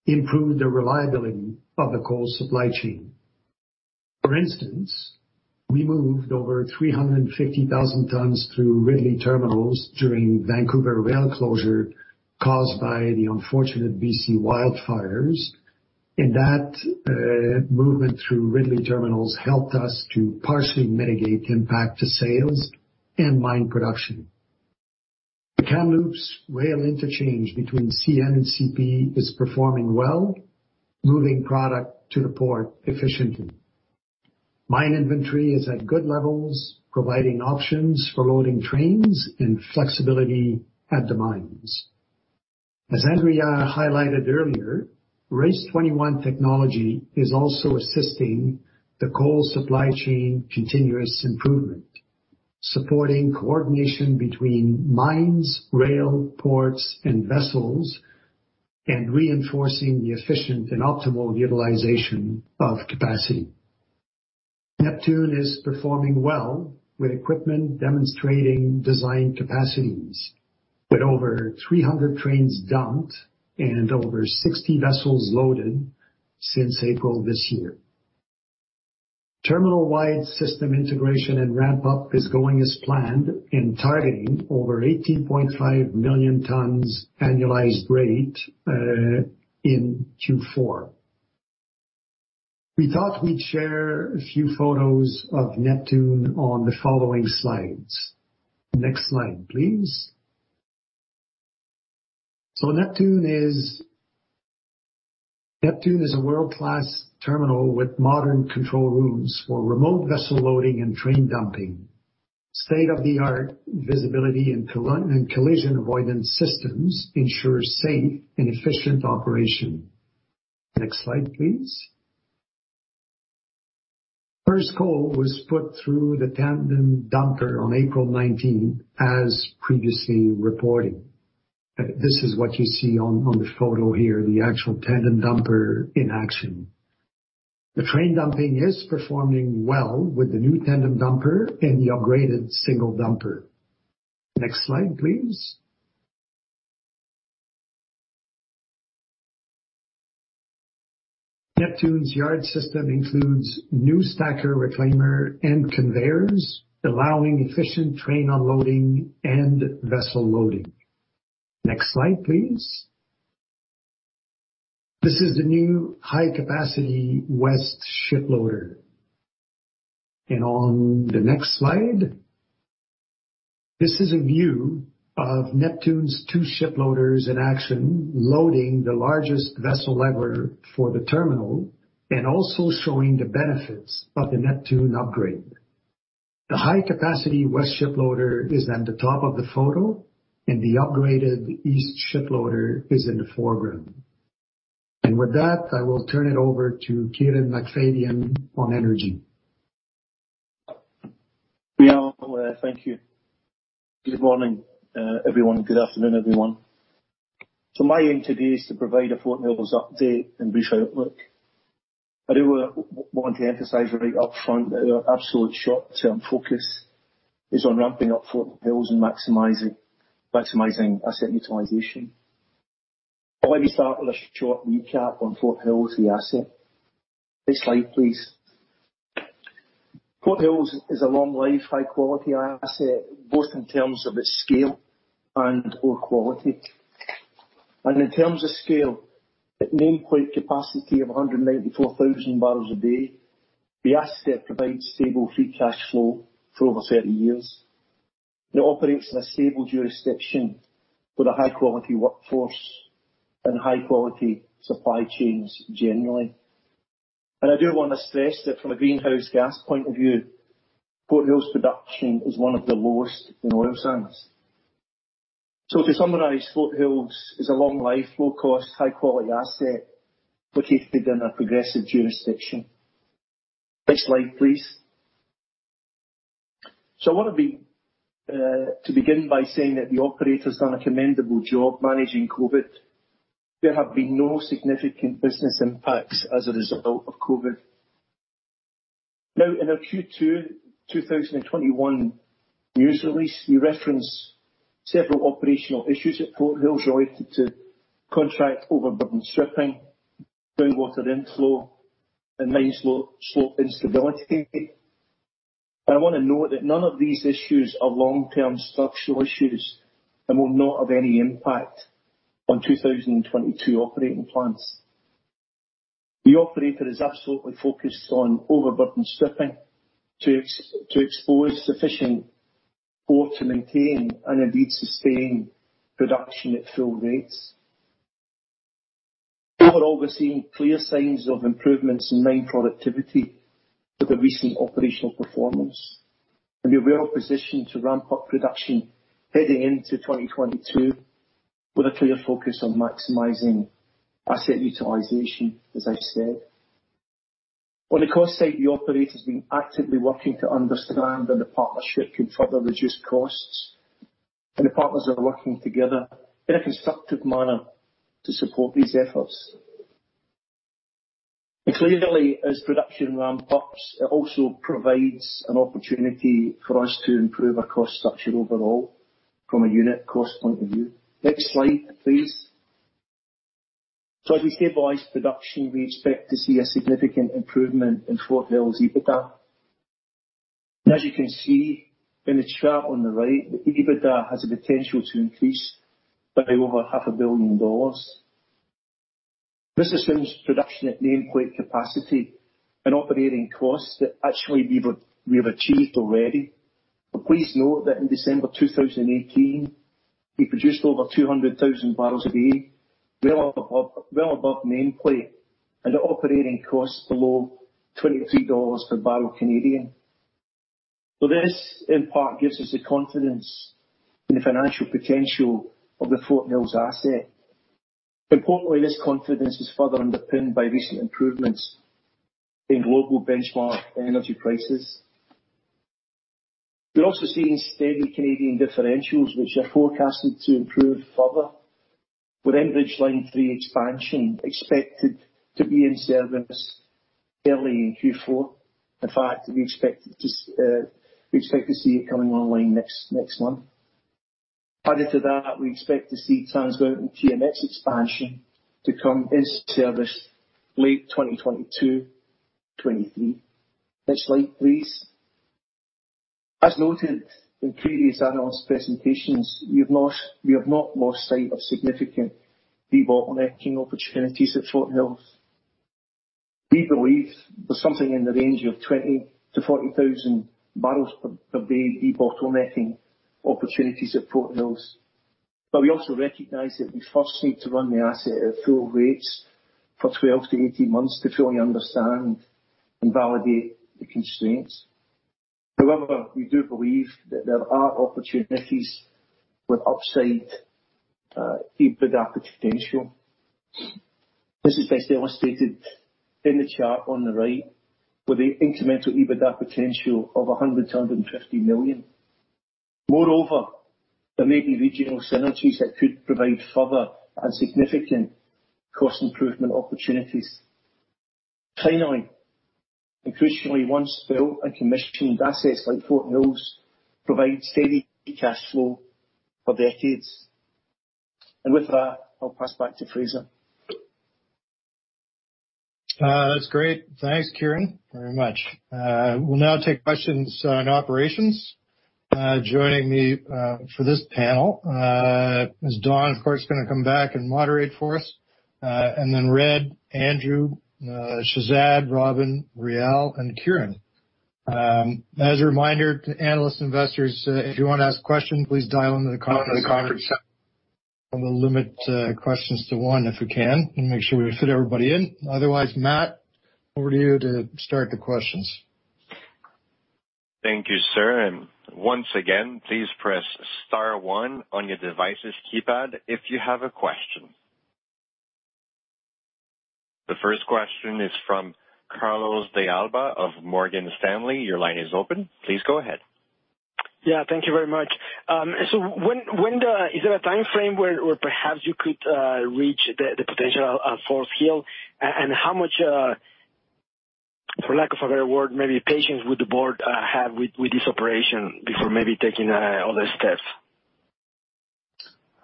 improve the reliability of the coal supply chain. For instance, we moved over 350,000 tonnes through Ridley Terminals during Vancouver rail closure caused by the unfortunate B.C. wildfires. That movement through Ridley Terminals helped us to partially mitigate the impact to sales and mine production. The Kamloops rail interchange between CN and CP is performing well, moving product to the port efficiently. Mine inventory is at good levels, providing options for loading trains and flexibility at the mines. As Andrea highlighted earlier, RACE21 technology is also assisting the coal supply chain continuous improvement, supporting coordination between mines, rail, ports, and vessels, and reinforcing the efficient and optimal utilization of capacity. Neptune is performing well with equipment demonstrating design capacities with over 300 trains dumped and over 60 vessels loaded since April this year. Terminal-wide system integration and ramp-up is going as planned and targeting over 18.5 million tonnes annualized rate in Q4. We thought we'd share a few photos of Neptune on the following slides. Next slide, please. Neptune is a world-class terminal with modern control rooms for remote vessel loading and train dumping. State-of-the-art visibility and collision avoidance systems ensure safe and efficient operation. Next slide, please. First coal was put through the tandem dumper on April 19th as previously reported. This is what you see on the photo here, the actual tandem dumper in action. The train dumping is performing well with the new tandem dumper and the upgraded single dumper. Next slide, please. Neptune's yard system includes new stacker, reclaimer, and conveyors, allowing efficient train unloading and vessel loading. Next slide, please. This is the new high-capacity west ship loader. On the next slide, this is a view of Neptune's two ship loaders in action loading the largest vessel ever for the terminal and also showing the benefits of the Neptune upgrade. The high-capacity west ship loader is at the top of the photo and the upgraded east ship loader is in the foreground. With that, I will turn it over to Kieron McFadyen on energy. Réal, thank you. Good morning, everyone. Good afternoon, everyone. My aim today is to provide a Fort Hills update and brief outlook. I do want to emphasize right up front that our absolute short-term focus is on ramping up Fort Hills and maximizing asset utilization. Let me start with a short recap on Fort Hills the asset. Next slide, please. Fort Hills is a long-life, high-quality asset, both in terms of its scale and ore quality. In terms of scale, at nameplate capacity of 194,000 bbl a day, the asset provides stable free cash flow for over 30 years. It operates in a stable jurisdiction with a high-quality workforce and high-quality supply chains generally. I do want to stress that from a greenhouse gas point of view, Fort Hills production is one of the lowest in oil sands. To summarize, Fort Hills is a long life, low cost, high-quality asset located in a progressive jurisdiction. Next slide, please. I want to begin by saying that the operator's done a commendable job managing COVID. There have been no significant business impacts as a result of COVID. In our Q2 2021 news release, we referenced several operational issues at Fort Hills related to contract overburden stripping, groundwater inflow, and mine slope instability. I want to note that none of these issues are long-term structural issues and will not have any impact on 2022 operating plans. The operator is absolutely focused on overburden stripping to expose sufficient ore to maintain and indeed sustain production at full rates. Overall, we're seeing clear signs of improvements in mine productivity with the recent operational performance. We are well positioned to ramp up production heading into 2022 with a clear focus on maximizing asset utilization, as I've said. On the cost side, the operator's been actively working to understand where the partnership can further reduce costs. The partners are working together in a constructive manner to support these efforts. Clearly, as production ramps up, it also provides an opportunity for us to improve our cost structure overall from a unit cost point of view. Next slide, please. As we stabilize production, we expect to see a significant improvement in Fort Hills EBITDA. As you can see in the chart on the right, the EBITDA has the potential to increase by over 500 million dollars. This assumes production at nameplate capacity and operating costs that actually we have achieved already. Please note that in December 2018, we produced over 200,000 bbl a day, well above nameplate and at operating costs below 23 dollars per barrel Canadian. This in part gives us the confidence in the financial potential of the Fort Hills asset. Importantly, this confidence is further underpinned by recent improvements in global benchmark energy prices. We are also seeing steady Canadian differentials, which are forecasted to improve further with Enbridge Line 3 expansion expected to be in service early in Q4. In fact, we expect to see it coming online next month. Added to that, we expect to see Trans Mountain TMX Expansion to come in service late 2022, 2023. Next slide, please. As noted in previous analyst presentations, we have not lost sight of significant debottlenecking opportunities at Fort Hills. We believe there's something in the range of 20,000 bbl-40,000 bbl per day debottlenecking opportunities at Fort Hills. We also recognize that we first need to run the asset at full rates for 12-18 months to fully understand and validate the constraints. However, we do believe that there are opportunities with upside, EBITDA potential. This is best illustrated in the chart on the right with the incremental EBITDA potential of 100 million-150 million. Moreover, there may be regional synergies that could provide further and significant cost improvement opportunities. Finally, and crucially, once built and commissioned, assets like Fort Hills provide steady free cash flow for decades. With that, I'll pass back to Fraser. That's great. Thanks, Kieron, very much. We'll now take questions on operations. Joining me for this panel is Don, of course, going to come back and moderate for us. Red, Andrew, Shehzad, Robin, Réal, and Kieron. As a reminder to analysts, investors, if you want to ask questions, please dial into the conference and we'll limit questions to one if we can and make sure we fit everybody in. Otherwise, Matt, over to you to start the questions. Thank you, sir. Once again, please press star one on your device's keypad if you have a question. The first question is from Carlos de Alba of Morgan Stanley. Your line is open. Please go ahead. Yeah, thank you very much. Is there a time frame where perhaps you could reach the potential of Fort Hills? How much, for lack of a better word, maybe patience would the board have with this operation before maybe taking other steps?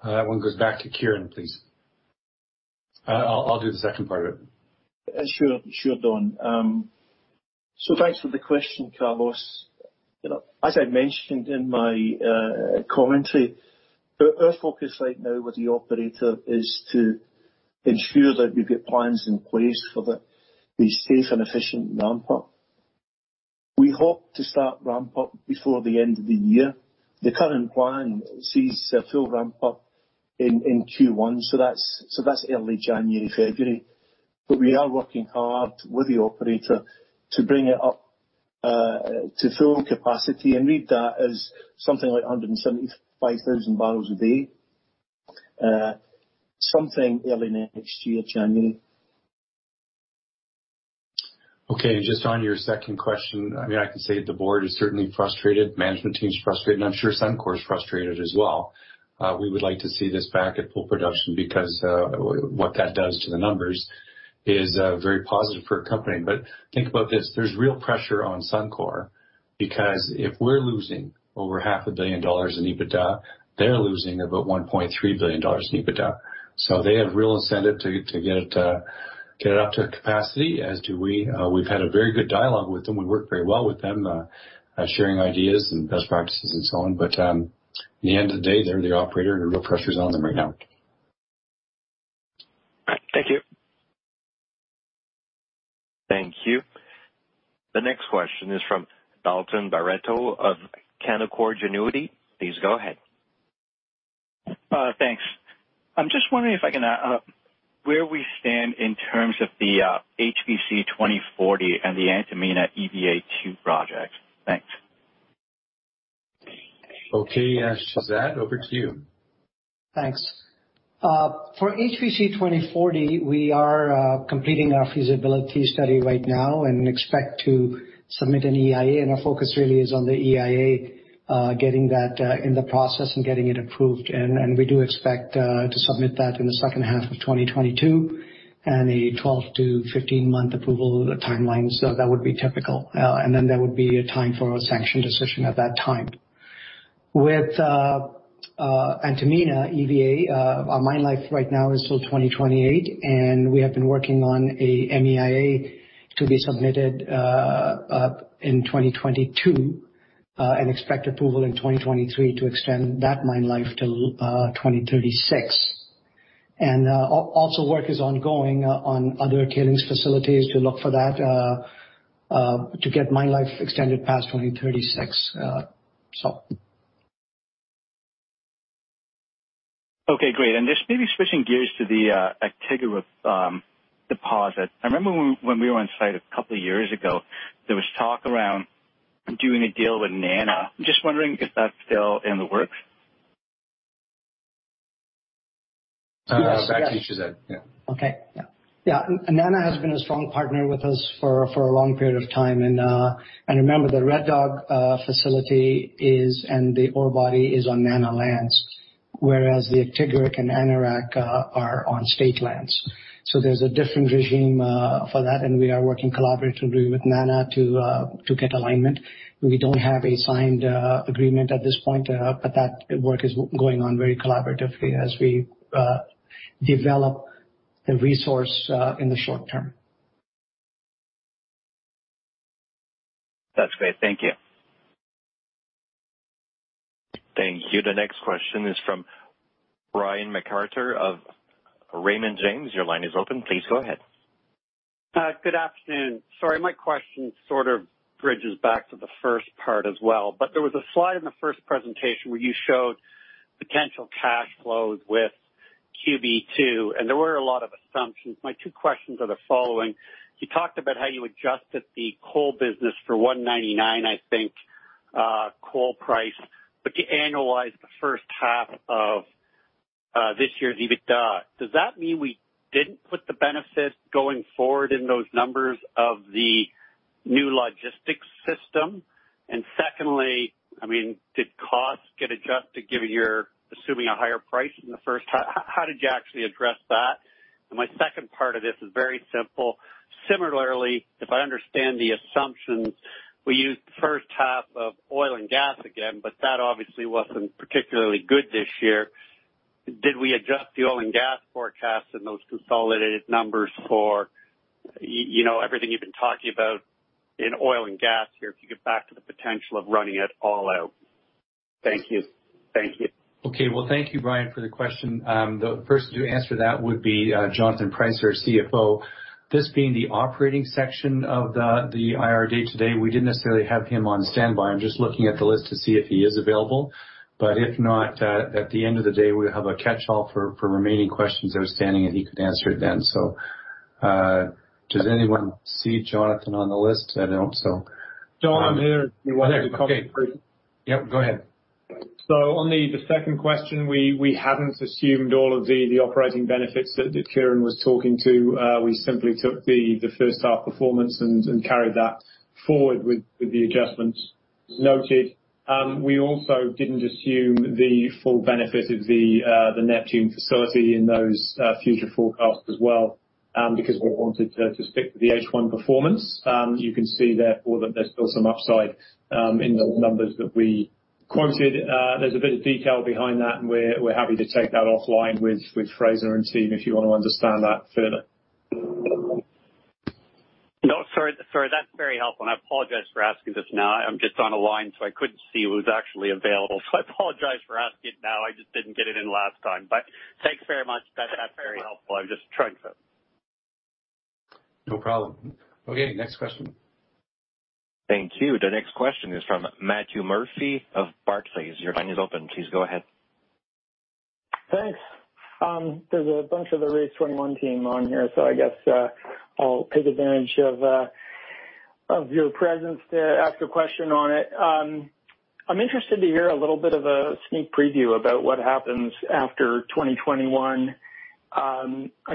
That one goes back to Kieron, please. I'll do the second part of it. Sure, Don. Thanks for the question, Carlos. As I mentioned in my commentary, our focus right now with the operator is to ensure that we've got plans in place for the safe and efficient ramp up. We hope to start ramp up before the end of the year. The current plan sees a full ramp up in Q1, so that's early January, February. We are working hard with the operator to bring it up to full capacity, and read that as something like 175,000 bbl a day, something early next year, January. Okay, just on your second question, I can say the board is certainly frustrated, management team is frustrated, and I'm sure Suncor is frustrated as well. We would like to see this back at full production because what that does to the numbers is very positive for a company. Think about this, there's real pressure on Suncor, because if we're losing over 500 million dollars in EBITDA, they're losing about 1.3 billion dollars in EBITDA. They have real incentive to get it up to capacity, as do we. We've had a very good dialogue with them. We work very well with them, sharing ideas and best practices and so on. In the end of the day, they're the operator and the real pressure is on them right now. Thank you. Thank you. The next question is from Dalton Baretto of Canaccord Genuity. Please go ahead. Thanks. I'm just wondering if I can, where we stand in terms of the HVC 2040 and the Antamina EVA 2 projects? Thanks. Okay. Shehzad, over to you. Thanks. For HVC 2040, we are completing our feasibility study right now and expect to submit an EIA. Our focus really is on the EIA, getting that in the process and getting it approved. We do expect to submit that in the second half of 2022 and a 12-15-month approval timeline. That would be typical. There would be a time for a sanction decision at that time. With Antamina EVA, our mine life right now is till 2028. We have been working on a MEIA to be submitted in 2022, and expect approval in 2023 to extend that mine life till 2036. Also, work is ongoing on other tailings facilities to look for that to get mine life extended past 2036. Okay, great. Just maybe switching gears to the Aktigiruq deposit. I remember when we were on site a couple of years ago, there was talk around doing a deal with NANA. I am just wondering if that is still in the works. Back to you, Shehzad. Yeah. Okay. Yeah. NANA has been a strong partner with us for a long period of time. Remember, the Red Dog facility is, and the ore body is on NANA lands, whereas the Aktigiruq and Anarraaq are on state lands. There's a different regime for that, and we are working collaboratively with NANA to get alignment. We don't have a signed agreement at this point, but that work is going on very collaboratively as we develop the resource in the short term. That's great. Thank you. Thank you. The next question is from Brian MacArthur of Raymond James. Your line is open. Please go ahead. Good afternoon. Sorry, my question sort of bridges back to the first part as well, there was a slide in the first presentation where you showed potential cash flows with QB2, and there were a lot of assumptions. My two questions are the following. You talked about how you adjusted the coal business for 199, I think, coal price, but you annualized the first half of this year's EBITDA. Does that mean we didn't put the benefit going forward in those numbers of the new logistics system? Secondly, did costs get adjusted given you're assuming a higher price in the first half? How did you actually address that? My second part of this is very simple. Similarly, if I understand the assumptions, we used the first half of oil and gas again, but that obviously wasn't particularly good this year. Did we adjust the oil and gas forecast and those consolidated numbers for everything you've been talking about in oil and gas here, if you get back to the potential of running it all out? Thank you. Okay. Well, thank you, Brian, for the question. The person to answer that would be Jonathan Price, our CFO. This being the operating section of the IR day today, we didn't necessarily have him on standby. I'm just looking at the list to see if he is available. If not, at the end of the day, we'll have a catch-all for remaining questions outstanding, and he could answer it then. Does anyone see Jonathan on the list? I don't. Don, I'm here if you want me to comment. Okay. Yep, go ahead. On the second question, we haven't assumed all of the operating benefits that Kieron was talking to. We simply took the first half performance and carried that forward with the adjustments noted. We also didn't assume the full benefit of the Neptune facility in those future forecasts as well, because we wanted to stick with the H1 performance. You can see therefore, that there's still some upside in the numbers that we quoted. There's a bit of detail behind that, and we're happy to take that offline with Fraser and the team if you want to understand that further. No, sorry, that's very helpful, and I apologize for asking this now. I'm just on a line, so I couldn't see who was actually available. I apologize for asking now. I just didn't get it in last time. Thanks very much. That's very helpful. No problem. Okay, next question. Thank you. The next question is from Matthew Murphy of Barclays. Your line is open. Please go ahead. Thanks. There's a bunch of the RACE21 team on here, so I guess, I'll take advantage of your presence to ask a question on it. I'm interested to hear a little bit of a sneak preview about what happens after 2021. I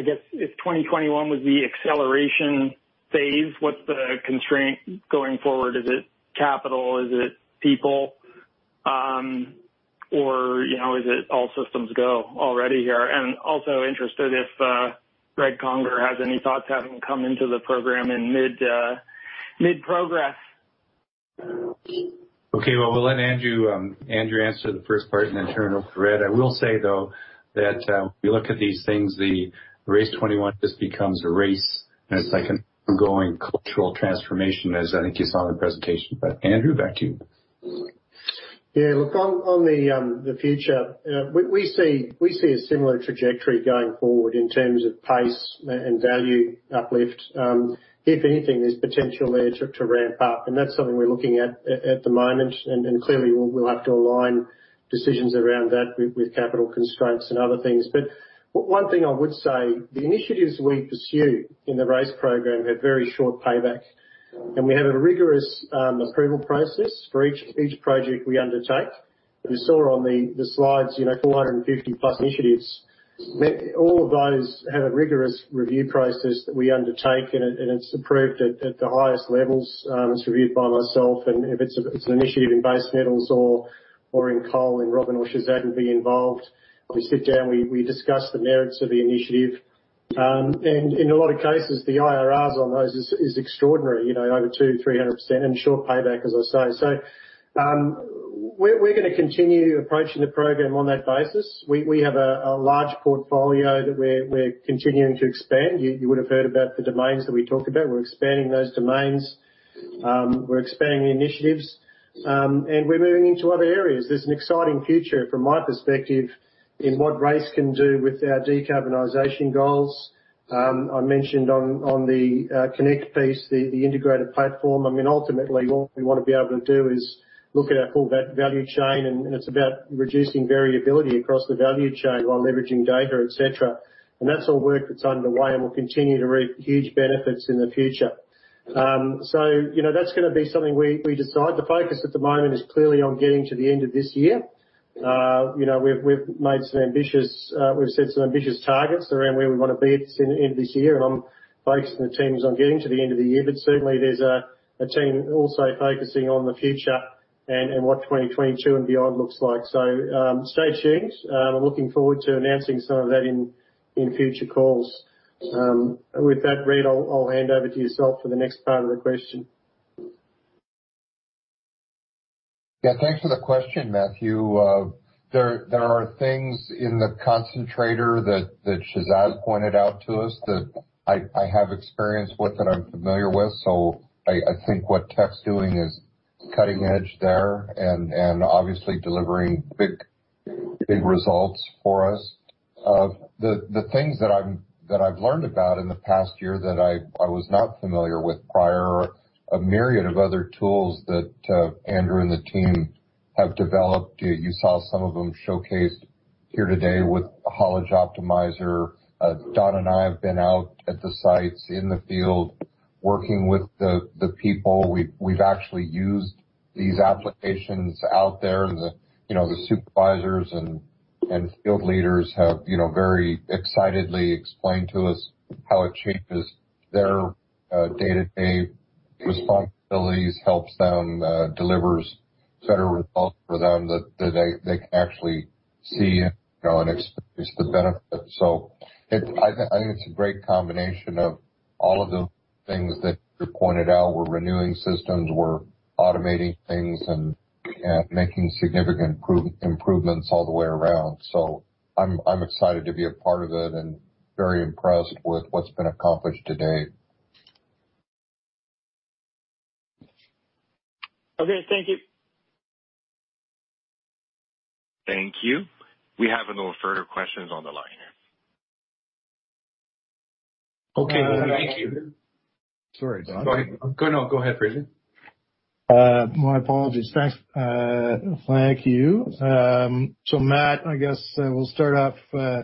guess if 2021 was the acceleration phase, what's the constraint going forward? Is it capital? Is it people? Is it all systems go already here? Also interested if Red Conger has any thoughts, having come into the program in mid-progress. Okay, well, we'll let Andrew answer the first part and then turn it over to Red. I will say, though, that if you look at these things, the RACE21 just becomes a race, and it's like an ongoing cultural transformation, as I think you saw in the presentation. Andrew, back to you. Yeah, look, on the future, we see a similar trajectory going forward in terms of pace and value uplift. If anything, there's potential there to ramp up, and that's something we're looking at the moment. Clearly, we'll have to align decisions around that with capital constraints and other things. One thing I would say, the initiatives we pursue in the RACE program have very short payback. We have a rigorous approval process for each project we undertake. You saw on the slides, 450+ initiatives. All of those have a rigorous review process that we undertake, and it's approved at the highest levels. It's reviewed by myself, and if it's an initiative in base metals or in coal, then Robin or Shehzad will be involved. We sit down, we discuss the merits of the initiative. In a lot of cases, the IRRs on those is extraordinary, over 200%-300%, and short payback, as I say. We're going to continue approaching the program on that basis. We have a large portfolio that we're continuing to expand. You would have heard about the domains that we talk about. We're expanding those domains. We're expanding the initiatives. We're moving into other areas. There's an exciting future, from my perspective, in what RACE can do with our decarbonization goals. I mentioned on the connect piece, the integrated platform. Ultimately, what we want to be able to do is look at our full value chain, and it's about reducing variability across the value chain while leveraging data, et cetera. That's all work that's underway and will continue to reap huge benefits in the future. That's going to be something we decide. The focus at the moment is clearly on getting to the end of this year. We've set some ambitious targets around where we want to be at the end of this year. I'm focusing the teams on getting to the end of the year. Certainly, there's a team also focusing on the future and what 2022 and beyond looks like. Stay tuned. I'm looking forward to announcing some of that in future calls. With that, Red, I'll hand over to yourself for the next part of the question. Yeah, thanks for the question, Matthew. There are things in the concentrator that Shehzad pointed out to us that I have experience with, that I'm familiar with. I think what Teck's doing is cutting edge there and obviously delivering big results for us of the things that I've learned about in the past year that I was not familiar with prior, are a myriad of other tools that Andrew and the team have developed. You saw some of them showcased here today with Haulage Optimizer. Don and I have been out at the sites in the field working with the people. We've actually used these applications out there, and the supervisors and field leaders have very excitedly explained to us how it changes their day-to-day responsibilities, helps them, delivers better results for them that they can actually see and experience the benefits. I think it's a great combination of all of the things that you pointed out. We're renewing systems, we're automating things, and making significant improvements all the way around. I'm excited to be a part of it and very impressed with what's been accomplished to date. Okay. Thank you. Thank you. We have no further questions on the line. Okay. Thank you. Sorry, Don. Go ahead. No, go ahead, Fraser. My apologies. Thanks. Thank you. Matt, I guess we'll start off, the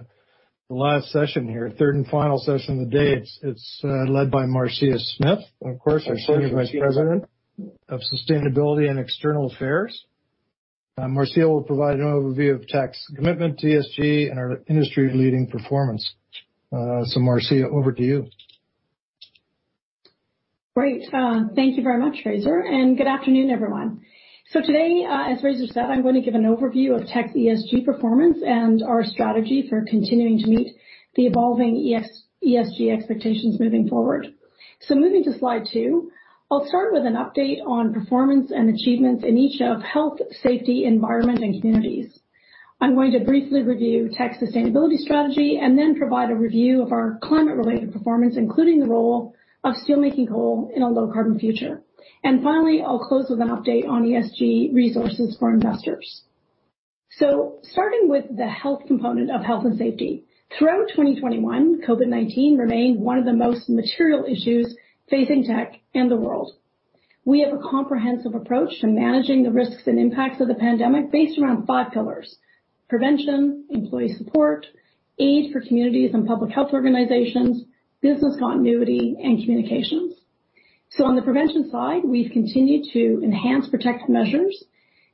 last session here, third and final session of the day. It's led by Marcia Smith. Of course, our Senior Vice President of Sustainability and External Affairs. Marcia will provide an overview of Teck's commitment to ESG and our industry-leading performance. Marcia, over to you. Great. Thank you very much, Fraser, and good afternoon, everyone. Today, as Fraser said, I am going to give an overview of Teck ESG performance and our strategy for continuing to meet the evolving ESG expectations moving forward. Moving to slide two, I will start with an update on performance and achievements in each of health, safety, environment, and communities. I am going to briefly review Teck's sustainability strategy and then provide a review of our climate-related performance, including the role of steelmaking coal in a low-carbon future. Finally, I will close with an update on ESG resources for investors. Starting with the health component of health and safety. Throughout 2021, COVID-19 remained one of the most material issues facing Teck and the world. We have a comprehensive approach to managing the risks and impacts of the pandemic based around five pillars, prevention, employee support, aid for communities and public health organizations, business continuity, and communications. On the prevention side, we've continued to enhance protective measures.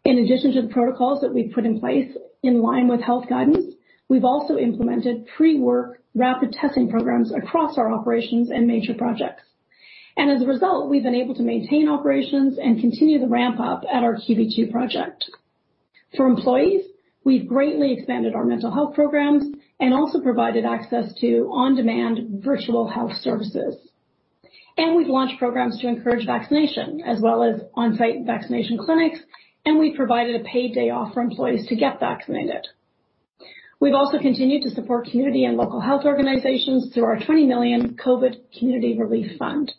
In addition to the protocols that we've put in place in line with health guidance, we've also implemented pre-work rapid testing programs across our operations and major projects. As a result, we've been able to maintain operations and continue the ramp-up at our QB2 project. For employees, we've greatly expanded our mental health programs and also provided access to on-demand virtual health services. We've launched programs to encourage vaccination, as well as on-site vaccination clinics, and we provided a paid day off for employees to get vaccinated. We've also continued to support community and local health organizations through our 20 million COVID Community Relief Fund.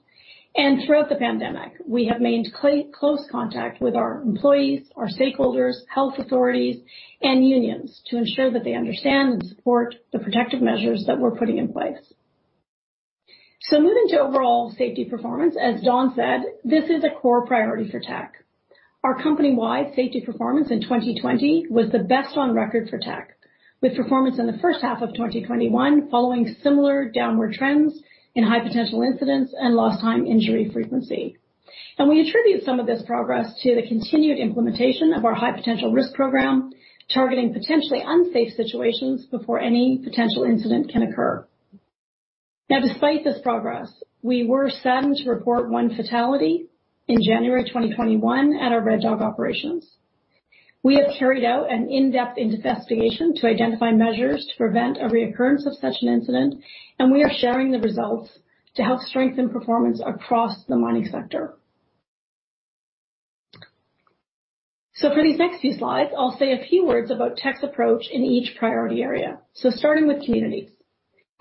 Throughout the pandemic, we have made close contact with our employees, our stakeholders, health authorities, and unions to ensure that they understand and support the protective measures that we're putting in place. Moving to overall safety performance, as Don said, this is a core priority for Teck. Our company-wide safety performance in 2020 was the best on record for Teck, with performance in the first half of 2021 following similar downward trends in high-potential incidents and lost time injury frequency. We attribute some of this progress to the continued implementation of our high-potential risk program, targeting potentially unsafe situations before any potential incident can occur. Despite this progress, we were saddened to report one fatality in January 2021 at our Red Dog operations. We have carried out an in-depth investigation to identify measures to prevent a reoccurrence of such an incident. We are sharing the results to help strengthen performance across the mining sector. For these next few slides, I'll say a few words about Teck's approach in each priority area. Starting with communities.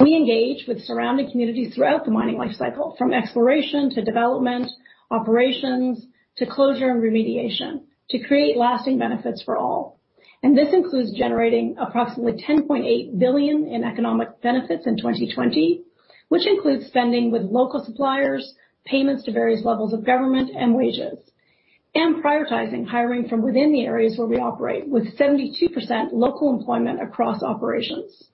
We engage with surrounding communities throughout the mining lifecycle, from exploration to development, operations, to closure and remediation, to create lasting benefits for all. This includes generating approximately 10.8 billion in economic benefits in 2020, which includes spending with local suppliers, payments to various levels of government, and wages. Prioritizing hiring from within the areas where we operate, with 72% local employment across operations.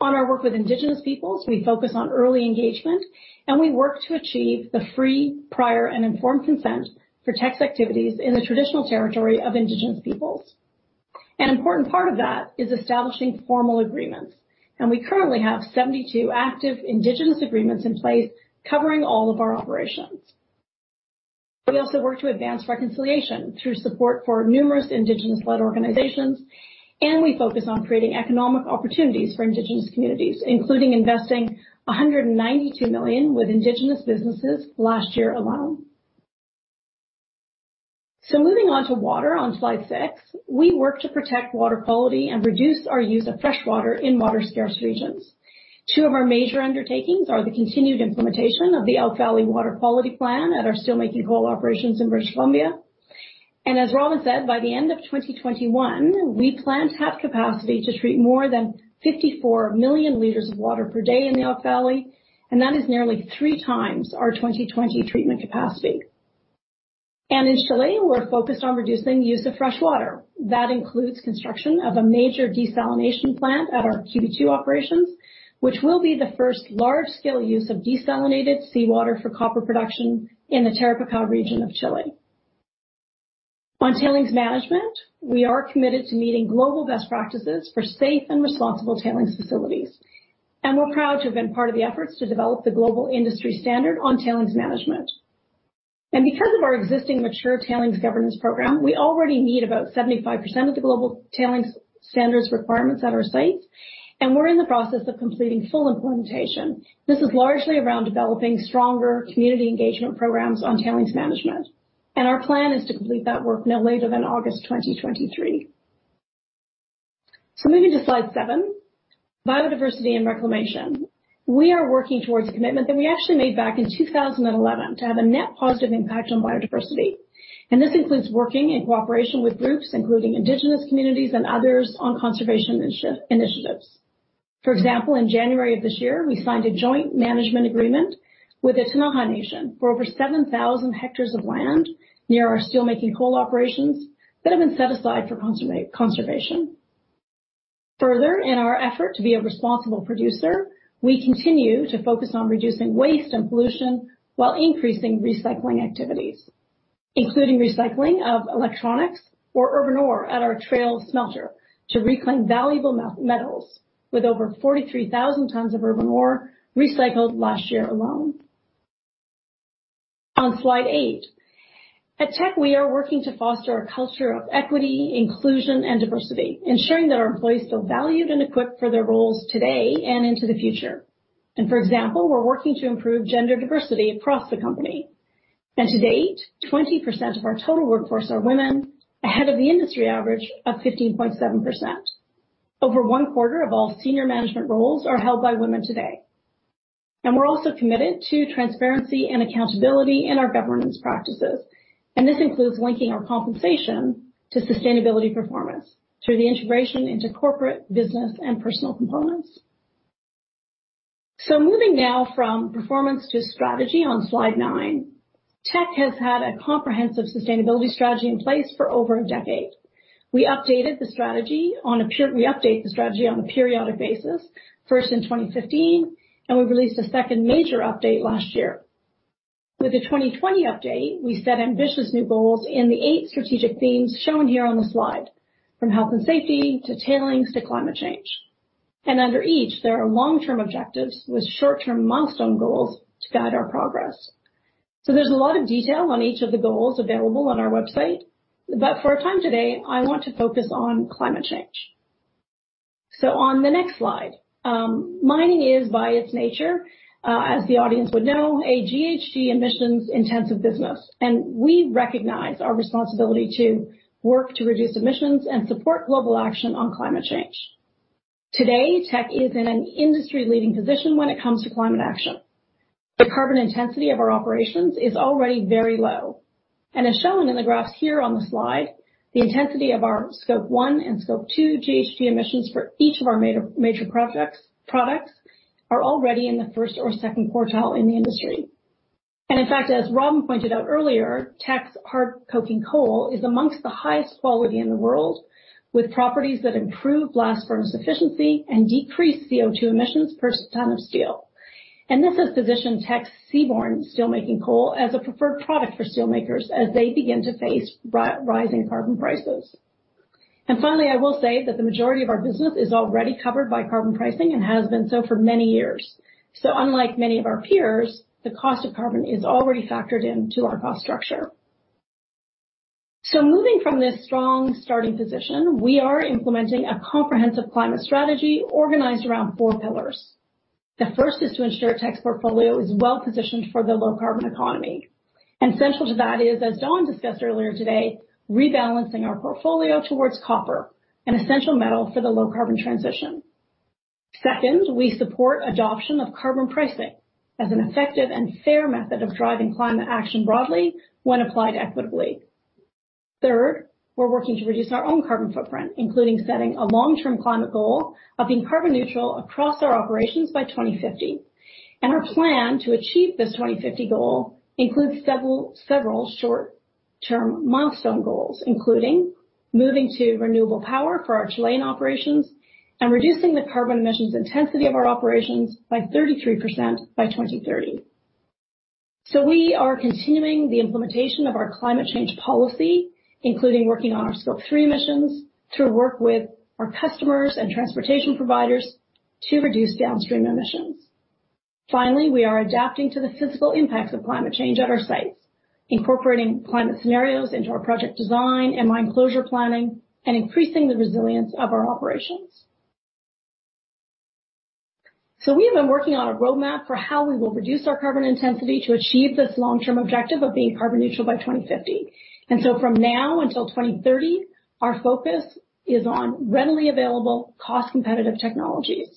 On our work with Indigenous peoples, we focus on early engagement. We work to achieve the free, prior, and informed consent for Teck's activities in the traditional territory of Indigenous peoples. An important part of that is establishing formal agreements. We currently have 72 active Indigenous agreements in place covering all of our operations. We also work to advance reconciliation through support for numerous Indigenous-led organizations. We focus on creating economic opportunities for Indigenous communities, including investing 192 million with Indigenous businesses last year alone. Moving on to water on slide six, we work to protect water quality. We reduce our use of freshwater in water-scarce regions. Two of our major undertakings are the continued implementation of the Elk Valley Water Quality Plan at our steelmaking coal operations in British Columbia. As Robin said, by the end of 2021, we plan to have capacity to treat more than 54 million liters of water per day in the Elk Valley, and that is nearly three times our 2020 treatment capacity. In Chile, we're focused on reducing the use of freshwater. That includes construction of a major desalination plant at our QB2 operations, which will be the first large-scale use of desalinated seawater for copper production in the Tarapacá region of Chile. On tailings management, we are committed to meeting global best practices for safe and responsible tailings facilities, and we're proud to have been part of the efforts to develop the global industry standard on tailings management. Because of our existing mature tailings governance program, we already meet about 75% of the global tailings standards requirements at our sites, and we're in the process of completing full implementation. This is largely around developing stronger community engagement programs on tailings management. Our plan is to complete that work no later than August 2023. Moving to slide seven, biodiversity and reclamation. We are working towards a commitment that we actually made back in 2011 to have a net positive impact on biodiversity. This includes working in cooperation with groups, including Indigenous communities and others, on conservation initiatives. For example, in January of this year, we signed a joint management agreement with the Ktunaxa Nation for over 7,000 hectares of land near our steelmaking coal operations that have been set aside for conservation. Further, in our effort to be a responsible producer, we continue to focus on reducing waste and pollution while increasing recycling activities, including recycling of electronics or urban ore at our Trail smelter to reclaim valuable metals. With over 43,000 tonnes of urban ore recycled last year alone. On slide eight. At Teck, we are working to foster a culture of equity, inclusion, and diversity, ensuring that our employees feel valued and equipped for their roles today and into the future. For example, we're working to improve gender diversity across the company. To date, 20% of our total workforce are women, ahead of the industry average of 15.7%. Over one quarter of all senior management roles are held by women today. We're also committed to transparency and accountability in our governance practices. This includes linking our compensation to sustainability performance through the integration into corporate, business, and personal components. Moving now from performance to strategy on slide nine. Teck has had a comprehensive sustainability strategy in place for over a decade. We update the strategy on a periodic basis, first in 2015, and we released a second major update last year. With the 2020 update, we set ambitious new goals in the eight strategic themes shown here on the slide, from health and safety to tailings to climate change. Under each, there are long-term objectives with short-term milestone goals to guide our progress. There's a lot of detail on each of the goals available on our website, but for our time today, I want to focus on climate change. On the next slide. Mining is, by its nature, as the audience would know, a GHG emissions-intensive business, and we recognize our responsibility to work to reduce emissions and support global action on climate change. Today, Teck is in an industry-leading position when it comes to climate action. The carbon intensity of our operations is already very low. As shown in the graphs here on the slide, the intensity of our Scope 1 and Scope 2 GHG emissions for each of our major products are already in the first or second quartile in the industry. In fact, as Robin pointed out earlier, Teck's coking coal is amongst the highest quality in the world, with properties that improve blast furnace efficiency and decrease CO2 emissions per ton of steel. This has positioned Teck's seaborne steelmaking coal as a preferred product for steelmakers as they begin to face rising carbon prices. Finally, I will say that the majority of our business is already covered by carbon pricing and has been so for many years. Unlike many of our peers, the cost of carbon is already factored into our cost structure. Moving from this strong starting position, we are implementing a comprehensive climate strategy organized around four pillars. The first is to ensure Teck's portfolio is well-positioned for the low-carbon economy. Central to that is, as Don discussed earlier today, rebalancing our portfolio towards copper, an essential metal for the low-carbon transition. Second, we support adoption of carbon pricing as an effective and fair method of driving climate action broadly when applied equitably. Third, we're working to reduce our own carbon footprint, including setting a long-term climate goal of being carbon neutral across our operations by 2050. Our plan to achieve this 2050 goal includes several short-term milestone goals, including moving to renewable power for our Chilean operations and reducing the carbon emissions intensity of our operations by 33% by 2030. We are continuing the implementation of our climate change policy, including working on our Scope 3 emissions through work with our customers and transportation providers to reduce downstream emissions. Finally, we are adapting to the physical impacts of climate change at our sites, incorporating climate scenarios into our project design and mine closure planning, and increasing the resilience of our operations. We have been working on a roadmap for how we will reduce our carbon intensity to achieve this long-term objective of being carbon neutral by 2050. From now until 2030, our focus is on readily available, cost-competitive technologies.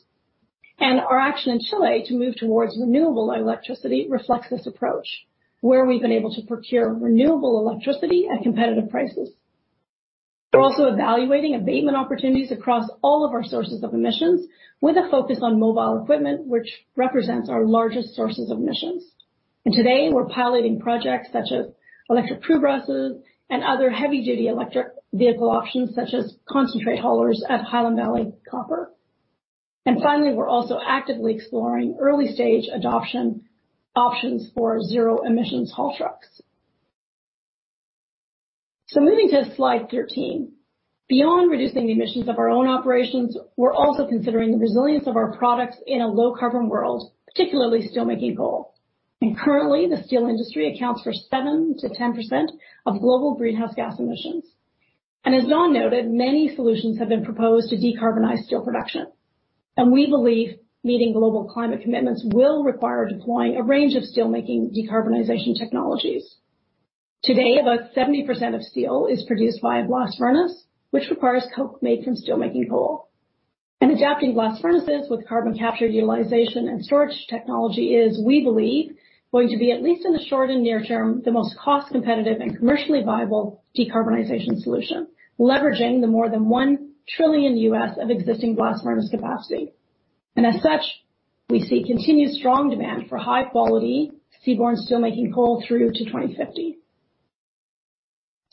Our action in Chile to move towards renewable electricity reflects this approach, where we've been able to procure renewable electricity at competitive prices. We're also evaluating abatement opportunities across all of our sources of emissions with a focus on mobile equipment, which represents our largest sources of emissions. Today, we're piloting projects such as electric prototype buses and other heavy-duty electric vehicle options such as concentrate haulers at Highland Valley Copper. Finally, we're also actively exploring early-stage adoption options for zero-emissions haul trucks. Moving to Slide 13. Beyond reducing the emissions of our own operations, we're also considering the resilience of our products in a low-carbon world, particularly steelmaking coal. Currently, the steel industry accounts for 7%-10% of global greenhouse gas emissions. As Don noted, many solutions have been proposed to decarbonize steel production. We believe meeting global climate commitments will require deploying a range of steelmaking decarbonization technologies. Today, about 70% of steel is produced via blast furnace, which requires coke made from steelmaking coal. Adapting blast furnaces with carbon capture utilization and storage technology is, we believe, going to be, at least in the short and near term, the most cost-competitive and commercially viable decarbonization solution, leveraging the more than $1 trillion of existing blast furnace capacity. As such, we see continued strong demand for high-quality seaborne steelmaking coal through to 2050.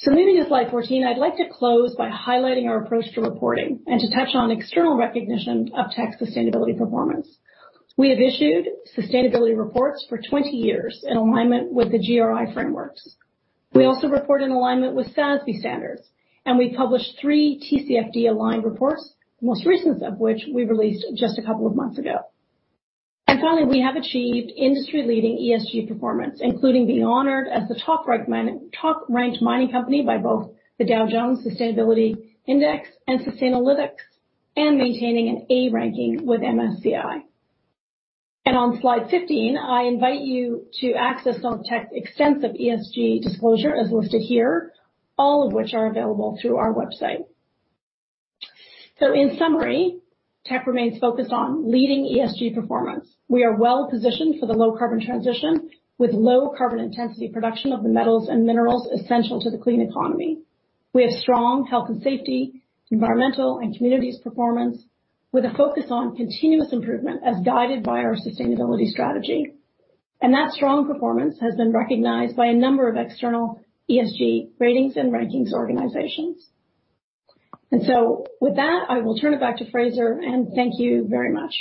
Moving to Slide 14, I'd like to close by highlighting our approach to reporting and to touch on external recognition of Teck's sustainability performance. We have issued sustainability reports for 20 years in alignment with the GRI frameworks. We also report in alignment with SASB standards, and we published three TCFD-aligned reports, the most recent of which we released just a couple of months ago. Finally, we have achieved industry-leading ESG performance, including being honored as the top-ranked mining company by both the Dow Jones Sustainability Index and Sustainalytics, and maintaining an A ranking with MSCI. On slide 15, I invite you to access some Teck extensive ESG disclosure as listed here, all of which are available through our website. In summary, Teck remains focused on leading ESG performance. We are well-positioned for the low-carbon transition with low carbon intensity production of the metals and minerals essential to the clean economy, with strong health and safety, environmental and communities performance with a focus on continuous improvement as guided by our sustainability strategy. That strong performance has been recognized by a number of external ESG ratings and rankings organizations. With that, I will turn it back to Fraser. Thank you very much.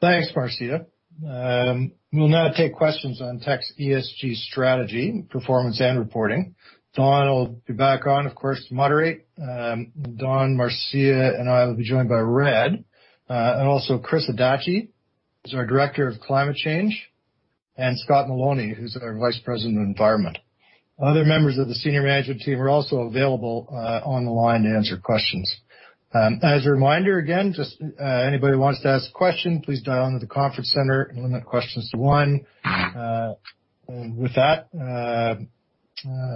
Thanks, Marcia. We will now take questions on Teck's ESG strategy, performance, and reporting. Don will be back on, of course, to moderate. Don, Marcia, and I will be joined by Red, and also Chris Adachi, who's our Director of climate change, and Scott Maloney, who's our Vice President of environment. Other members of the senior management team are also available on the line to answer questions. As a reminder, again, anybody who wants to ask a question, please dial into the conference center and limit questions to one. With that,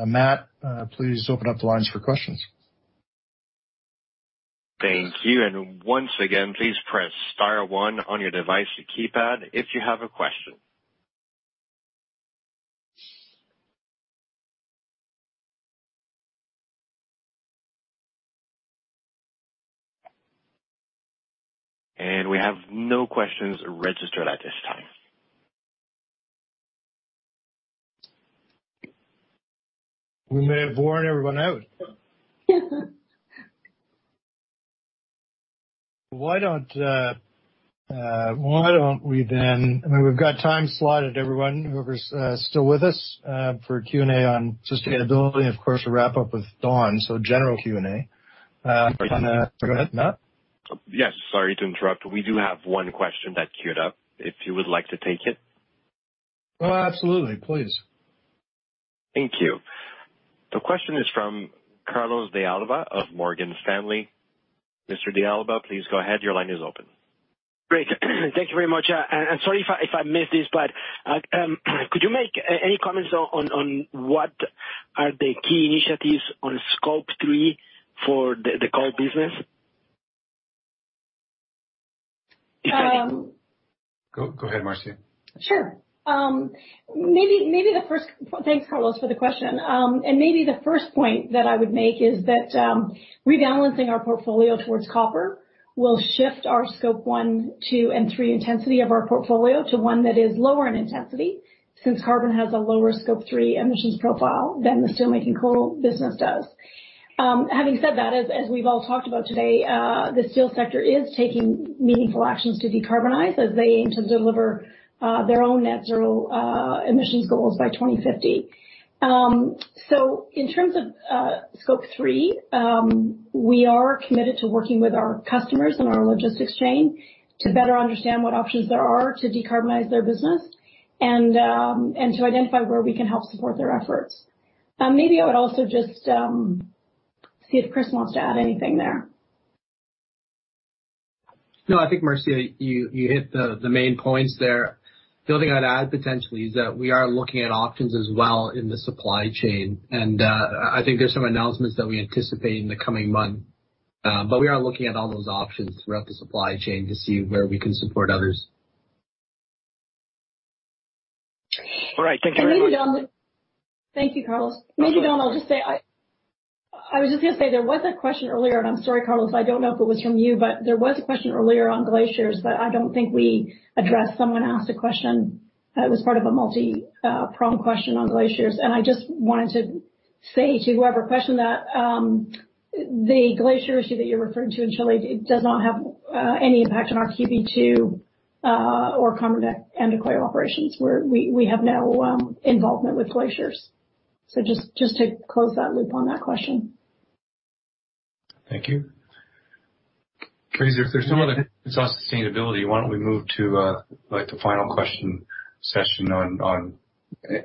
Matt, please open up the lines for questions. Thank you. Once again, please press star one on your device keypad if you have a question. We have no questions registered at this time. We may have worn everyone out. We've got time slotted, everyone, whoever's still with us, for Q&A on sustainability. Of course, we'll wrap up with Don, so general Q&A. Go ahead, Matt. Yes. Sorry to interrupt. We do have one question that queued up, if you would like to take it. Absolutely, please. Thank you. The question is from Carlos de Alba of Morgan Stanley. Mr. de Alba, please go ahead. Your line is open. Great. Thank you very much. Sorry if I missed this, but could you make any comments on what are the key initiatives on Scope 3 for the coal business? Go ahead, Marcia. Sure. Thanks, Carlos, for the question. Maybe the first point that I would make is that rebalancing our portfolio towards copper will shift our Scope 1, 2 and 3 intensity of our portfolio to one that is lower in intensity, since carbon has a lower Scope 3 emissions profile than the steelmaking coal business does. Having said that, as we've all talked about today, the steel sector is taking meaningful actions to decarbonize as they aim to deliver their own net zero emissions goals by 2050. In terms of Scope 3, we are committed to working with our customers and our logistics chain to better understand what options there are to decarbonize their business and to identify where we can help support their efforts. Maybe I would also just see if Chris wants to add anything there. I think, Marcia, you hit the main points there. The only thing I'd add, potentially, is that we are looking at options as well in the supply chain, and I think there's some announcements that we anticipate in the coming month. We are looking at all those options throughout the supply chain to see where we can support others. All right. Thank you very much. Thank you, Carlos. Don, I was just going to say, there was a question earlier, and I am sorry, Carlos, I don't know if it was from you, but there was a question earlier on glaciers that I don't think we addressed. Someone asked a question that was part of a multi-prong question on glaciers, and I just wanted to say to whoever questioned that, the glacier issue that you're referring to in Chile, it does not have any impact on our QB2 or Carmen de Andacollo operations, where we have no involvement with glaciers. Just to close that loop on that question. Thank you. Fraser, if there's no other questions on sustainability, why don't we move to the final question session on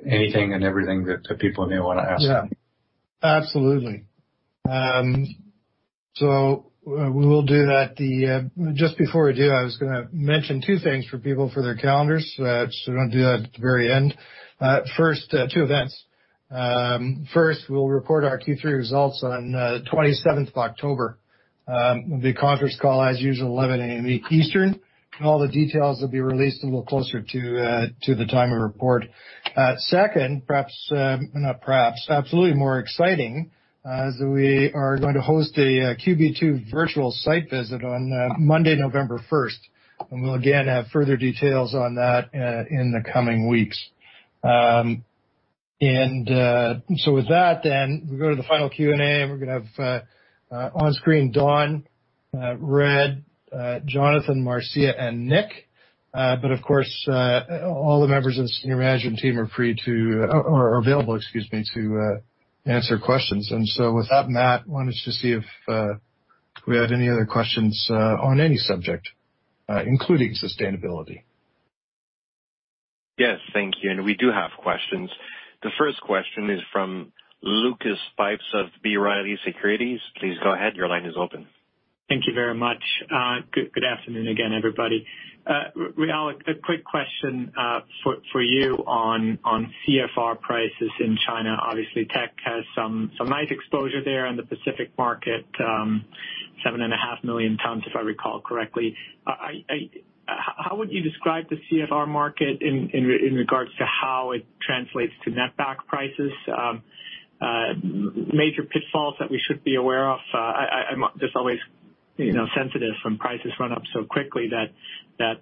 anything and everything that the people in here want to ask? Yeah. Absolutely. We will do that. Just before we do, I was going to mention two things for people for their calendars. We're going to do that at the very end. First, two events. First, we'll report our Q3 results on 27th of October, with the conference call as usual, 11:00 A.M. Eastern. All the details will be released a little closer to the time of report. Second, absolutely more exciting, is we are going to host a QB2 virtual site visit on Monday, November 1st. We'll again have further details on that in the coming weeks. With that, we'll go to the final Q&A, we're going to have onscreen Don Red, Jonathan, Marcia, and Nick. Of course, all the members of the senior management team are available to answer questions. With that, Matt, wanted to see if we had any other questions on any subject, including sustainability. Yes. Thank you. We do have questions. The first question is from Lucas Pipes of B. Riley Securities. Please go ahead. Your line is open. Thank you very much. Good afternoon again, everybody. Réal, a quick question for you on CFR prices in China. Teck has some nice exposure there in the Pacific market, 7.5 million tonnes if I recall correctly. How would you describe the CFR market in regards to how it translates to net back prices? Major pitfalls that we should be aware of? I'm just always sensitive when prices run up so quickly that things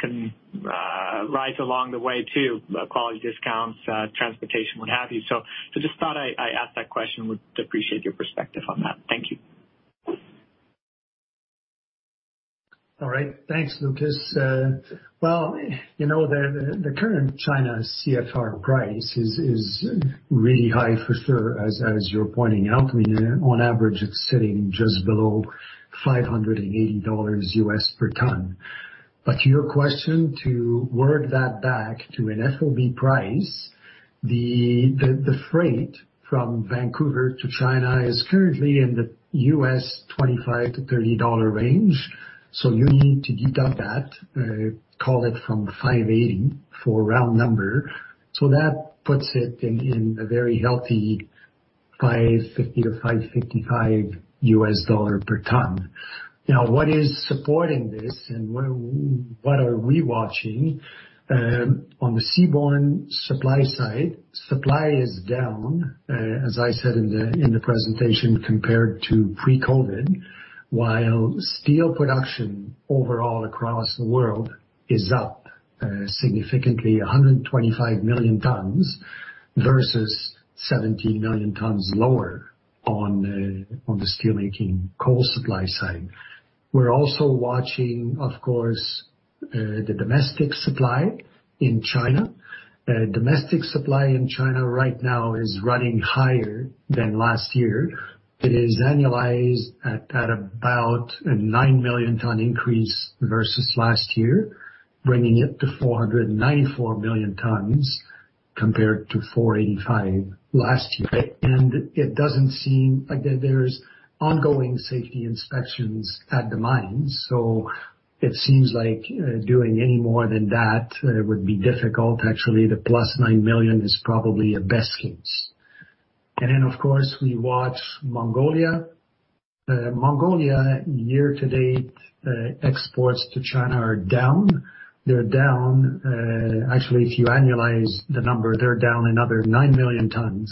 can rise along the way too, quality discounts, transportation, what have you. Just thought I'd ask that question, would appreciate your perspective on that. Thank you. Thanks, Lucas. The current China CFR price is really high for sure, as you're pointing out. On average, it's sitting just below $580 per ton. To your question, to word that back to an FOB price, the freight from Vancouver to China is currently in the $25-$30 range. You need to deduct that, call it from $580 for a round number. That puts it in a very healthy $550-$555. per ton. What is supporting this and what are we watching? On the seaborne supply side, supply is down, as I said in the presentation, compared to pre-COVID, while steel production overall across the world is up significantly, 125 million tonnes versus 17 million tonnes lower on the steelmaking coal supply side. We're also watching, of course, the domestic supply in China. Domestic supply in China right now is running higher than last year. It is annualized at about a nine million tonnes increase versus last year, bringing it to 494 million tonnes compared to 485 last year. It doesn't seem like there's ongoing safety inspections at the mines, so it seems like doing any more than that would be difficult. Actually, the plus nine million is probably a best case. Of course, we watch Mongolia. Mongolia year-to-date exports to China are down. They're down, actually, if you annualize the number, they're down another nine million tonnes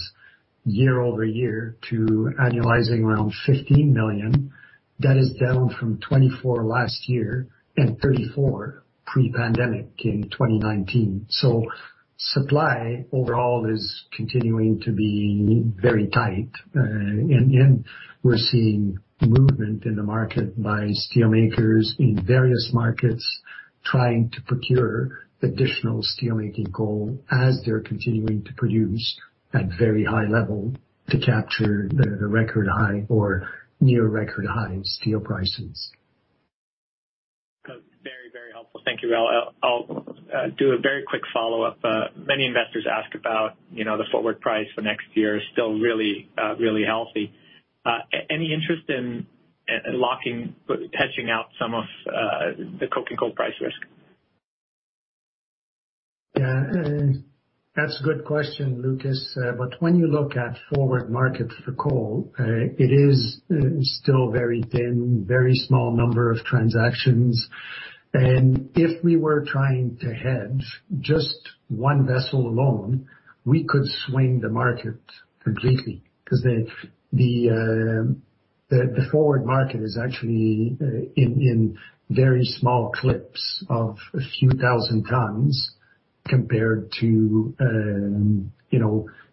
year-over-year to annualizing around 15 million. That is down from 24 last year and 34 pre-pandemic in 2019. Supply overall is continuing to be very tight. We're seeing movement in the market by steelmakers in various markets trying to procure additional steelmaking coal as they're continuing to produce at very high level to capture the record high or near record high steel prices. Very helpful. Thank you. I'll do a very quick follow-up. Many investors ask about the forward price for next year is still really healthy. Any interest in locking, hedging out some of the coking coal price risk? That's a good question, Lucas. When you look at forward markets for coal, it is still very thin, very small number of transactions. If we were trying to hedge just one vessel alone, we could swing the market completely because the forward market is actually in very small clips of a few 1,000 tonnes compared to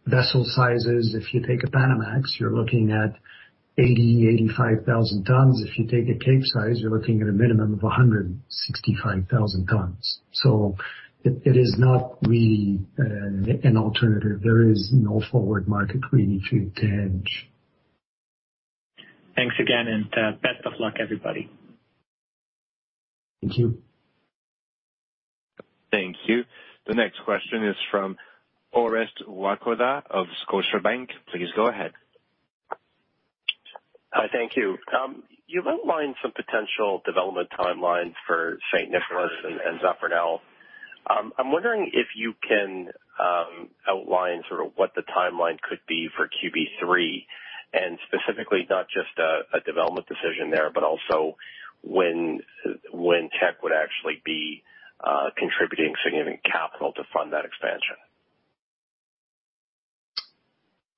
vessel sizes. If you take a Panamax, you're looking at 80,000, 85,000 tonnes. If you take a Capesize, you're looking at a minimum of 165,000 tonnes. It is not really an alternative. There is no forward market really to hedge. Thanks again and best of luck, everybody. Thank you. Thank you. The next question is from Orest Wowkodaw of Scotiabank. Please go ahead. Hi. Thank you. You've outlined some potential development timelines for San Nicolás and Zafranal. I'm wondering if you can outline sort of what the timeline could be for QB3, and specifically not just a development decision there, but also when Teck would actually be contributing significant capital to fund that expansion.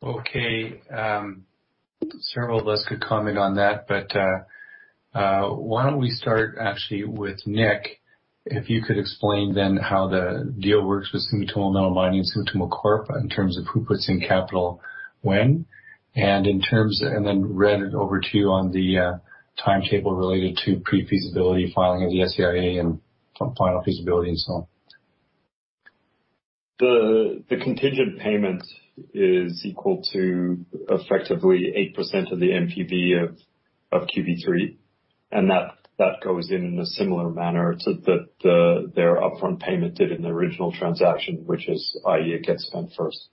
Okay. Several of us could comment on that. Why don't we start actually with Nic, if you could explain then how the deal works with Sumitomo Metal Mining, Sumitomo Corp., in terms of who puts in capital when, and then read it over to you on the timetable related to pre-feasibility filing of the SEIA and final feasibility and so on. The contingent payment is equal to effectively 8% of the NPV of QB3, and that goes in in a similar manner to their upfront payment did in the original transaction, which is, i.e., it gets spent first.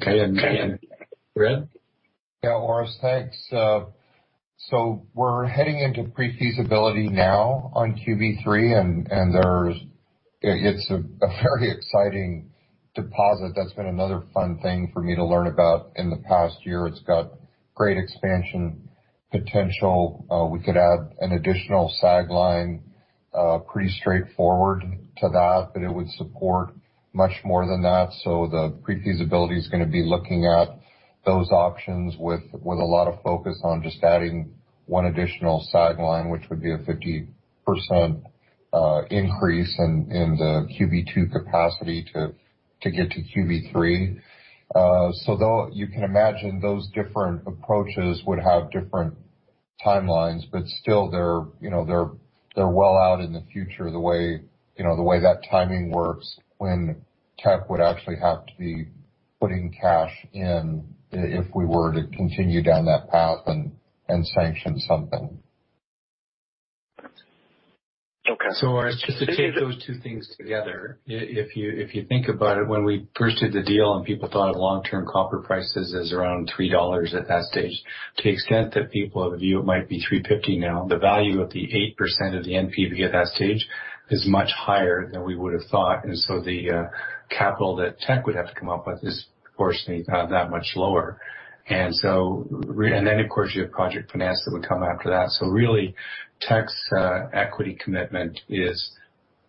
Okay. Red Conger? Yeah, Orest Wowkodaw, thanks. We're heading into pre-feasibility now on QB3, and it's a very exciting deposit. That's been another fun thing for me to learn about in the past year. It's got great expansion potential. We could add an additional SAG line, pretty straightforward to that, but it would support much more than that. The pre-feasibility is going to be looking at those options with a lot of focus on just adding one additional SAG line, which would be a 50% increase in the QB2 capacity to get to QB3. You can imagine those different approaches would have different timelines, but still they're well out in the future, the way that timing works when Teck would actually have to be putting cash in if we were to continue down that path and sanction something. Just to take those two things together, if you think about it, when we first did the deal and people thought of long-term copper prices as around $3 at that stage, to the extent that people have a view, it might be $3.50 now. The value of the 8% of the NPV at that stage is much higher than we would have thought. The capital that Teck would have to come up with is fortunately that much lower. Then, of course, you have project finance that would come after that. Really, Teck's equity commitment is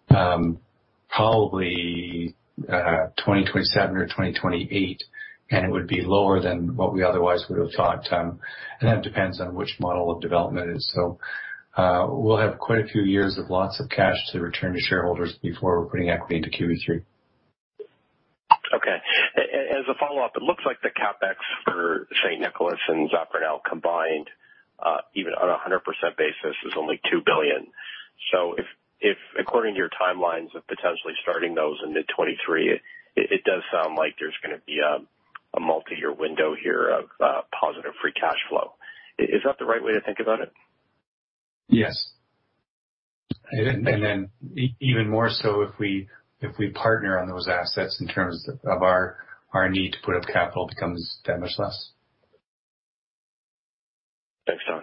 probably 2027 or 2028, and it would be lower than what we otherwise would have thought. That depends on which model of development it is. We'll have quite a few years of lots of cash to return to shareholders before we're putting equity into QB3. Okay. As a follow-up, it looks like the CapEx for San Nicolás and Zafranal combined, even on a 100% basis, is only 2 billion. If according to your timelines of potentially starting those in mid 2023, it does sound like there's going to be a multi-year window here of positive free cash flow. Is that the right way to think about it? Yes. Even more so if we partner on those assets in terms of our need to put up capital becomes that much less. Thanks, Don.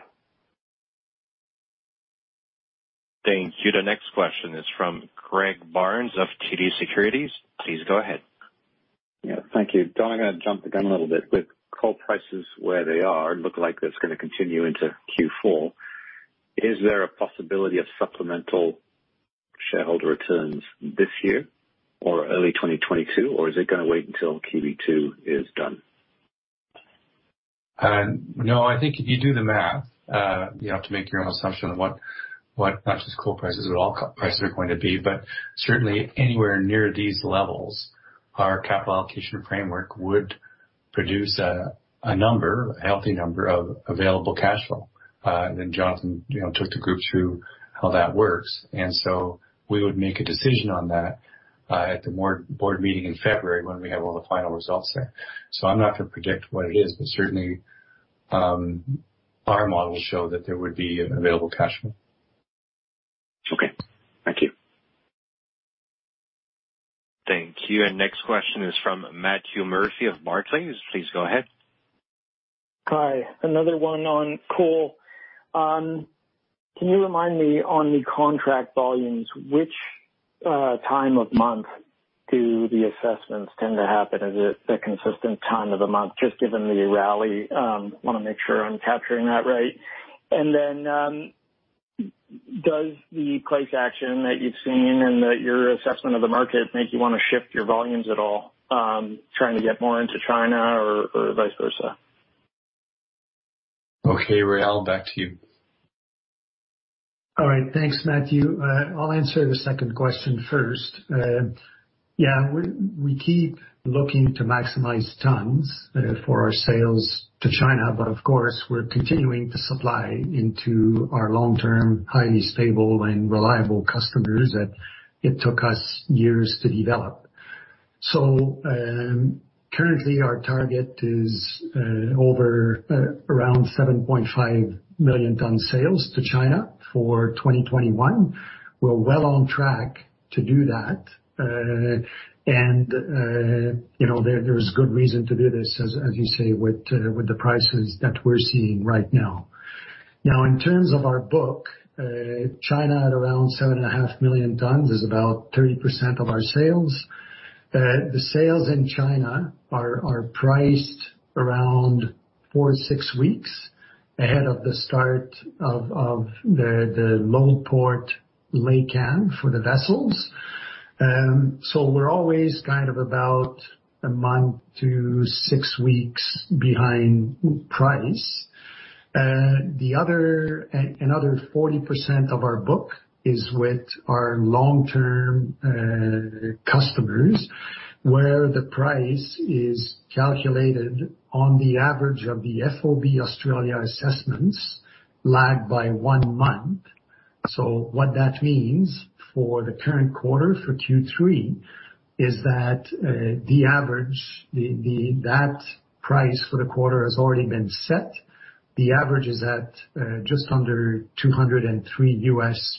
Thank you. The next question is from Greg Barnes of TD Securities. Please go ahead. Thank you. Don, I'm going to jump the gun a little bit. With coal prices where they are, look like it's going to continue into Q4, is there a possibility of supplemental shareholder returns this year or early 2022, or is it going to wait until QB2 is done? No, I think if you do the math, you have to make your own assumption of what not just coal prices but all prices are going to be. Certainly anywhere near these levels, our capital allocation framework would produce a number, a healthy number of available cash flow. Jonathan took the group through how that works. We would make a decision on that at the board meeting in February when we have all the final results there. I'm not going to predict what it is, but certainly, our models show that there would be available cash flow. Okay. Thank you. Thank you. Next question is from Matthew Murphy of Barclays. Please go ahead. Hi, another one on coal. Can you remind me on the contract volumes, which time of month do the assessments tend to happen? Is it a consistent time of the month, just given the rally? I want to make sure I'm capturing that right. Does the price action that you've seen and that your assessment of the market make you want to shift your volumes at all, trying to get more into China or vice versa? Okay, Réal, back to you. All right. Thanks, Matthew. I'll answer the second question first. Yeah, we keep looking to maximize tonnes sales for our sales to China. Of course, we're continuing to supply into our long-term, highly stable, and reliable customers that it took us years to develop. Currently our target is over around 7.5 million tonnes sales to China for 2021. We're well on track to do that. There is good reason to do this, as you say, with the prices that we're seeing right now. In terms of our book, China at around 7.5 million tonnes is about 30% of our sales. The sales in China are priced around four to six weeks ahead of the start of the load port laycan for the vessels. We're always about one month to six weeks behind price. Another 40% of our book is with our long-term customers, where the price is calculated on the average of the FOB Australia assessments lagged by one month. What that means for the current quarter, for Q3, is that the average, that price for the quarter has already been set. The average is at just under $203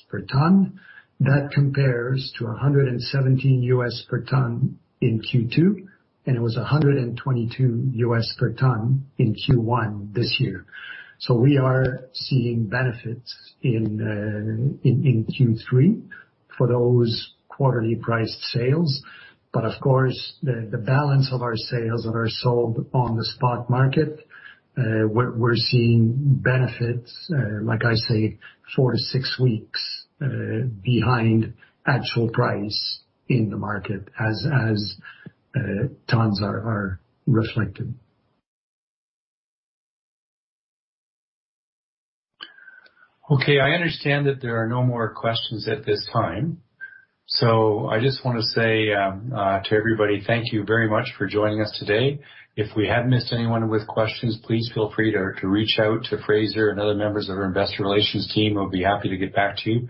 per ton. That compares to $117 per ton in Q2, and it was $122 per ton in Q1 this year. We are seeing benefits in Q3 for those quarterly priced sales. Of course, the balance of our sales that are sold on the spot market, we're seeing benefits, like I say, four to six weeks behind actual price in the market as tonnes are reflected. I understand that there are no more questions at this time, so I just want to say to everybody, thank you very much for joining us today. If we have missed anyone with questions, please feel free to reach out to Fraser and other members of our investor relations team, who'll be happy to get back to you.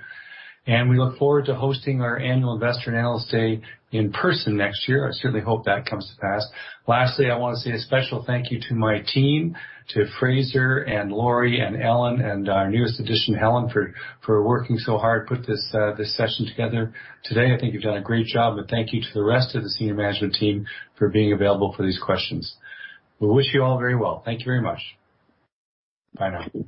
We look forward to hosting our annual Investor Analysis Day in person next year. I certainly hope that comes to pass. Lastly, I want to say a special thank you to my team, to Fraser and Laurie and Ellen, and our newest addition, Helen, for working so hard to put this session together today. I think you've done a great job, and thank you to the rest of the senior management team for being available for these questions. We wish you all very well. Thank you very much. Bye now.